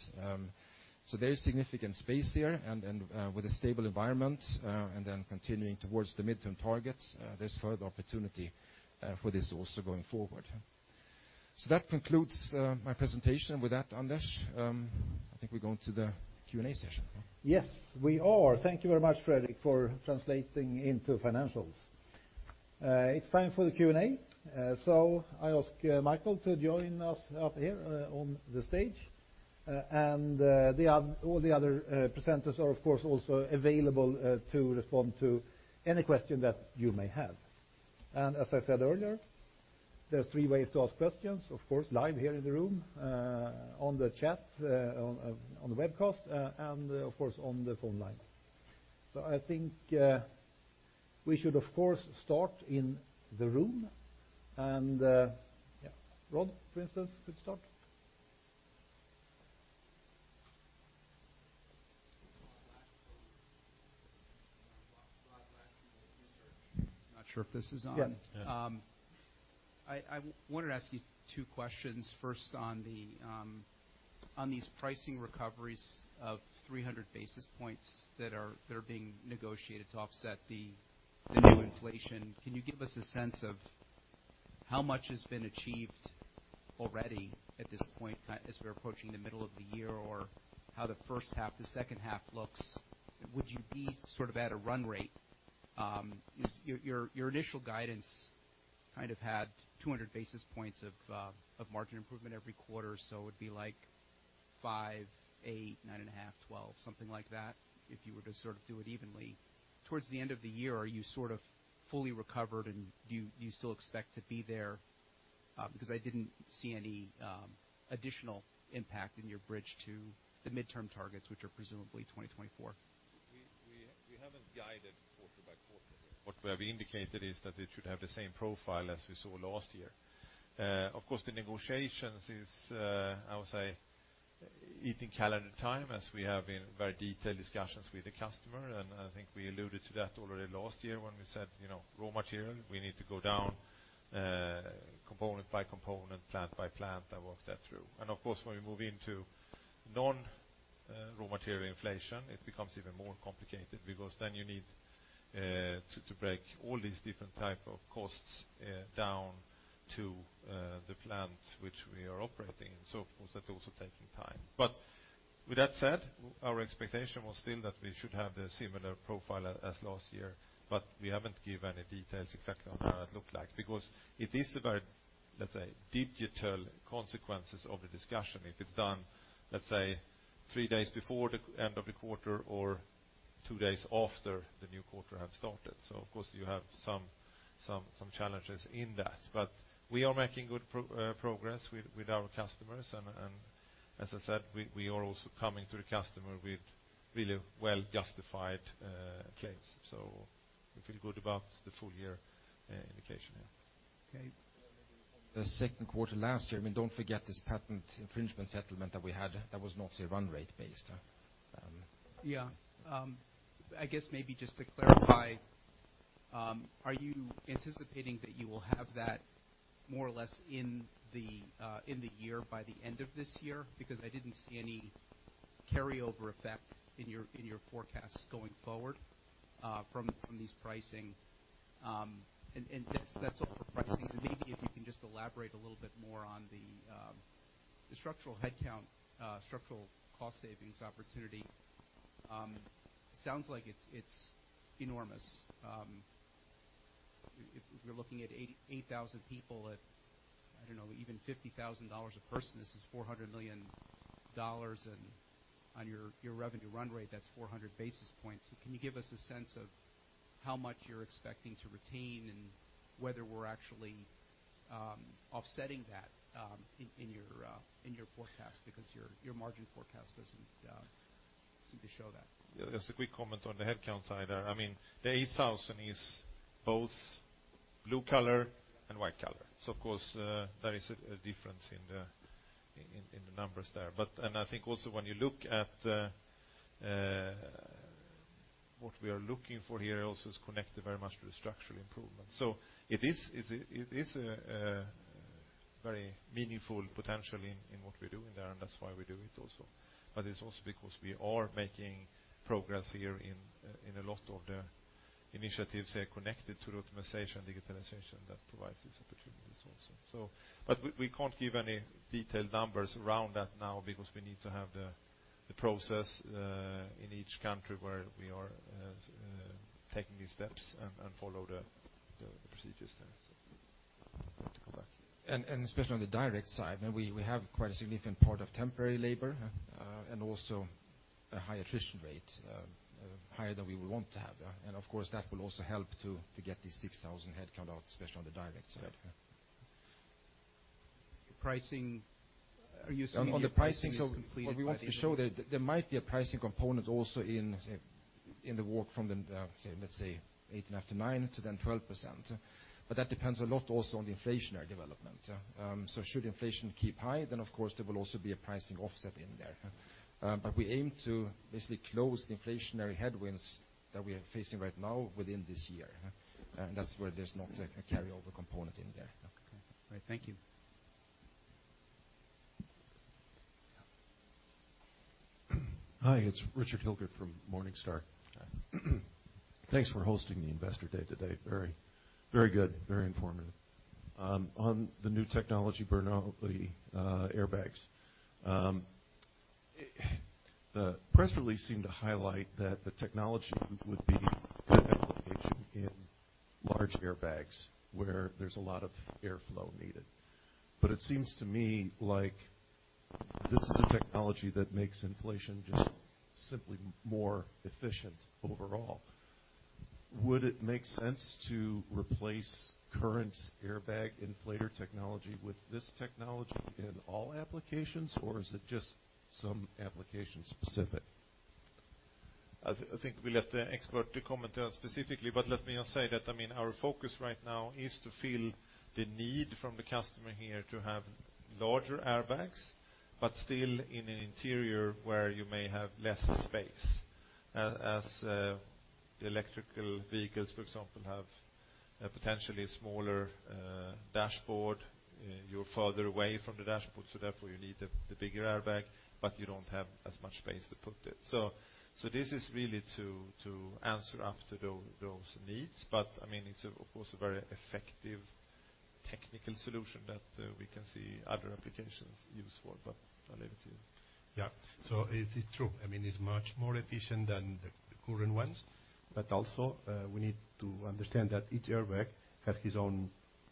There is significant space here and, with a stable environment, and then continuing towards the midterm targets, there's further opportunity for this also going forward. That concludes my presentation. With that, Anders, I think we're going to the Q&A session. Yes, we are. Thank you very much, Fredrik, for translating into financials. It's time for the Q&A, so I ask Mikael to join us up here on the stage. All the other presenters are, of course, also available to respond to any question that you may have. As I said earlier, there are three ways to ask questions: of course, live here in the room, on the chat, on the webcast, and, of course, on the phone lines. I think, we should, of course, start in the room. Yeah, Rod, for instance, could start. Not sure if this is on? Yes. I wanted to ask you two questions. First, on these pricing recoveries of 300 basis points that are being negotiated to offset the new inflation. Can you give us a sense of how much has been achieved already at this point, as we're approaching the middle of the year, or how the first half, the second half looks? Would you be sort of at a run rate? Your initial guidance kind of had 200 basis points of margin improvement every quarter, so it would be like 5%, 8%, 9.5%, 12%, something like that, if you were to sort of do it evenly. Towards the end of the year, are you sort of fully recovered, and do you still expect to be there? Because I didn't see any additional impact in your bridge to the midterm targets, which are presumably 2024. We haven't guided quarter-by-quarter. What we have indicated is that it should have the same profile as we saw last year. Of course, the negotiations is, I would say, eating calendar time as we have in very detailed discussions with the customer, and I think we alluded to that already last year when we said, you know, raw material, we need to go down, component-by-component, plant-by-plant, and work that through. Of course, when we move into non-raw material inflation, it becomes even more complicated, because then you need to break all these different type of costs down to the plants which we are operating. Of course, that's also taking time. With that said, our expectation was still that we should have a similar profile as last year, but we haven't given any details exactly on how that looked like. It is a very, let's say, digital consequences of the discussion. If it's done, let's say, three days before the end of the quarter or two days after the new quarter have started. Of course, you have some challenges in that. We are making good progress with our customers, and as I said, we are also coming to the customer with really well-justified claims. We feel good about the full year indication. Okay. The second quarter last year, I mean, don't forget this patent infringement settlement that we had, that was not a run rate based. Yeah. I guess maybe just to clarify, are you anticipating that you will have that more or less in the year by the end of this year? Because I didn't see any carryover effect in your forecasts going forward from these pricing. That's all the pricing. Maybe if you can just elaborate a little bit more on the structural headcount structural cost savings opportunity. Sounds like it's enormous. If you're looking at 8,000 people at, I don't know, even $50,000 a person, this is $400 million, and on your revenue run rate, that's 400 basis points. Can you give us a sense of how much you're expecting to retain and whether we're actually offsetting that in your forecast? Your margin forecast doesn't seem to show that. Just a quick comment on the headcount side there. I mean, the 8,000 is both blue collar and white collar. Of course, there is a difference in the numbers there. I think also when you look at the what we are looking for here also is connected very much to the structural improvement. It is a very meaningful potential in what we're doing there, and that's why we do it also. It's also because we are making progress here in a lot of the initiatives that are connected to the optimization and digitalization that provides these opportunities also. We can't give any detailed numbers around that now because we need to have the process in each country where we are taking these steps and follow the procedures there. Especially on the direct side, I mean, we have quite a significant part of temporary labor, and also a high attrition rate, higher than we would want to have. Of course, that will also help to get these 6,000 headcount out, especially on the direct side. Pricing. Are you saying- what we want to show that there might be a pricing component also in the work from the, let's say, 8.5%-9%, to then 12%. That depends a lot also on the inflationary development. Should inflation keep high, then, of course, there will also be a pricing offset in there. We aim to basically close the inflationary headwinds that we are facing right now within this year, and that's where there's not a carryover component in there. Okay. All right. Thank you. Hi, it's Richard Hilgert from Morningstar. Thanks for hosting the investor day today. Very good, very informative. On the new technology for the airbags. The press release seemed to highlight that the technology would be implementation in large airbags, where there's a lot of airflow needed. It seems to me like this is a technology that makes inflation just simply more efficient overall. Would it make sense to replace current airbag inflator technology with this technology in all applications, or is it just some application specific? I think we'll let the expert to comment on specifically, Let me just say that, I mean, our focus right now is to fill the need from the customer here to have larger airbags, but still in an interior where you may have less space. as the electrical vehicles, for example, have a potentially smaller dashboard, you're farther away from the dashboard, so therefore, you need the bigger airbag, but you don't have as much space to put it. this is really to answer up to those needs. I mean, it's, of course, a very effective technical solution that we can see other applications use for, but I'll leave it to you. Yeah. It, it true. I mean, it's much more efficient than the current ones, but also, we need to understand that each airbag has his own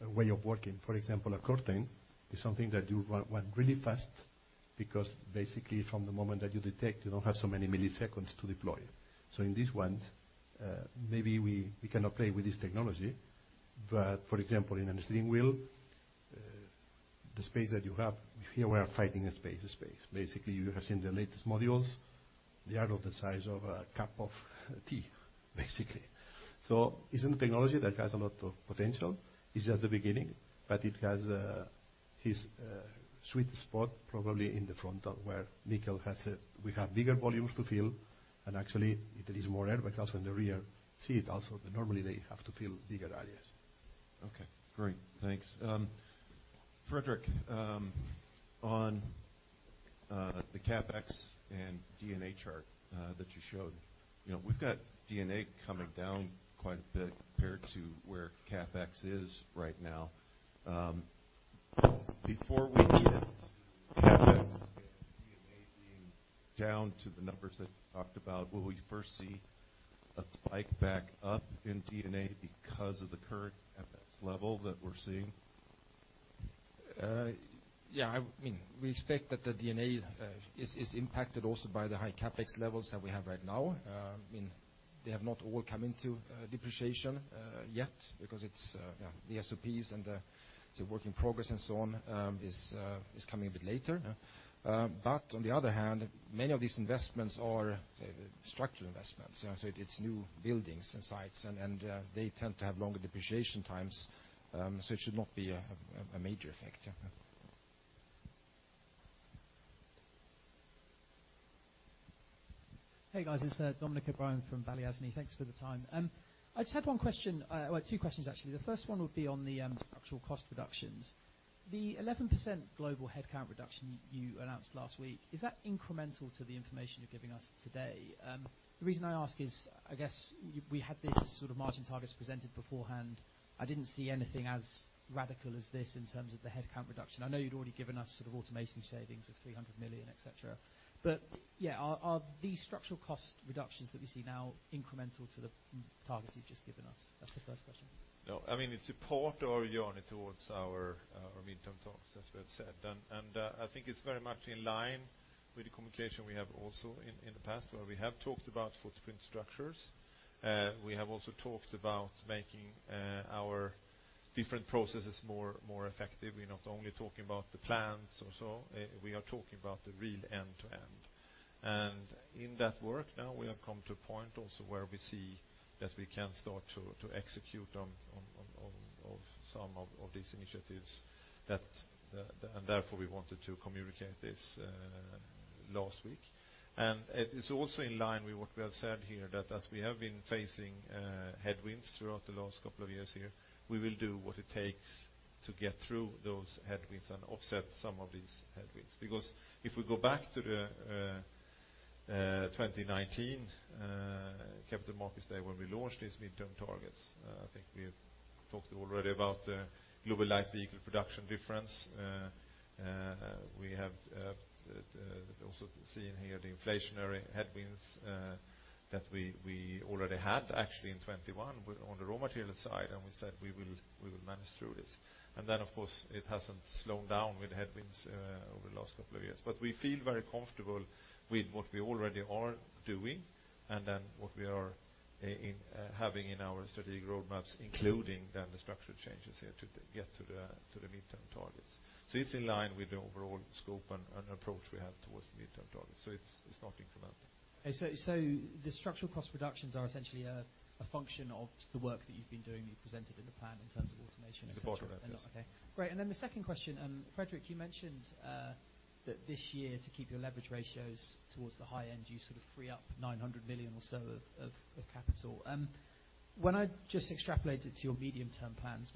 way of working. For example, a curtain is something that you want really fast, because basically, from the moment that you detect, you don't have so many milliseconds to deploy. In these ones, maybe we cannot play with this technology. For example, in a steering wheel, the space that you have, here we are fighting a space. Basically, you have seen the latest modules. They are of the size of a cup of tea, basically. It's a technology that has a lot of potential. It's just the beginning, but it has, its, sweet spot probably in the front of where Mikael has said we have bigger volumes to fill, and actually, it is more airbags also in the rear seat also, but normally they have to fill bigger areas. Okay, great. Thanks. Fredrik, on the CapEx and D&A chart that you showed, you know, we've got D&A coming down quite a bit compared to where CapEx is right now. Before we get to CapEx and D&A being down to the numbers that you talked about, will we first see a spike back up in D&A because of the current CapEx level that we're seeing? Yeah, I mean, we expect that the D&A is impacted also by the high CapEx levels that we have right now. I mean, they have not all come into depreciation yet, because it's, yeah, the SOPs and the work in progress and so on is coming a bit later. On the other hand, many of these investments are structural investments. It's new buildings and sites, and they tend to have longer depreciation times. It should not be a major effect, yeah. Hey, guys, it's Dominic O'Brien from Baillie Gifford. Thanks for the time. I just had one question, well, two questions, actually. The first one would be on the structural cost reductions. The 11% global headcount reduction you announced last week, is that incremental to the information you're giving us today? The reason I ask is, I guess we had these sort of margin targets presented beforehand. I didn't see anything as radical as this in terms of the headcount reduction. I know you'd already given us sort of automation savings of $300 million, et cetera, but yeah, are these structural cost reductions that we see now incremental to the targets you've just given us? That's the first question. No, I mean, it's support our journey towards our mid-term talks, as we have said. I think it's very much in line with the communication we have also in the past, where we have talked about footprint structures. We have also talked about making our different processes more, more effective. We're not only talking about the plans or so, we are talking about the real end-to-end. In that work now, we have come to a point also where we see that we can start to execute on some of these initiatives, that, therefore, we wanted to communicate this last week. It is also in line with what we have said here, that as we have been facing headwinds throughout the last couple of years here, we will do what it takes to get through those headwinds and offset some of these headwinds. If we go back to the 2019 Capital Markets Day when we launched these mid-term targets, I think we have talked already about the global light vehicle production difference. We have also seen here the inflationary headwinds that we already had actually in 2021 on the raw material side, and we said, we will manage through this. Then, of course, it hasn't slowed down with headwinds over the last couple of years. We feel very comfortable with what we already are doing, and then what we are having in our strategic roadmaps, including then the structural changes here to get to the midterm targets. It's in line with the overall scope and approach we have towards the mid-term target. It's not incremental. The structural cost reductions are essentially a function of the work that you've been doing, you presented in the plan in terms of automation? It's a part of it. Okay, great. The second question, Fredrik, you mentioned that this year, to keep your leverage ratios towards the high end, you sort of free up $900 million or so of capital. When I just extrapolate it to your medium-term plans,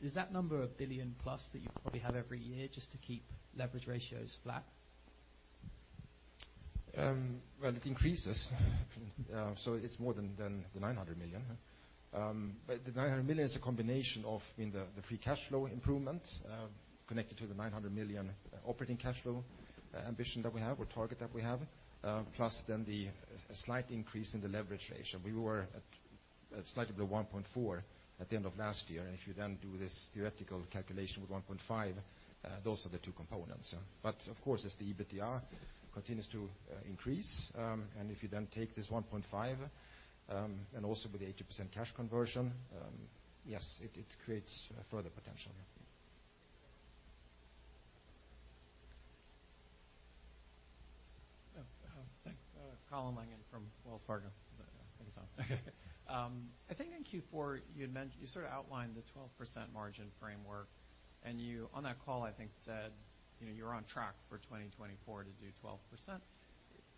is that number a billion-plus that you probably have every year just to keep leverage ratios flat? It increases, so it's more than the $900 million. The $900 million is a combination of, I mean, the free cash flow improvement, connected to the $900 million operating cash flow, ambition that we have or target that we have, plus then the slight increase in the leverage ratio. We were at slightly above 1.4 at the end of last year, and if you then do this theoretical calculation with 1.5, those are the two components. Of course, as the EBITDA continues to increase, and if you then take this 1.5, and also with the 80% cash conversion. Yes, it creates further potential. Thanks. Colin Langan from Wells Fargo. Thanks for your time. I think in Q4, you sort of outlined the 12% margin framework. You, on that call, I think, said, you know, you're on track for 2024 to do 12%.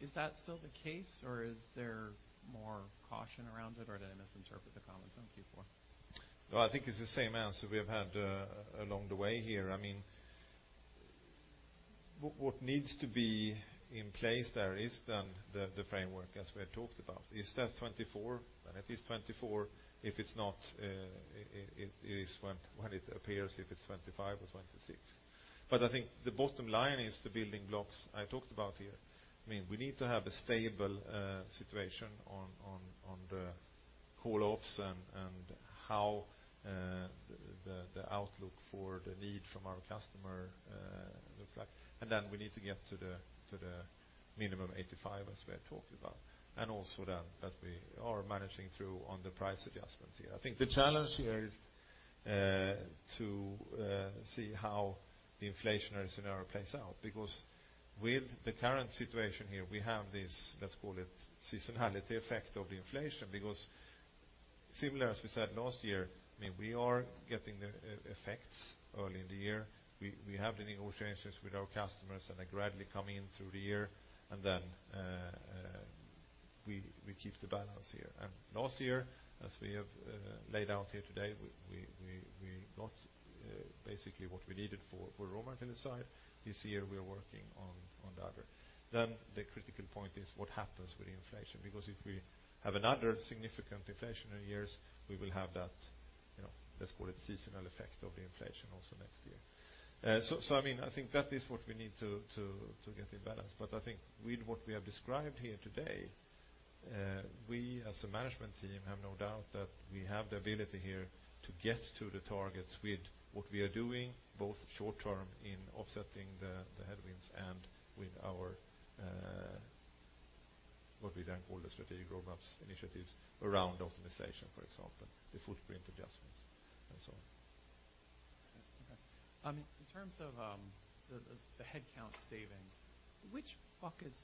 Is that still the case, or is there more caution around it, or did I misinterpret the comments on Q4? Well, I think it's the same answer we have had along the way here. I mean, what needs to be in place there is then the framework as we had talked about. Is that 24? It is 24. If it's not, it is when it appears, if it's 25 or 26. I think the bottom line is the building blocks I talked about here. I mean, we need to have a stable situation on the call-offs and how the outlook for the need from our customer looks like. Then we need to get to the minimum 85, as we had talked about, and also then, that we are managing through on the price adjustments here. I think the challenge here is to see how the inflationary scenario plays out, because with the current situation here, we have this, let's call it, seasonality effect of the inflation. Because similar, as we said last year, I mean, we are getting the effects early in the year. We have the negotiations with our customers, and they're gradually coming in through the year, and then we keep the balance here. Last year, as we have laid out here today, we got basically what we needed for raw material side. This year, we are working on the other. The critical point is what happens with inflation, because if we have another significant inflationary years, we will have that, you know, let's call it seasonal effect of the inflation also next year. So I mean, I think that is what we need to get in balance. I think with what we have described here today, we as a management team, have no doubt that we have the ability here to get to the targets with what we are doing, both short term in offsetting the headwinds and with our what we then call the strategic roadmaps initiatives around optimization, for example, the footprint adjustments and so on. Okay. In terms of the headcount savings, which bucket,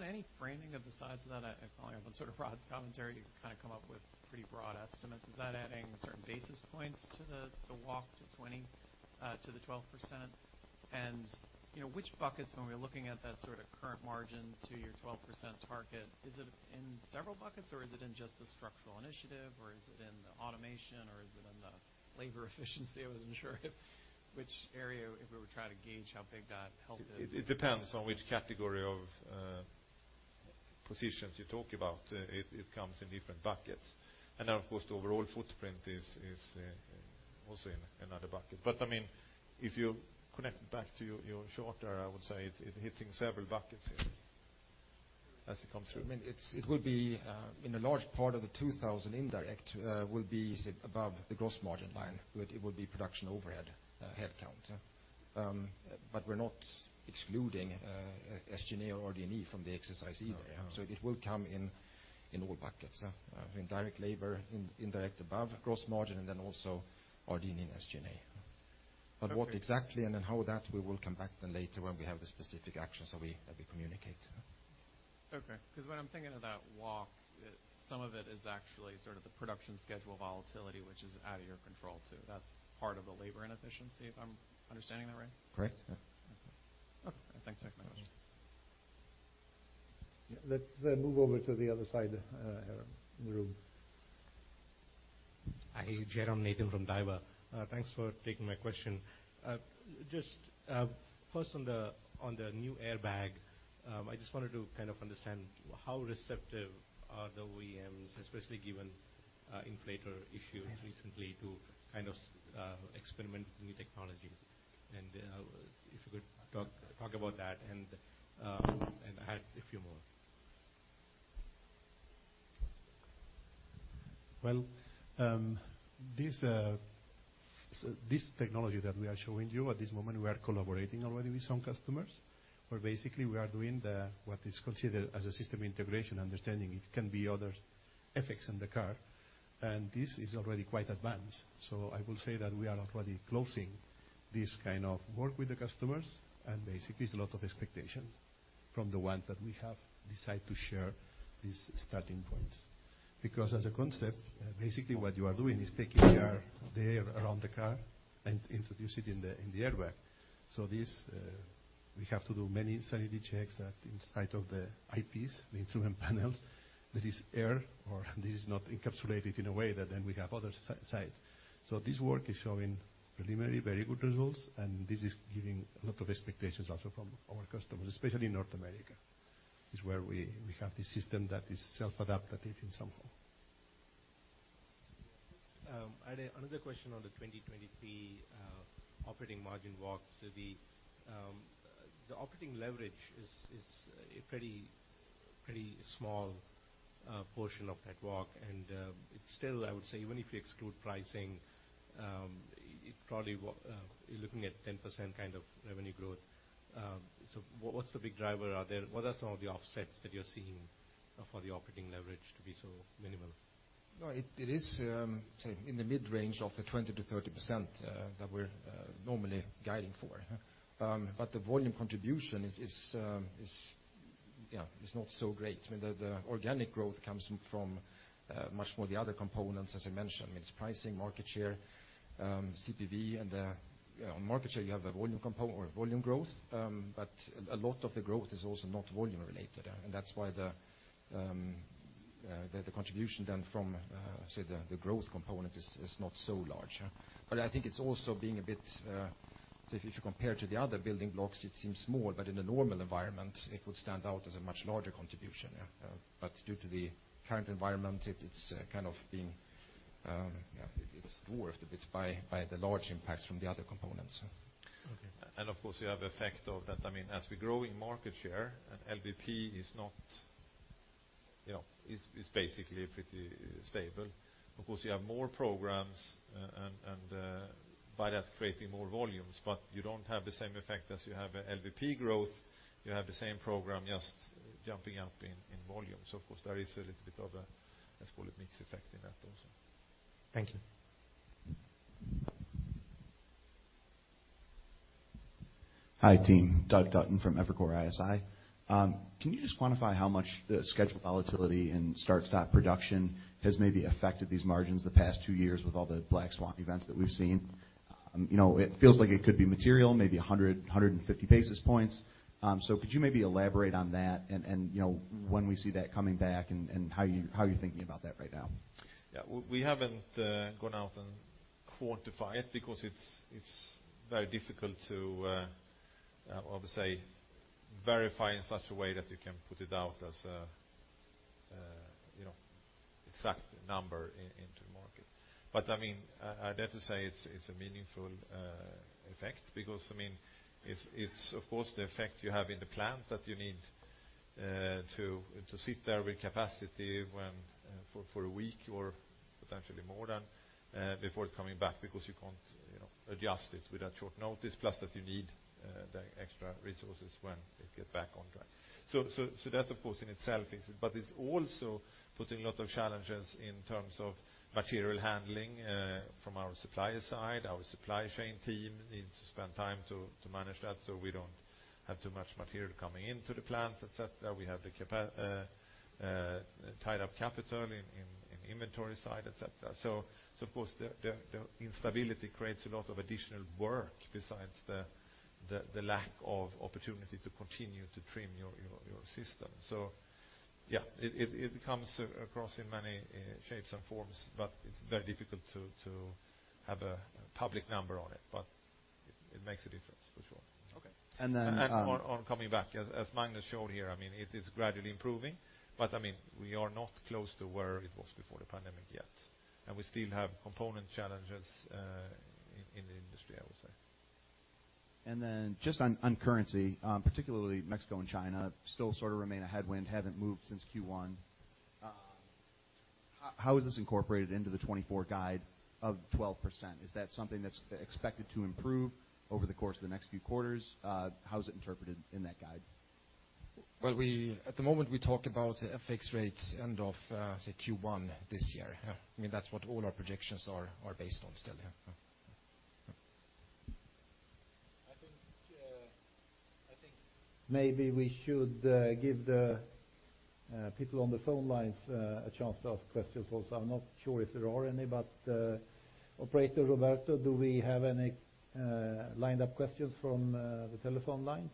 any framing of the size of that? I follow up on sort of broad commentary, you kind of come up with pretty broad estimates. Is that adding certain basis points to the walk to 20, to the 12%? You know, which buckets, when we're looking at that sort of current margin to your 12% target, is it in several buckets, or is it in just the structural initiative, or is it in the automation, or is it in the labor efficiency? I wasn't sure which area, if we were trying to gauge how big that helped it. It depends on which category of positions you talk about. It comes in different buckets. Of course, the overall footprint is also in another bucket. I mean, if you connect it back to your short term, I would say it's hitting several buckets here as it comes through. I mean, it will be in a large part of the 2,000 indirect will be above the gross margin line, it will be production overhead headcount. We're not excluding SGA or RD&E from the exercise either. It will come in all buckets, in direct labor, indirect above gross margin, and then also R&D and SGA. Okay. What exactly, and then how that, we will come back then later when we have the specific actions that we communicate. Perfect. When I'm thinking of that walk, it. Some of it is actually sort of the production schedule volatility, which is out of your control too. That's part of the labor inefficiency, if I'm understanding that right? Correct. Yeah. Okay. Thanks very much. Let's move over to the other side in the room. Hi, Jerome Nathan from Daiwa. Thanks for taking my question. Just first on the, on the new airbag, I just wanted to kind of understand how receptive are the OEMs, especially given inflator issues recently, to kind of experiment with new technology? If you could talk about that, and I had a few more. This technology that we are showing you at this moment, we are collaborating already with some customers, where basically we are doing what is considered as a system integration, understanding it can be other effects in the car, and this is already quite advanced. I will say that we are already closing this kind of work with the customers, and basically, it's a lot of expectation from the ones that we have decided to share these starting points. As a concept, basically what you are doing is taking the air around the car and introduce it in the airbag. This we have to do many sanity checks that inside of the IPs, the instrument panels, there is air, or this is not encapsulated in a way that then we have other sides. This work is showing preliminary, very good results, and this is giving a lot of expectations also from our customers, especially in North America, is where we have this system that is self-adaptive in some way. I had another question on the 2023 operating margin walks. The operating leverage is a pretty small portion of that walk, it's still, I would say, even if you exclude pricing, you're looking at 10% kind of revenue growth. What's the big driver out there? What are some of the offsets that you're seeing for the operating leverage to be so minimal? It is, say, in the mid-range of the 20%-30% that we're normally guiding for. The volume contribution is not so great. I mean, the organic growth comes from much more the other components, as I mentioned. It's pricing, market share, CPV, and on market share, you have the volume component or volume growth. A lot of the growth is also not volume related, and that's why the contribution then from say the growth component is not so large. I think it's also being a bit. If you compare to the other building blocks, it seems small, but in a normal environment, it would stand out as a much larger contribution. Due to the current environment, it's kind of being, yeah, it's dwarfed a bit by the large impacts from the other components. Okay. Of course, you have the effect of that, I mean, as we grow in market share. Yeah, is basically pretty stable. Of course, you have more programs and, by that creating more volumes, but you don't have the same effect as you have an LVP growth. You have the same program just jumping up in volume. Of course, there is a little bit of a, let's call it, mix effect in that also. Thank you. Hi, team. Doug Dutton from Evercore ISI. Can you just quantify how much the schedule volatility and start-stop production has maybe affected these margins the past two years with all the black swan events that we've seen? You know, it feels like it could be material, maybe 100, 150 basis points. Could you maybe elaborate on that? And, you know, when we see that coming back, and how you're thinking about that right now? We haven't gone out and quantified it because it's very difficult to, well, say, verify in such a way that you can put it out as a, you know, exact number into the market. I mean, I dare to say it's a meaningful effect, because, I mean, it's of course the effect you have in the plant that you need to sit there with capacity when for a week or potentially more than before coming back, because you can't, you know, adjust it with a short notice, plus that you need the extra resources when they get back on track. That of course in itself is. It's also putting a lot of challenges in terms of material handling from our supplier side. Our supply chain team needs to spend time to manage that, so we don't have too much material coming into the plant, et cetera. We have tied up capital in inventory side, et cetera. Of course, the instability creates a lot of additional work besides the lack of opportunity to continue to trim your system. Yeah, it comes across in many shapes and forms, but it's very difficult to have a public number on it, but it makes a difference for sure. Okay. On coming back, as Magnus showed here, I mean, it is gradually improving, but, I mean, we are not close to where it was before the pandemic yet, and we still have component challenges in the industry, I would say. Just on currency, particularly Mexico and China, still sort of remain a headwind, haven't moved since Q1. How, how is this incorporated into the 2024 guide of 12%? Is that something that's expected to improve over the course of the next few quarters? How is it interpreted in that guide? Well, at the moment, we talk about a fixed rate end of, say Q1 this year. I mean, that's what all our projections are based on still. Yeah. I think maybe we should give the people on the phone lines a chance to ask questions also. I'm not sure if there are any, Operator Roberto, do we have any lined up questions from the telephone lines?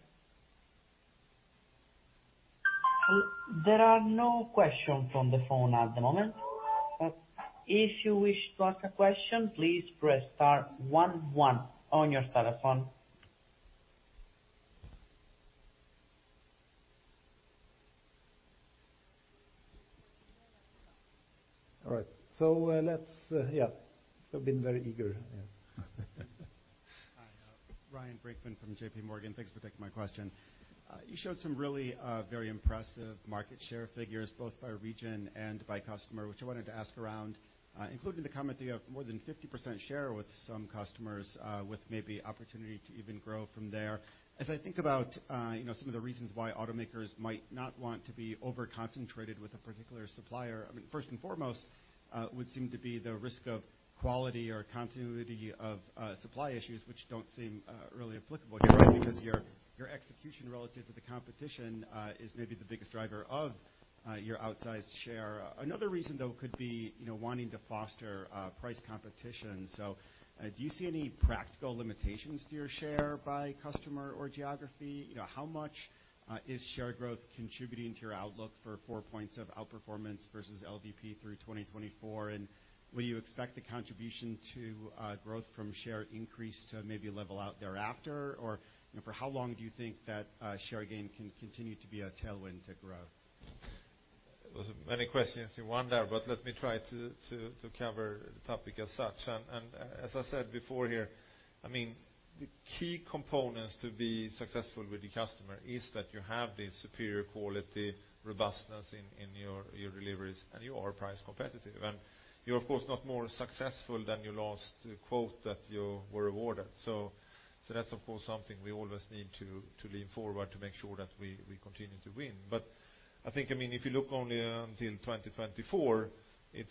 There are no questions on the phone at the moment. If you wish to ask a question, please press star one on your telephone. All right. Yeah, you've been very eager. Yeah. Hi, Ryan Brinkman from JPMorgan. Thanks for taking my question. You showed some really, very impressive market share figures, both by region and by customer, which I wanted to ask around. Including the comment that you have more than 50% share with some customers, with maybe opportunity to even grow from there. As I think about, you know, some of the reasons why automakers might not want to be over-concentrated with a particular supplier, I mean, first and foremost, would seem to be the risk of quality or continuity of supply issues, which don't seem really applicable here, because your execution relative to the competition, is maybe the biggest driver of your outsized share. Another reason, though, could be, you know, wanting to foster price competition. Do you see any practical limitations to your share by customer or geography? You know, how much is share growth contributing to your outlook for four points of outperformance versus LVP through 2024? Will you expect the contribution to growth from share increase to maybe level out thereafter? You know, for how long do you think that share gain can continue to be a tailwind to growth? There was many questions in one there, let me try to cover the topic as such. As I said before here, I mean, the key components to be successful with the customer is that you have the superior quality, robustness in your deliveries, and you are price competitive. You're, of course, not more successful than your last quote that you were awarded. That's, of course, something we always need to lean forward to make sure that we continue to win. I think, I mean, if you look only until 2024, it's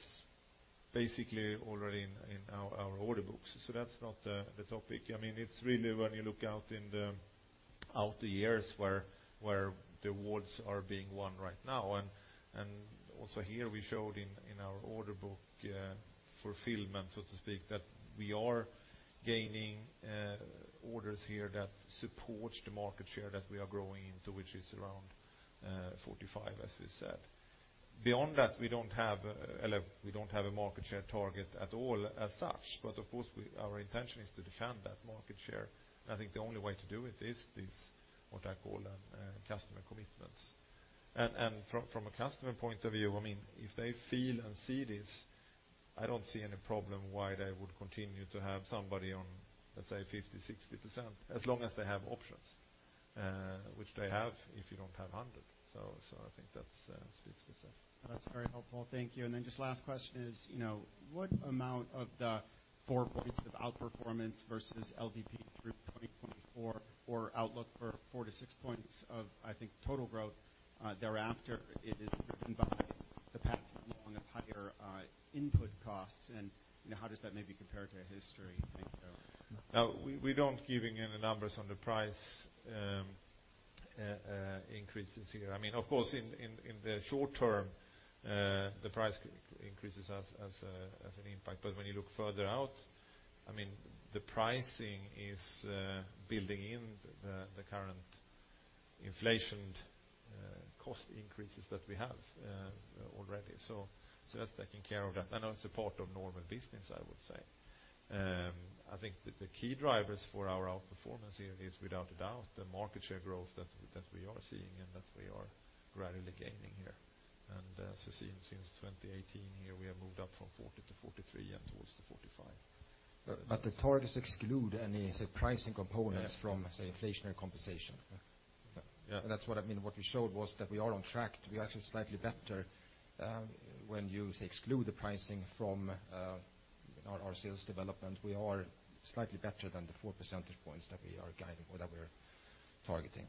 basically already in our order books. That's not the topic. I mean, it's really when you look out in the outer years where the awards are being won right now. Also here, we showed in our order book, fulfillment, so to speak, that we are gaining orders here that supports the market share that we are growing into, which is around 45, as we said. Beyond that, we don't have, well, we don't have a market share target at all as such, but of course, our intention is to defend that market share. I think the only way to do it is this, what I call, customer commitments. From a customer point of view, I mean, if they feel and see this, I don't see any problem why they would continue to have somebody on, let's say, 50%, 60%, as long as they have options, which they have, if you don't have 100. I think that's speaks for itself. That's very helpful. Thank you. Then just last question is, you know, what amount of the four points of outperformance versus LVP through 2024 or outlook for four to six points of, I think, total growth thereafter, it is driven by the passing along of higher input costs, and, you know, how does that maybe compare to history? Thank you. We don't giving in the numbers on the price increases here. I mean, of course, in the short term, the price increases as an impact. When you look further out, I mean, the pricing is building in the current inflation cost increases that we have already. That's taking care of that, and it's a part of normal business, I would say. I think the key drivers for our outperformance here is, without a doubt, the market share growth that we are seeing and that we are gradually gaining here. Seeing since 2018 here, we have moved up from 40 to 43 and towards the 45. The targets exclude any surprising components- Yeah. from, say, inflationary compensation. Yeah. That's what I mean. What we showed was that we are on track to be actually slightly better, when you exclude the pricing from our sales development. We are slightly better than the 4 percentage points that we are guiding or that we're targeting.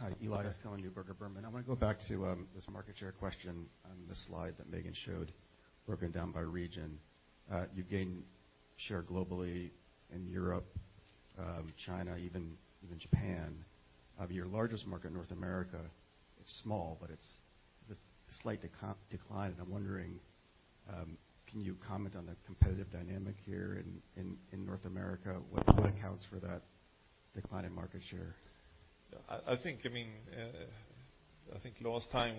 Hi, Eli Laskow, Neuberger Berman. I want to go back to this market share question on the slide that Megan showed, broken down by region. You gain share globally in Europe, China, even Japan. Of your largest market, North America, it's small, but it's a slight decline, and I'm wondering, can you comment on the competitive dynamic here in North America? What accounts for that decline in market share? I think, I mean, I think last time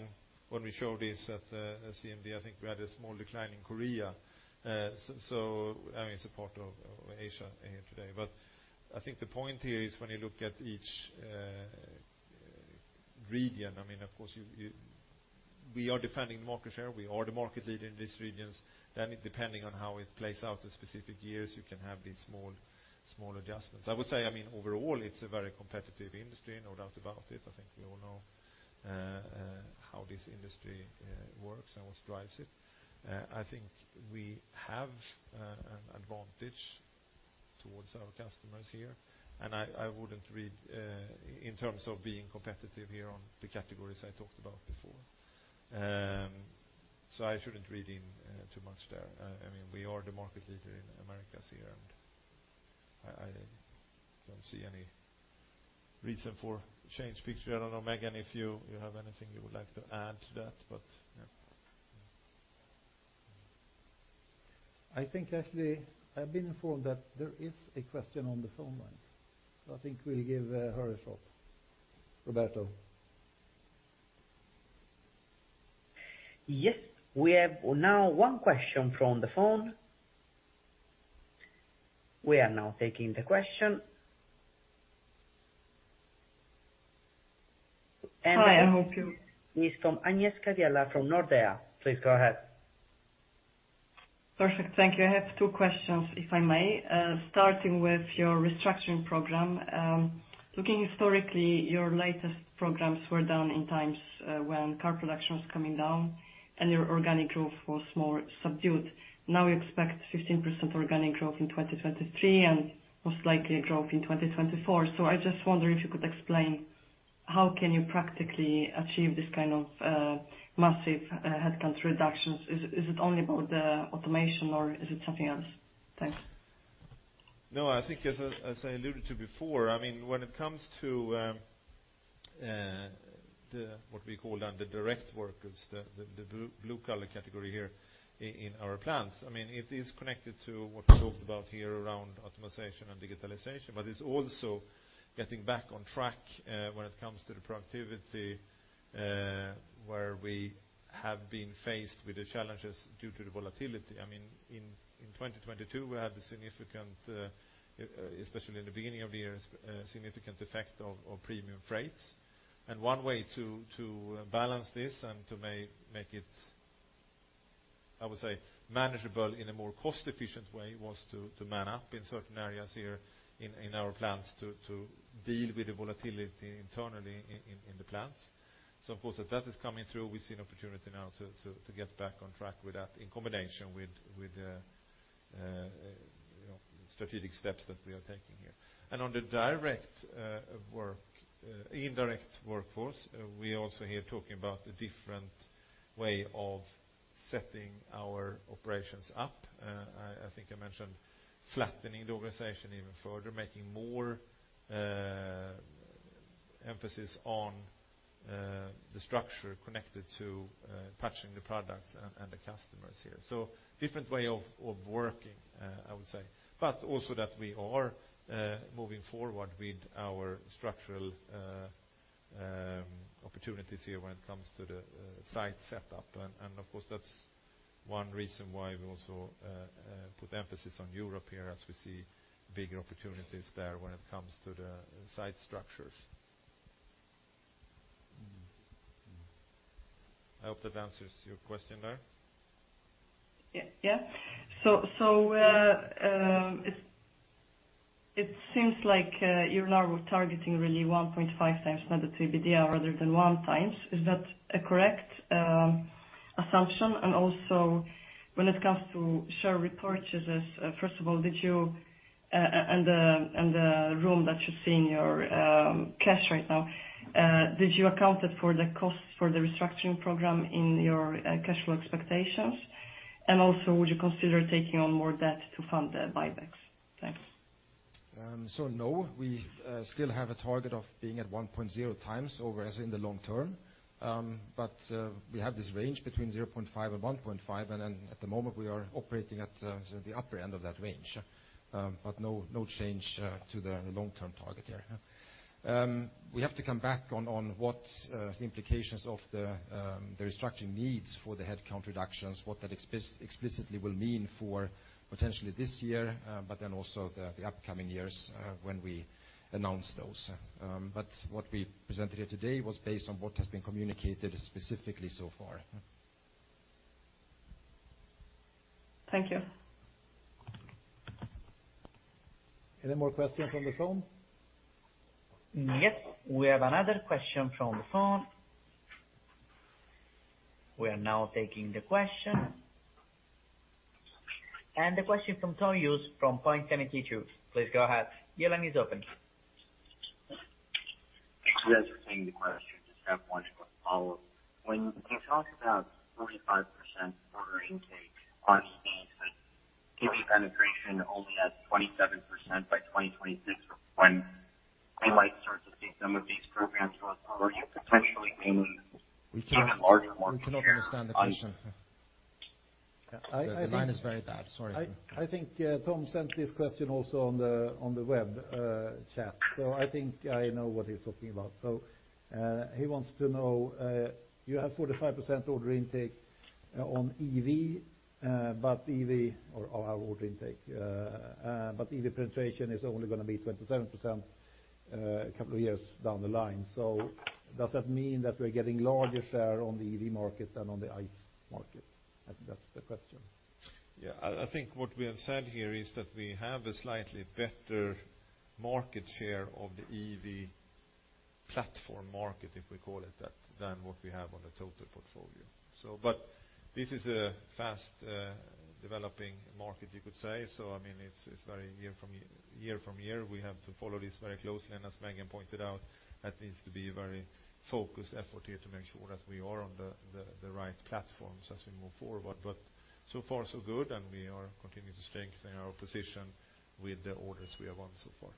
when we showed this at CMD, I think we had a small decline in Korea. I mean, it's a part of Asia here today. I think the point here is when you look at each region, I mean, of course, we are defending the market share. We are the market leader in these regions, then depending on how it plays out the specific years, you can have these small adjustments. I would say, I mean, overall, it's a very competitive industry, no doubt about it. I think we all know how this industry works and what drives it. I think we have an advantage towards our customers here, and I wouldn't read in terms of being competitive here on the categories I talked about before. I shouldn't read in too much there. I mean, we are the market leader in Americas here, and I don't see any reason for change picture. I don't know, Megan, if you have anything you would like to add to that, yeah. I think, actually, I've been informed that there is a question on the phone line. I think we'll give her a shot. Roberto? We have now one question from the phone. We are now taking the question. Hi, how are you? It's from Agnieszka Vilela from Nordea. Please go ahead. Perfect. Thank you. I have two questions, if I may, starting with your restructuring program. Looking historically, your latest programs were down in times, when car production was coming down, and your organic growth was more subdued. Now you expect 15% organic growth in 2023 and most likely growth in 2024. I just wonder if you could explain, how can you practically achieve this kind of, massive, headcount reductions? Is it only about the automation, or is it something else? Thanks. No, I think as I, as I alluded to before, I mean, when it comes to the what we call then the direct workers, the blue collar category here in our plants, I mean, it is connected to what we talked about here around optimization and digitalization, but it's also getting back on track when it comes to the productivity, where we have been faced with the challenges due to the volatility. I mean, in 2022, we had the significant, especially in the beginning of the year, significant effect of premium rates. One way to balance this and to make it, I would say, manageable in a more cost-efficient way was to man up in certain areas here in our plants, to deal with the volatility internally in the plants. Of course, if that is coming through, we see an opportunity now to get back on track with that in combination with the, you know, strategic steps that we are taking here. On the direct work, indirect workforce, we also here talking about the different way of setting our operations up. I think I mentioned flattening the organization even further, making more emphasis on the structure connected to touching the products and the customers here. Different way of working, I would say, but also that we are moving forward with our structural opportunities here when it comes to the site setup. Of course, that's one reason why we also put emphasis on Europe here, as we see bigger opportunities there when it comes to the site structures. I hope that answers your question there. Yeah. It seems like you're now targeting really 1.5x net EBITDA rather than 1x. Is that a correct assumption? Also, when it comes to share repurchases, first of all, did you, and the room that you see in your cash right now, did you account it for the costs for the restructuring program in your cash flow expectations? Also, would you consider taking on more debt to fund the buybacks? Thanks. No, we still have a target of being at 1.0x over, as in the long term. We have this range between 0.5 and 1.5, and then at the moment, we are operating at the upper end of that range. No, no change to the long-term target here. We have to come back on what the implications of the restructuring needs for the headcount reductions, what that explicitly will mean for potentially this year, but then also the upcoming years when we announce those. What we presented here today was based on what has been communicated specifically so far. Thank you. Any more questions on the phone? We have another question from the phone. We are now taking the question. The question from Tom Hughes, from Point72. Please go ahead. The line is open. Thanks for taking the question. Just have onw quick follow-up. You talk about 45% order intake on EV, but giving penetration only at 27% by 2026, when we might start to see some of these programs roll out, are you potentially meaning even larger ones? We cannot understand the question. Yeah. The line is very bad. Sorry. I think, Tom sent this question also on the web chat, I think I know what he's talking about. He wants to know, you have 45% order intake on EV, but EV penetration is only gonna be 27% a couple of years down the line. Does that mean that we're getting larger share on the EV market than on the ICE market? I think that's the question. Yeah, I think what we have said here is that we have a slightly better market share of the EV platform market, if we call it that, than what we have on the total portfolio. This is a fast developing market, you could say. I mean, it's very year from year, we have to follow this very closely. As Megan pointed out, that needs to be a very focused effort here to make sure that we are on the right platforms as we move forward. So far, so good, and we are continuing to strengthen our position with the orders we have won so far.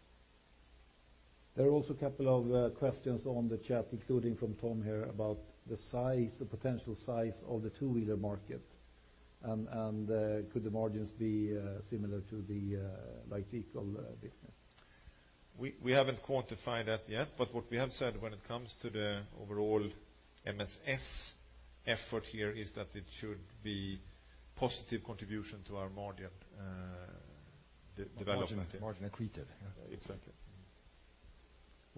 There are also a couple of questions on the chat, including from Tom here, about the size, the potential size of the two-wheeler market. Could the margins be similar to the like vehicle business? We haven't quantified that yet, but what we have said when it comes to the overall MSS effort here, is that it should be positive contribution to our margin development. Margin accretive.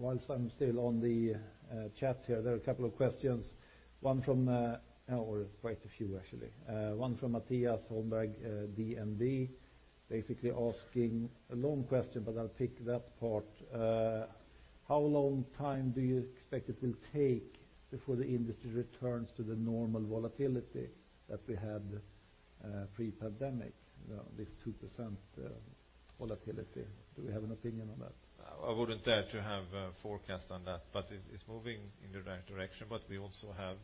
Exactly. Whilst I'm still on the chat here, there are a couple of questions. Quite a few, actually. One from Mattias Holmberg, DNB, basically asking a long question. I'll pick that part. How long time do you expect it will take before the industry returns to the normal volatility that we had pre-pandemic? This 2% volatility. Do we have an opinion on that? I wouldn't dare to have a forecast on that, it's moving in the right direction. we also have,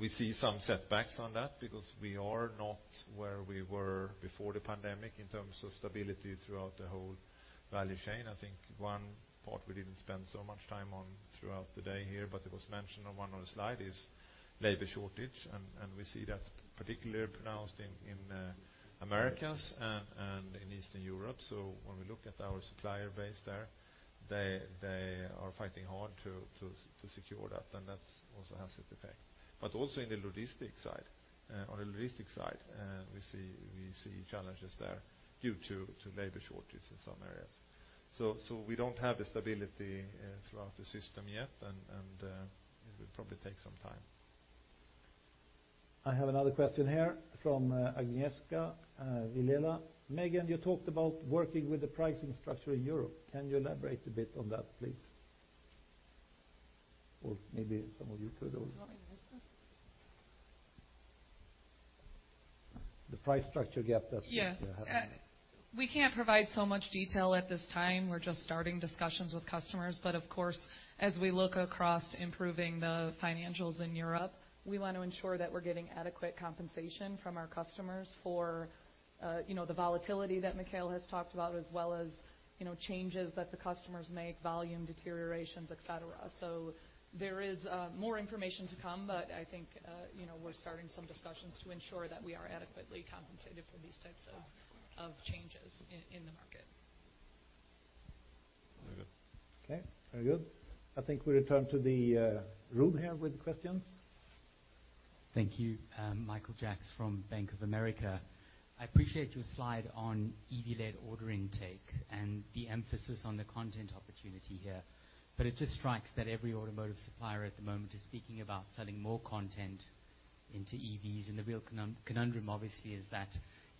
we see some setbacks on that because we are not where we were before the pandemic in terms of stability throughout the whole value chain. I think one part we didn't spend so much time on throughout the day here, but it was mentioned on one of the slide, is labor shortage, and we see that particularly pronounced in Americas and in Eastern Europe. when we look at our supplier base there, they are fighting hard to secure that, and that's also has its effect. also in the logistic side, on the logistic side, we see challenges there due to labor shortages in some areas. We don't have the stability throughout the system yet, and it will probably take some time. I have another question here from Agnieszka Vilela. Megan, you talked about working with the pricing structure in Europe. Can you elaborate a bit on that, please? Or maybe some of you could also. Do you want me to answer? The price structure, yeah. Yeah. Yeah. We can't provide so much detail at this time. We're just starting discussions with customers. Of course, as we look across improving the financials in Europe, we want to ensure that we're getting adequate compensation from our customers for, you know, the volatility that Mikael has talked about, as well as, you know, changes that the customers make, volume deteriorations, et cetera. There is more information to come, I think, you know, we're starting some discussions to ensure that we are adequately compensated for these types of changes in the market. Very good. Okay, very good. I think we return to the room here with questions. Thank you. Michael Jacks from Bank of America. I appreciate your slide on EV-led order intake and the emphasis on the content opportunity here, but it just strikes that every automotive supplier at the moment is speaking about selling more content into EVs. The real conundrum, obviously, is that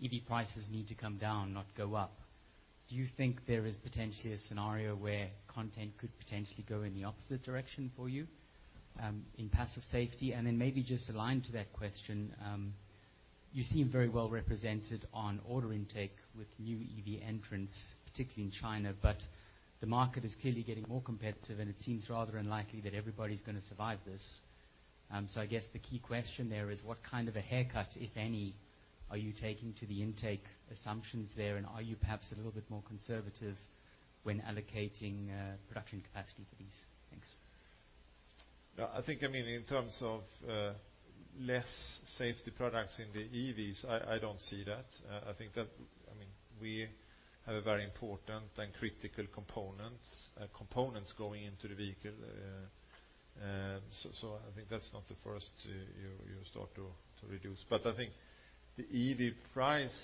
EV prices need to come down not go up. Do you think there is potentially a scenario where content could potentially go in the opposite direction for you, in passive safety? Maybe just aligned to that question, you seem very well represented on order intake with new EV entrants, particularly in China. The market is clearly getting more competitive, and it seems rather unlikely that everybody's gonna survive this. I guess the key question there is, what kind of a haircut, if any, are you taking to the intake assumptions there? Are you perhaps a little bit more conservative when allocating production capacity for these? Thanks. I think, I mean, in terms of less safety products in the EVs, I don't see that. I think that, I mean, we have a very important and critical components going into the vehicle. I think that's not the first you start to reduce. I think the EV price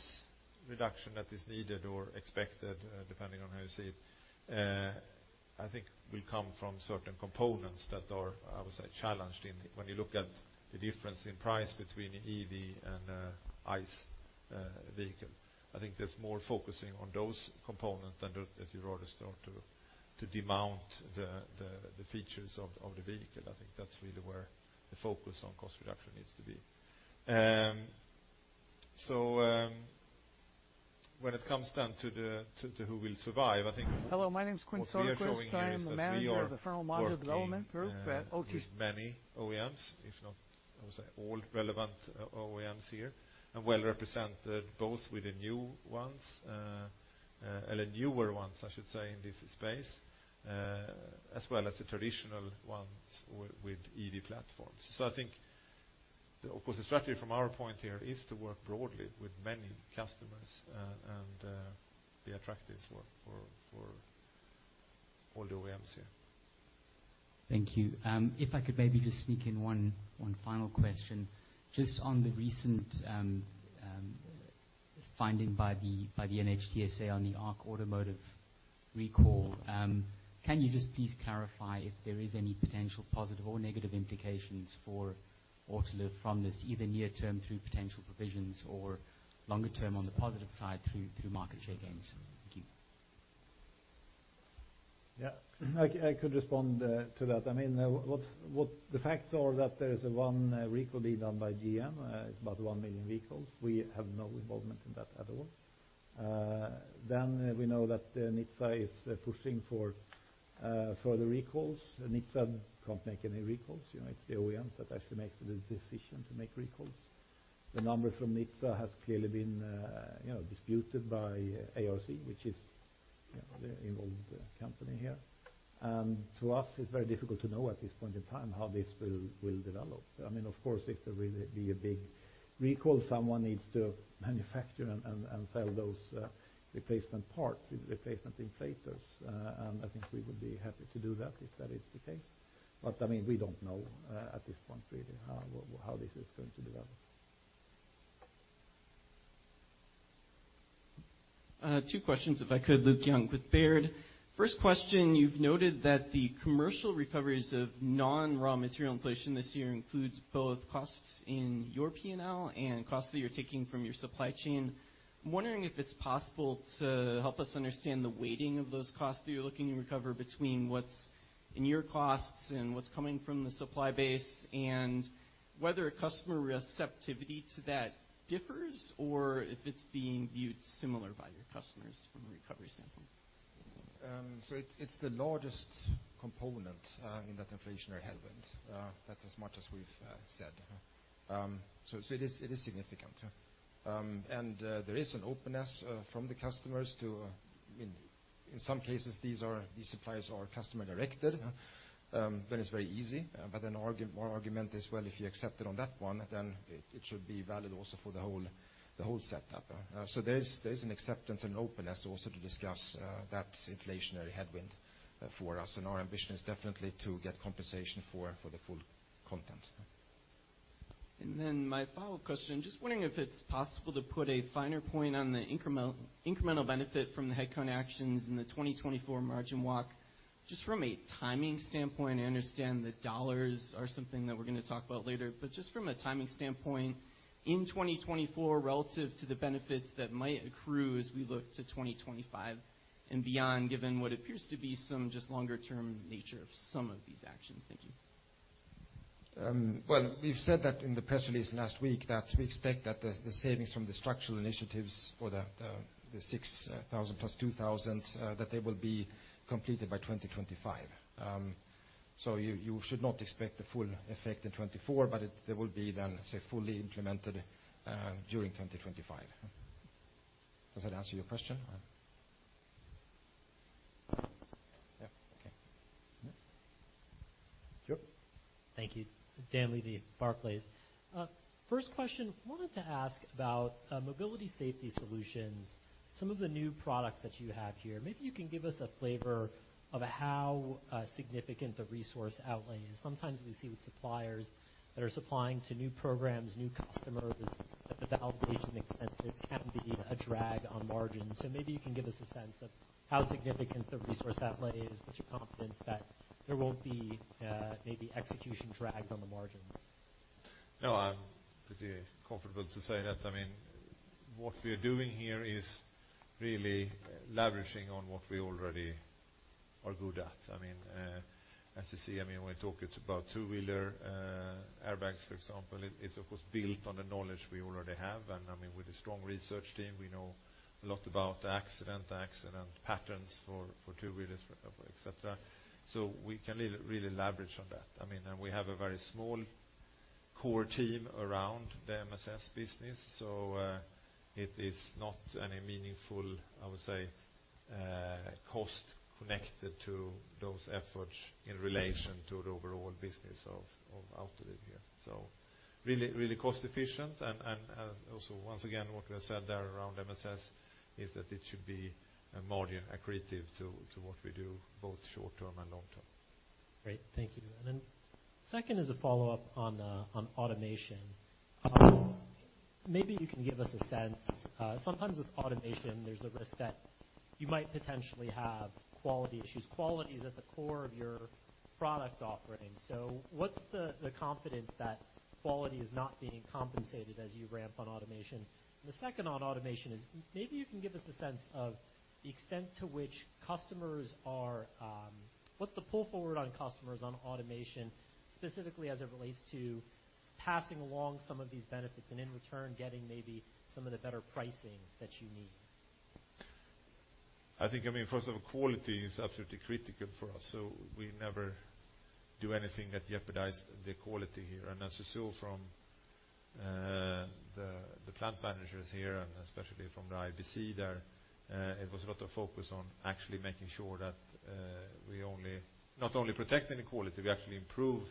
reduction that is needed or expected, depending on how you see it, I think will come from certain components that are, I would say, challenged in when you look at the difference in price between an EV and an ICE vehicle. I think there's more focusing on those components than if you rather start to demount the features of the vehicle. I think that's really where the focus on cost reduction needs to be. When it comes down to the who will survive. Hello, my name is Quin Soderquist. I am the manager of the Frontal Module Development Group at OTC. Working with many OEMs, if not, I would say, all relevant OEMs here, and well represented both with the new ones, well the newer ones, I should say, in this space, as well as the traditional ones with EV platforms. I think the, of course, the strategy from our point here is to work broadly with many customers, and be attractive for all the OEMs here. Thank you. If I could maybe just sneak in one final question. Just on the recent finding by the NHTSA on the ARC Automotive recall, can you just please clarify if there is any potential positive or negative implications for Autoliv from this, either near term through potential provisions or longer term on the positive side through market share gains? Thank you. Yeah, I could respond to that. I mean, what the facts are that there is one recall being done by GM, about 1 million vehicles. We have no involvement in that at all. We know that NHTSA is pushing for further recalls. NHTSA can't make any recalls, you know, it's the OEMs that actually makes the decision to make recalls. The number from NHTSA has clearly been, you know, disputed by ARC, which is, you know, the involved company here. To us, it's very difficult to know at this point in time how this will develop. I mean, of course, if there really be a big recall, someone needs to manufacture and sell those replacement parts, replacement inflators, and I think we would be happy to do that if that is the case. I mean, we don't know, at this point, really, how this is going to develop. Two questions, if I could. Luke Junk with Baird. First question, you've noted that the commercial recoveries of non-raw material inflation this year includes both costs in your P&L and costs that you're taking from your supply chain. I'm wondering if it's possible to help us understand the weighting of those costs that you're looking to recover between what's in your costs and what's coming from the supply base, and whether a customer receptivity to that differs, or if it's being viewed similar by your customers from a recovery standpoint? It's the largest component in that inflationary headwind. That's as much as we've said. It is significant, yeah. There is an openness from the customers to, I mean, in some cases, these suppliers are customer-directed, it's very easy. Our argument is well, if you accept it on that one, it should be valid also for the whole setup. There is an acceptance and openness also to discuss that inflationary headwind for us. Our ambition is definitely to get compensation for the full content. My follow-up question, just wondering if it's possible to put a finer point on the incremental benefit from the head count actions in the 2024 margin walk. Just from a timing standpoint, I understand the dollars are something that we're going to talk about later, but just from a timing standpoint, in 2024 relative to the benefits that might accrue as we look to 2025 and beyond, given what appears to be some just longer term nature of some of these actions. Thank you. Well, we've said that in the press release last week, that we expect that the savings from the structural initiatives for the 6,000 + 2,000, that they will be completed by 2025. You should not expect the full effect in 2024, but they will be then, say, fully implemented during 2025. Does that answer your question? Yeah. Okay. Sure. Thank you. Dan Levy, Barclays. First question, wanted to ask about Mobility Safety Solutions, some of the new products that you have here. Maybe you can give us a flavor of how significant the resource outlay is. Sometimes we see with suppliers that are supplying to new programs, new customers, that the validation expenses can be a drag on margins. Maybe you can give us a sense of how significant the resource outlay is, but your confidence that there won't be maybe execution drags on the margins. No, I'm pretty comfortable to say that. I mean, what we are doing here is really leveraging on what we already are good at. I mean, as you see, I mean, when we talk it's about two-wheeler airbags, for example, it's of course, built on the knowledge we already have. I mean, with a strong research team, we know a lot about accident patterns for two-wheelers, et cetera. We can really leverage on that. I mean, we have a very small core team around the MSS business, so it is not any meaningful, I would say, cost connected to those efforts in relation to the overall business of Autoliv here. Really, really cost efficient, and also once again, what I said there around MSS, is that it should be more accretive to what we do, both short-term and long-term. Great, thank you. Second is a follow-up on automation. Maybe you can give us a sense, sometimes with automation, there's a risk that you might potentially have quality issues. Quality is at the core of your product offering, what's the confidence that quality is not being compensated as you ramp on automation? The second on automation is maybe you can give us a sense of the extent to which customers are. What's the pull forward on customers on automation, specifically as it relates to passing along some of these benefits, and in return, getting maybe some of the better pricing that you need? I think, I mean, first of all, quality is absolutely critical for us, so we never do anything that jeopardize the quality here. As you saw from, the plant managers here, and especially from the IBC there, it was a lot of focus on actually making sure that we only, not only protecting the quality, we actually improve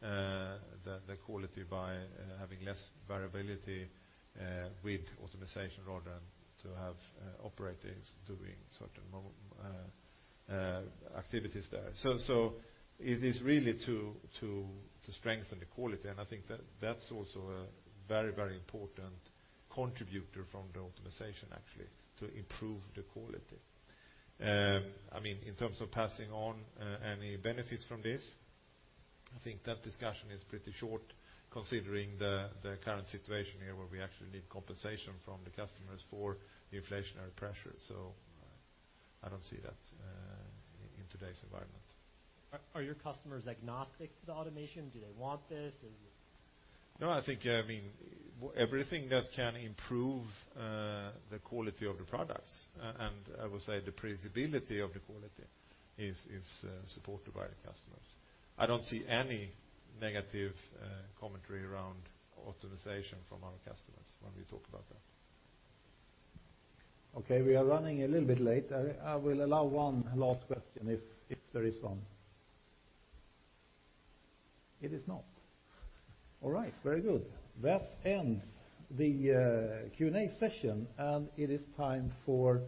the quality by having less variability with optimization, rather than to have operators doing certain activities there. It is really to strengthen the quality, and I think that's also a very, very important contributor from the optimization, actually, to improve the quality. I mean, in terms of passing on, any benefits from this, I think that discussion is pretty short, considering the current situation here, where we actually need compensation from the customers for the inflationary pressure. I don't see that in today's environment. Are your customers agnostic to the automation? Do they want this? I think, I mean, everything that can improve the quality of the products, and I would say the predictability of the quality, is supported by the customers. I don't see any negative commentary around optimization from our customers when we talk about that. Okay, we are running a little bit late. I will allow one last question, if there is one. It is not. All right, very good. That ends the Q&A session. It is time for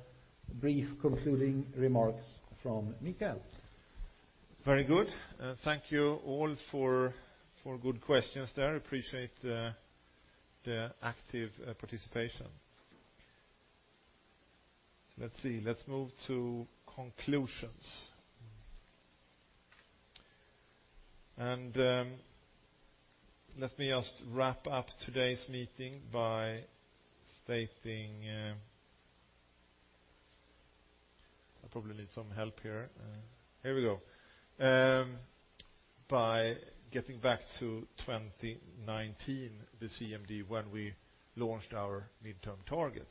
brief concluding remarks from Mikael. Very good. Thank you all for good questions there. Appreciate the active participation. Let's see, let's move to conclusions. Let me just wrap up today's meeting by stating, I probably need some help here. Here we go. By getting back to 2019, the CMD, when we launched our mid-term targets,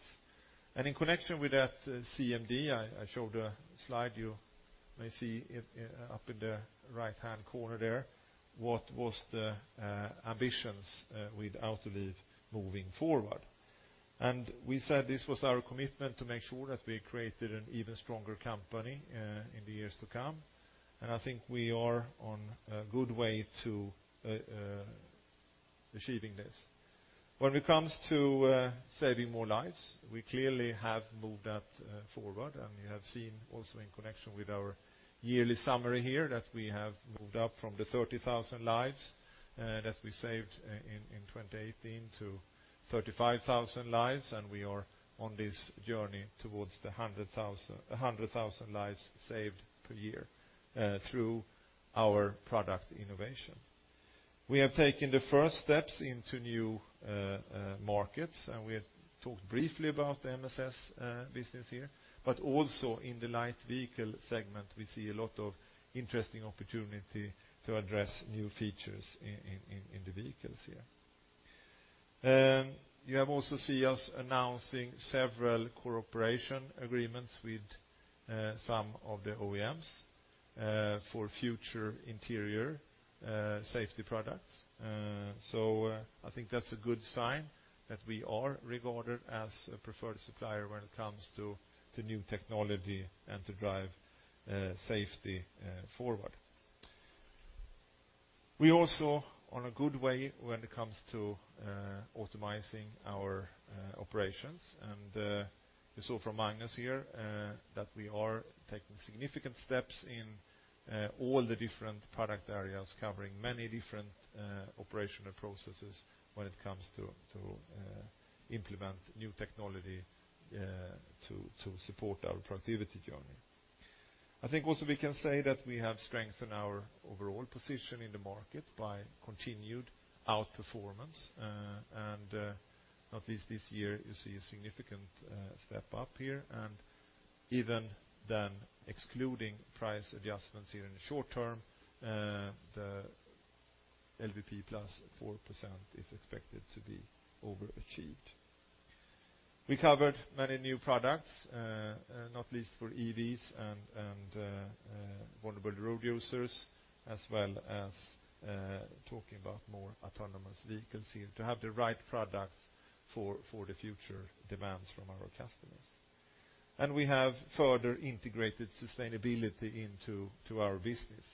and in connection with that, CMD, I showed a slide, you may see it up in the right-hand corner there, what was the ambitions with Autoliv moving forward? We said this was our commitment to make sure that we created an even stronger company in the years to come, and I think we are on a good way to achieving this. When it comes to saving more lives, we clearly have moved that forward. You have seen also in connection with our yearly summary here, that we have moved up from the 30,000 lives that we saved in 2018, to 35,000 lives, and we are on this journey towards the 100,000 lives saved per year through our product innovation. We have taken the first steps into new markets. We have talked briefly about the MSS business here. Also in the light vehicle segment, we see a lot of interesting opportunity to address new features in the vehicles here. You have also see us announcing several cooperation agreements with some of the OEMs for future interior safety products. I think that's a good sign that we are regarded as a preferred supplier when it comes to new technology and to drive safety forward. We also on a good way when it comes to automizing our operations, and you saw from Magnus here that we are taking significant steps in all the different product areas, covering many different operational processes when it comes to implement new technology to support our productivity journey. I think also we can say that we have strengthened our overall position in the market by continued outperformance, and at least this year, you see a significant step up here. Even then, excluding price adjustments here in the short term, the LVP +4% is expected to be overachieved. We covered many new products, not least for EVs and vulnerable road users, as well as talking about more autonomous vehicles here to have the right products for the future demands from our customers. We have further integrated sustainability into our business.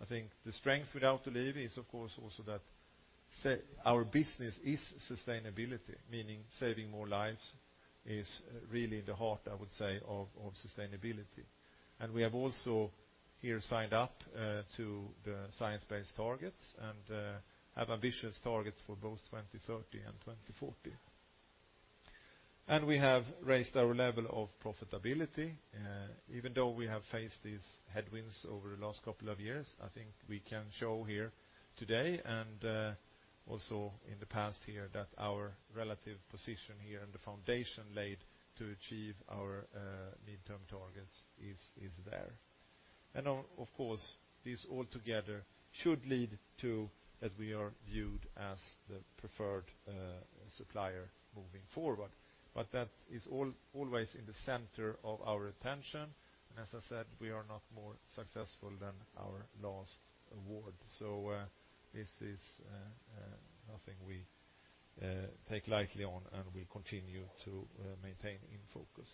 I think the strength with Autoliv is, of course, also that our business is sustainability, meaning saving more lives is really the heart, I would say, of sustainability. We have also here signed up to the science-based targets and have ambitious targets for both 2030 and 2040. We have raised our level of profitability, even though we have faced these headwinds over the last couple of years, I think we can show here today, and also in the past here, that our relative position here and the foundation laid to achieve our mid-term targets is there. Of course, this all together should lead to that we are viewed as the preferred supplier moving forward. That is always in the center of our attention, and as I said, we are not more successful than our last award. This is nothing we take lightly on, and we continue to maintain in focus.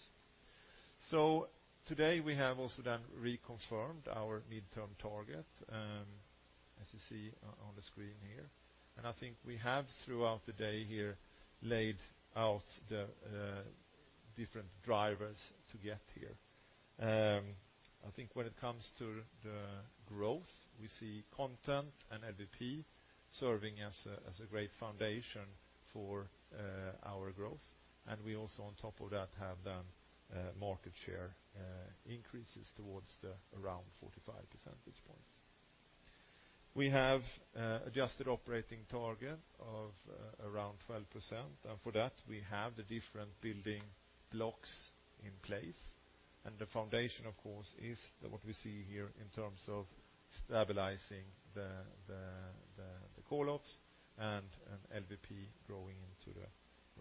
Today, we have also then reconfirmed our mid-term target, as you see on the screen here, I think we have, throughout the day here, laid out the different drivers to get here. I think when it comes to the growth, we see content and LVP serving as a great foundation for our growth, we also, on top of that, have then market share increases towards the around 45 percentage points. We have adjusted operating target of around 12%, for that, we have the different building blocks in place. The foundation, of course, is what we see here in terms of stabilizing the call-offs and an LVP growing into the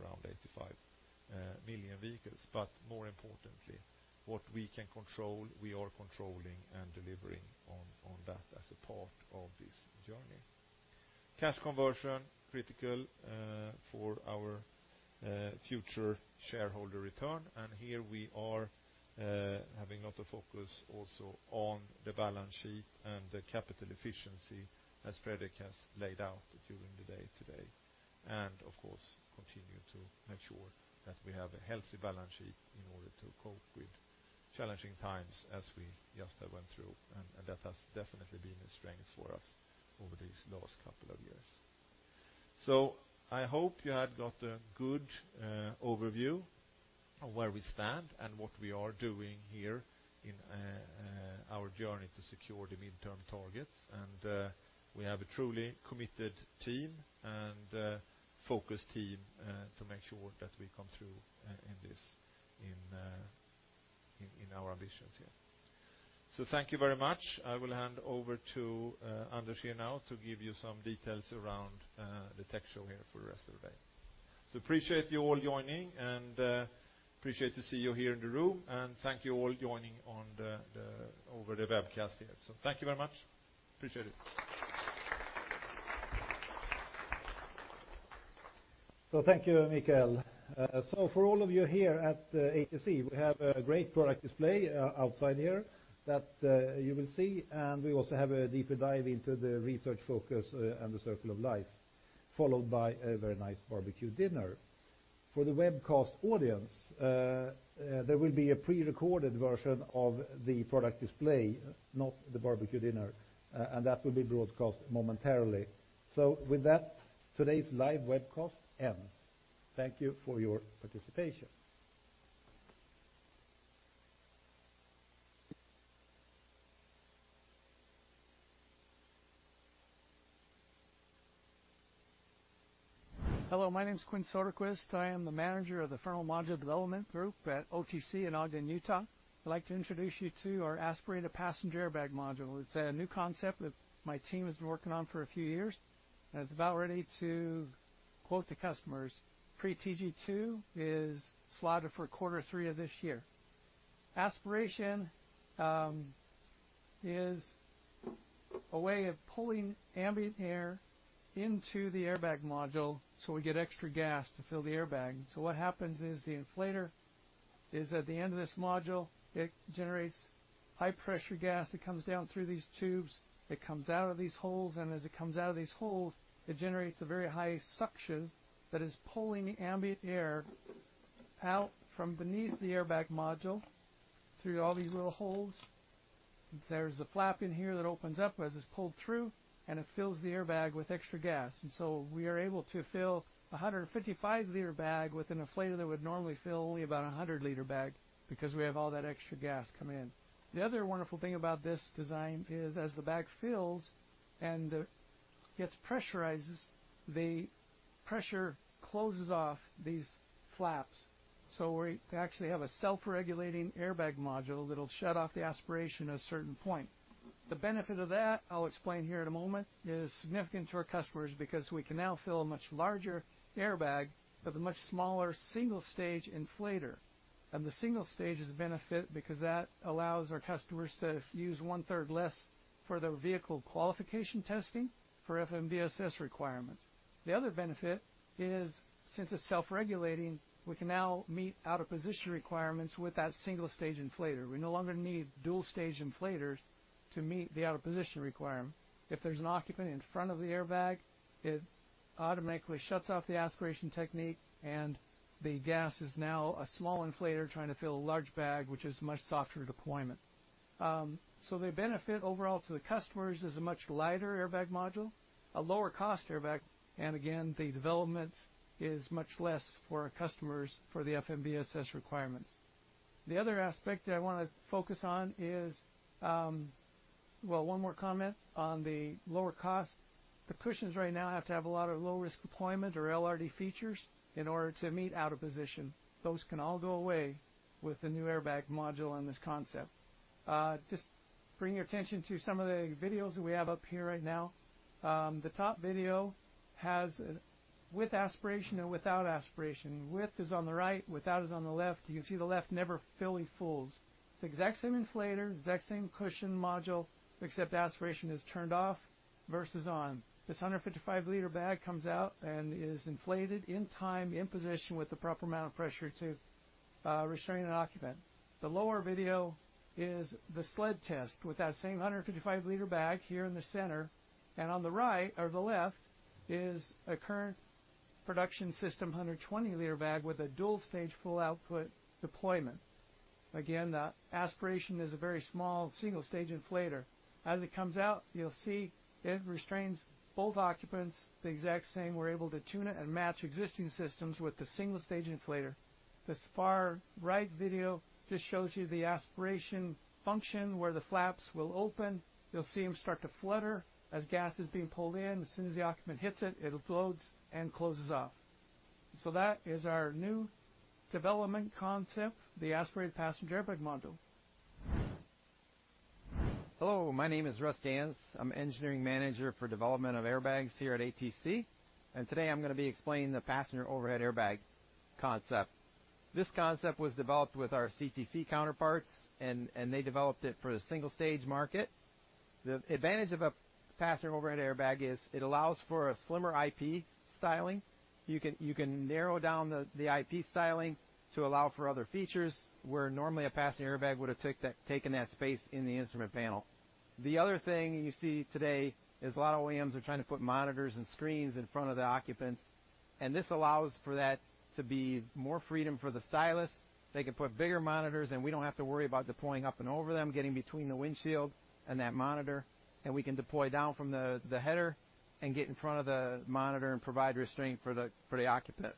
around 85 million vehicles. More importantly, what we can control, we are controlling and delivering on that as a part of this journey. Cash conversion, critical for our future shareholder return, and here we are having a lot of focus also on the balance sheet and the capital efficiency, as Fredrik has laid out during the day today. Of course, continue to make sure that we have a healthy balance sheet in order to cope with challenging times as we just went through, and that has definitely been a strength for us over these last couple of years. I hope you have got a good overview of where we stand and what we are doing here in our journey to secure the mid-term targets. We have a truly committed team and a focused team to make sure that we come through in this, in our ambitions here. Thank you very much. I will hand over to Anders here now to give you some details around the tech show here for the rest of the day. Appreciate you all joining, and appreciate to see you here in the room, and thank you all joining on the over the webcast here. Thank you very much. Appreciate it. Thank you, Mikael. For all of you here at ATC, we have a great product display outside here that you will see, and we also have a deeper dive into the research focus and the Autoliv Circle of Life, followed by a very nice barbecue dinner. For the webcast audience, there will be a prerecorded version of the product display, not the barbecue dinner, and that will be broadcast momentarily. With that, today's live webcast ends. Thank you for your participation. Hello, my name is Quin Soderquist. I am the manager of the Frontal Module Development Group at OTC in Ogden, Utah. I'd like to introduce you to our aspirated passenger airbag module. It's a new concept that my team has been working on for a few years, and it's about ready to quote to customers. Pre-TG2 is slotted for quarter three of this year. Aspiration is a way of pulling ambient air into the airbag module, so we get extra gas to fill the airbag. What happens is the inflator is at the end of this module, it generates high-pressure gas that comes down through these tubes. It comes out of these holes, and as it comes out of these holes, it generates a very high suction that is pulling ambient air out from beneath the airbag module through all these little holes. There's a flap in here that opens up as it's pulled through, and it fills the airbag with extra gas. We are able to fill a 155L bag with an inflator that would normally fill only about a 100L bag because we have all that extra gas come in. The other wonderful thing about this design is as the bag fills and gets pressurizes, the pressure closes off these flaps. We actually have a self-regulating airbag module that'll shut off the aspiration at a certain point. The benefit of that, I'll explain here in a moment, is significant to our customers because we can now fill a much larger airbag with a much smaller single-stage inflator. The single stage is a benefit because that allows our customers to use one third less for their vehicle qualification testing for FMVSS requirements. The other benefit is, since it's self-regulating, we can now meet out-of-position requirements with that single-stage inflator. We no longer need dual-stage inflators to meet the out-of-position requirement. If there's an occupant in front of the airbag, it automatically shuts off the aspiration technique, and the gas is now a small inflator trying to fill a large bag, which is much softer deployment. The benefit overall to the customers is a much lighter airbag module, a lower cost airbag. Again, the development is much less for our customers for the FMVSS requirements. The other aspect that I wanna focus on is one more comment on the lower cost. The cushions right now have to have a lot of low-risk deployment or LRD features in order to meet out-of-position. Those can all go away with the new airbag module on this concept. Just bring your attention to some of the videos that we have up here right now. The top video has, with aspiration and without aspiration. With is on the right, without is on the left. You can see the left never fully fools. It's the exact same inflator, exact same cushion module, except aspiration is turned off versus on. This 155L bag comes out and is inflated in time, in position, with the proper amount of pressure to restrain an occupant. The lower video is the sled test with that same 155L bag here in the center, and on the right or the left is a current production system, 120L bag with a dual stage, full output deployment. Again, the aspiration is a very small single-stage inflator. As it comes out, you'll see it restrains both occupants the exact same. We're able to tune it and match existing systems with the single-stage inflator. This far right video just shows you the aspiration function, where the flaps will open. You'll see them start to flutter as gas is being pulled in. As soon as the occupant hits it floats and closes off. That is our new development concept, the aspirated passenger airbag module. Hello, my name is Russ Gantz. I'm Engineering Manager for Development of Airbags here at ATC. Today I'm going to be explaining the passenger overhead airbag concept. This concept was developed with our CTC counterparts. They developed it for the single-stage market. The advantage of a passenger overhead airbag is it allows for a slimmer IP styling. You can narrow down the IP styling to allow for other features, where normally a passenger airbag would have taken that space in the instrument panel. The other thing you see today is a lot of OEMs are trying to put monitors and screens in front of the occupants. This allows for that to be more freedom for the stylist. They can put bigger monitors, we don't have to worry about deploying up and over them, getting between the windshield and that monitor, and we can deploy down from the header and get in front of the monitor and provide restraint for the occupant.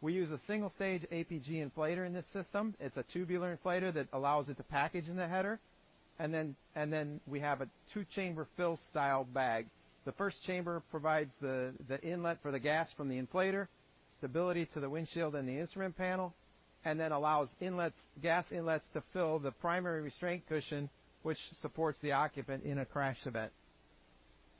We use a single-stage APG inflator in this system. It's a tubular inflator that allows it to package in the header, and then we have a two chamber fill style bag. The first chamber provides the inlet for the gas from the inflator, stability to the windshield and the instrument panel, and then allows gas inlets to fill the primary restraint cushion, which supports the occupant in a crash event.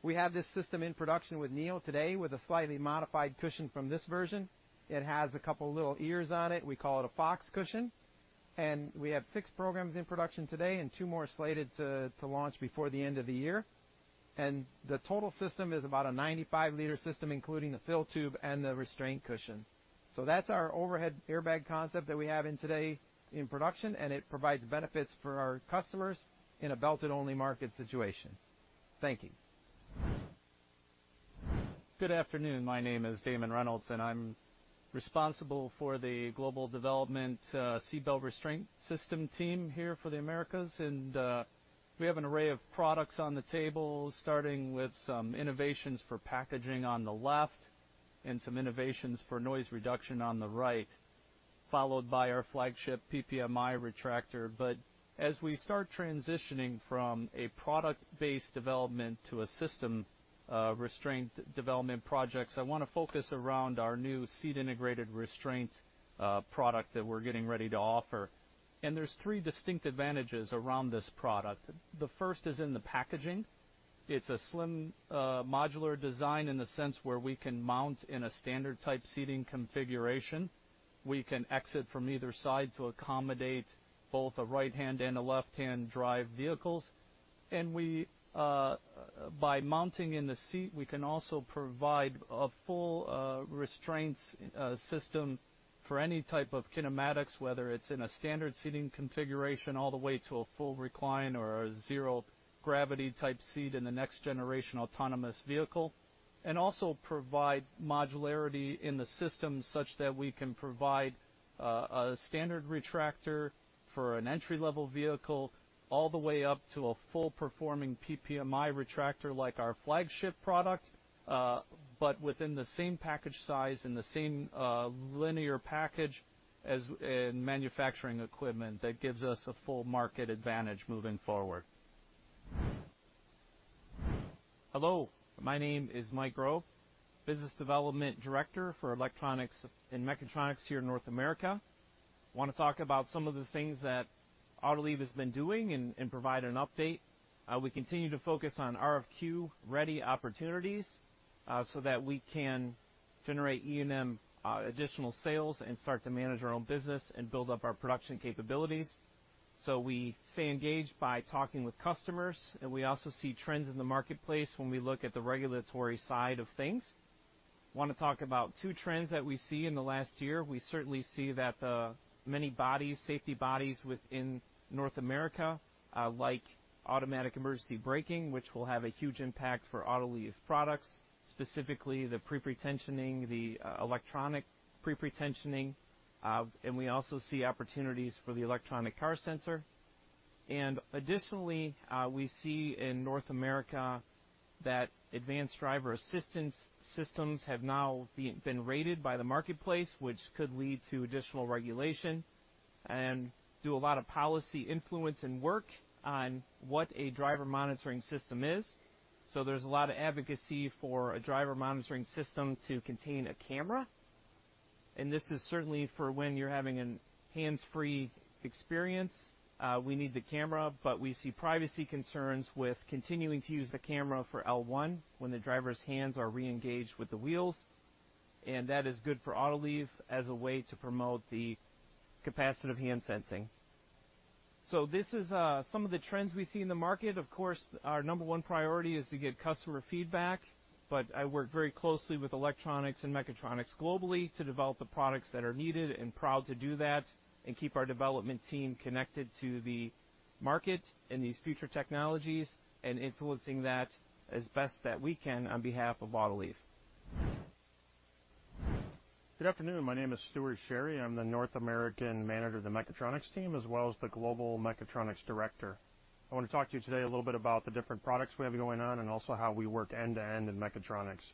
We have this system in production with NIO today, with a slightly modified cushion from this version. It has a couple of little ears on it. We call it a fox cushion, we have six programs in production today and two more slated to launch before the end of the year. The total system is about a 95L system, including the fill tube and the restraint cushion. That's our overhead airbag concept that we have in today in production, and it provides benefits for our customers in a belted-only market situation. Thank you. Good afternoon. My name is Damon Reynolds, I'm responsible for the Global Development, Seat Belt Restraint System team here for the Americas. We have an array of products on the table, starting with some innovations for packaging on the left and some innovations for noise reduction on the right, followed by our flagship PPMI retractor. As we start transitioning from a product-based development to a system, restraint development projects, I wanna focus around our new seat integrated restraint, product that we're getting ready to offer. There's three distinct advantages around this product. The first is in the packaging. It's a slim, modular design in the sense where we can mount in a standard type seating configuration. We can exit from either side to accommodate both a right-hand and a left-hand drive vehicles. We, by mounting in the seat, we can also provide a full restraints system for any type of kinematics, whether it's in a standard seating configuration, all the way to a full recline or a zero gravity type seat in the next generation autonomous vehicle. Also provide modularity in the system such that we can provide a standard retractor for an entry-level vehicle, all the way up to a full performing PPMI retractor, like our flagship product, but within the same package size and the same linear package as in manufacturing equipment. That gives us a full market advantage moving forward. Hello, my name is Mike Grove, Business Development Director for Electronics and Mechatronics here in North America. I want to talk about some of the things that Autoliv has been doing and provide an update. We continue to focus on RFQ-ready opportunities so that we can generate E&M additional sales and start to manage our own business and build up our production capabilities. We stay engaged by talking with customers, and we also see trends in the marketplace when we look at the regulatory side of things. I want to talk about two trends that we see in the last year. We certainly see that the many bodies, safety bodies within North America, like automatic emergency braking, which will have a huge impact for Autoliv products, specifically the pre-pretensioning, the electronic pre-pretensioning. We also see opportunities for the electronic car sensor. Additionally, we see in North America that advanced driver assistance systems have now been rated by the marketplace, which could lead to additional regulation, and do a lot of policy influence and work on what a driver monitoring system is. There's a lot of advocacy for a driver monitoring system to contain a camera, and this is certainly for when you're having an hands-free experience. We need the camera, we see privacy concerns with continuing to use the camera for L1, when the driver's hands are reengaged with the wheels, and that is good for Autoliv as a way to promote the capacitive hand sensing. This is some of the trends we see in the market. Of course, our number one priority is to get customer feedback, but I work very closely with electronics and Mechatronics globally to develop the products that are needed and proud to do that, and keep our development team connected to the market and these future technologies, and influencing that as best that we can on behalf of Autoliv. Good afternoon. My name is Stuart Sherry. I'm the North American Manager of the Mechatronics team, as well as the Global Mechatronics Director. I want to talk to you today a little bit about the different products we have going on and also how we work end-to-end in Mechatronics.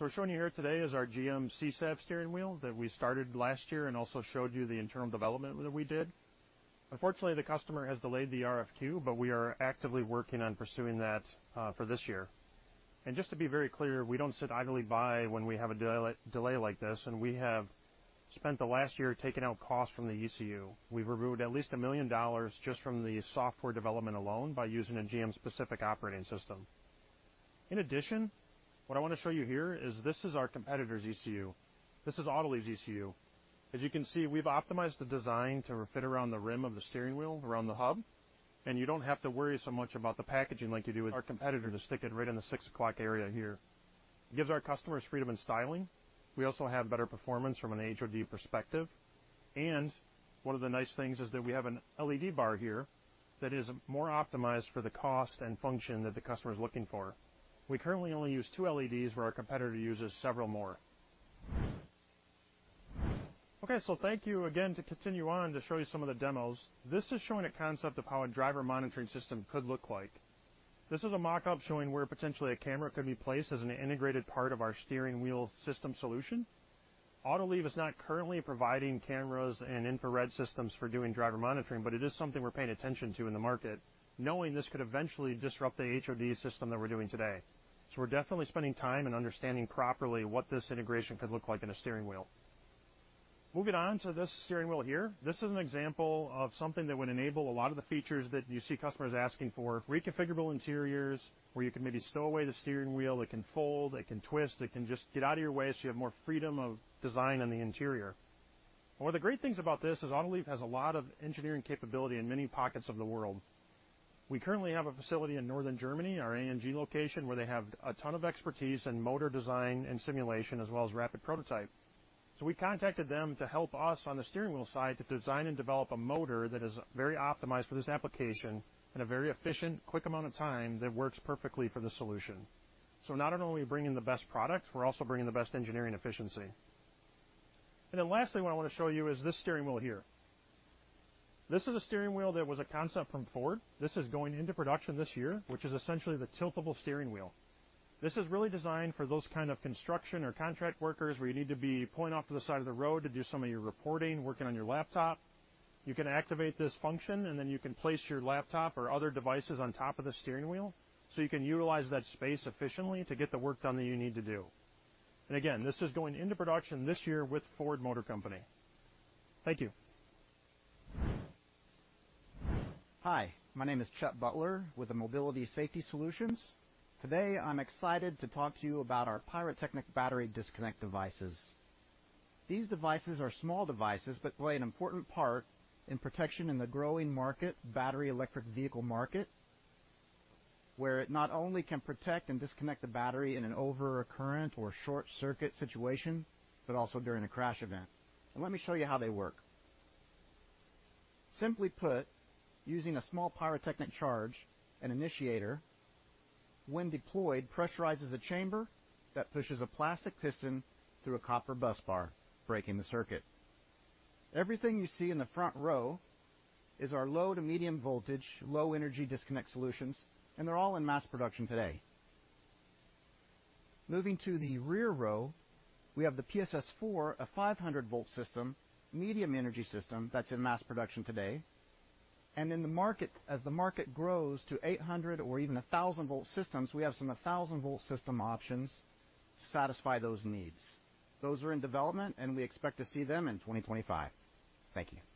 We're showing you here today is our GM CSAB steering wheel that we started last year and also showed you the internal development that we did. Unfortunately, the customer has delayed the RFQ, but we are actively working on pursuing that for this year. Just to be very clear, we don't sit idly by when we have a delay like this, and we have spent the last year taking out costs from the ECU. We've removed at least $1 million just from the software development alone by using a GM-specific operating system. In addition, what I want to show you here is this is our competitor's ECU. This is Autoliv's ECU. As you can see, we've optimized the design to fit around the rim of the steering wheel, around the hub, and you don't have to worry so much about the packaging like you do with our competitor, to stick it right in the six o'clock area here. It gives our customers freedom in styling. We also have better performance from an HOD perspective. One of the nice things is that we have an LED bar here that is more optimized for the cost and function that the customer is looking for. We currently only use two LEDs, where our competitor uses several more. Thank you again. To continue on, to show you some of the demos. This is showing a concept of how a driver monitoring system could look like. This is a mock-up showing where potentially a camera could be placed as an integrated part of our steering wheel system solution. Autoliv is not currently providing cameras and infrared systems for doing driver monitoring, but it is something we're paying attention to in the market, knowing this could eventually disrupt the HOD system that we're doing today. We're definitely spending time and understanding properly what this integration could look like in a steering wheel. Moving on to this steering wheel here, this is an example of something that would enable a lot of the features that you see customers asking for. Reconfigurable interiors, where you can maybe stow away the steering wheel. It can fold, it can twist, it can just get out of your way, so you have more freedom of design on the interior. One of the great things about this is Autoliv has a lot of engineering capability in many pockets of the world. We currently have a facility in northern Germany, our ANG location, where they have a ton of expertise in motor design and simulation, as well as rapid prototype. We contacted them to help us on the steering wheel side to design and develop a motor that is very optimized for this application in a very efficient, quick amount of time that works perfectly for the solution. Not only are we bringing the best product, we're also bringing the best engineering efficiency. Lastly, what I want to show you is this steering wheel here. This is a steering wheel that was a concept from Ford. This is going into production this year, which is essentially the tiltable steering wheel. This is really designed for those kind of construction or contract workers, where you need to be pulling off to the side of the road to do some of your reporting, working on your laptop. You can activate this function, and then you can place your laptop or other devices on top of the steering wheel, so you can utilize that space efficiently to get the work done that you need to do. Again, this is going into production this year with Ford Motor Company. Thank you. Hi, my name is Chuck Butler with the Mobility Safety Solutions. Today, I'm excited to talk to you about our pyrotechnic battery disconnect devices. These devices are small devices, but play an important part in protection in the growing market, battery electric vehicle market, where it not only can protect and disconnect the battery in an overcurrent or short circuit situation, but also during a crash event. Let me show you how they work. Simply put, using a small pyrotechnic charge, an initiator, when deployed, pressurizes a chamber that pushes a plastic piston through a copper busbar, breaking the circuit. Everything you see in the front row is our low to medium voltage, low energy disconnect solutions, and they're all in mass production today. Moving to the rear row, we have the PSS-4, a 500 volt system, medium energy system that's in mass production today. In the market, as the market grows to 800 or even 1,000 volt systems, we have some 1,000 volt system options to satisfy those needs. Those are in development, we expect to see them in 2025. Thank you.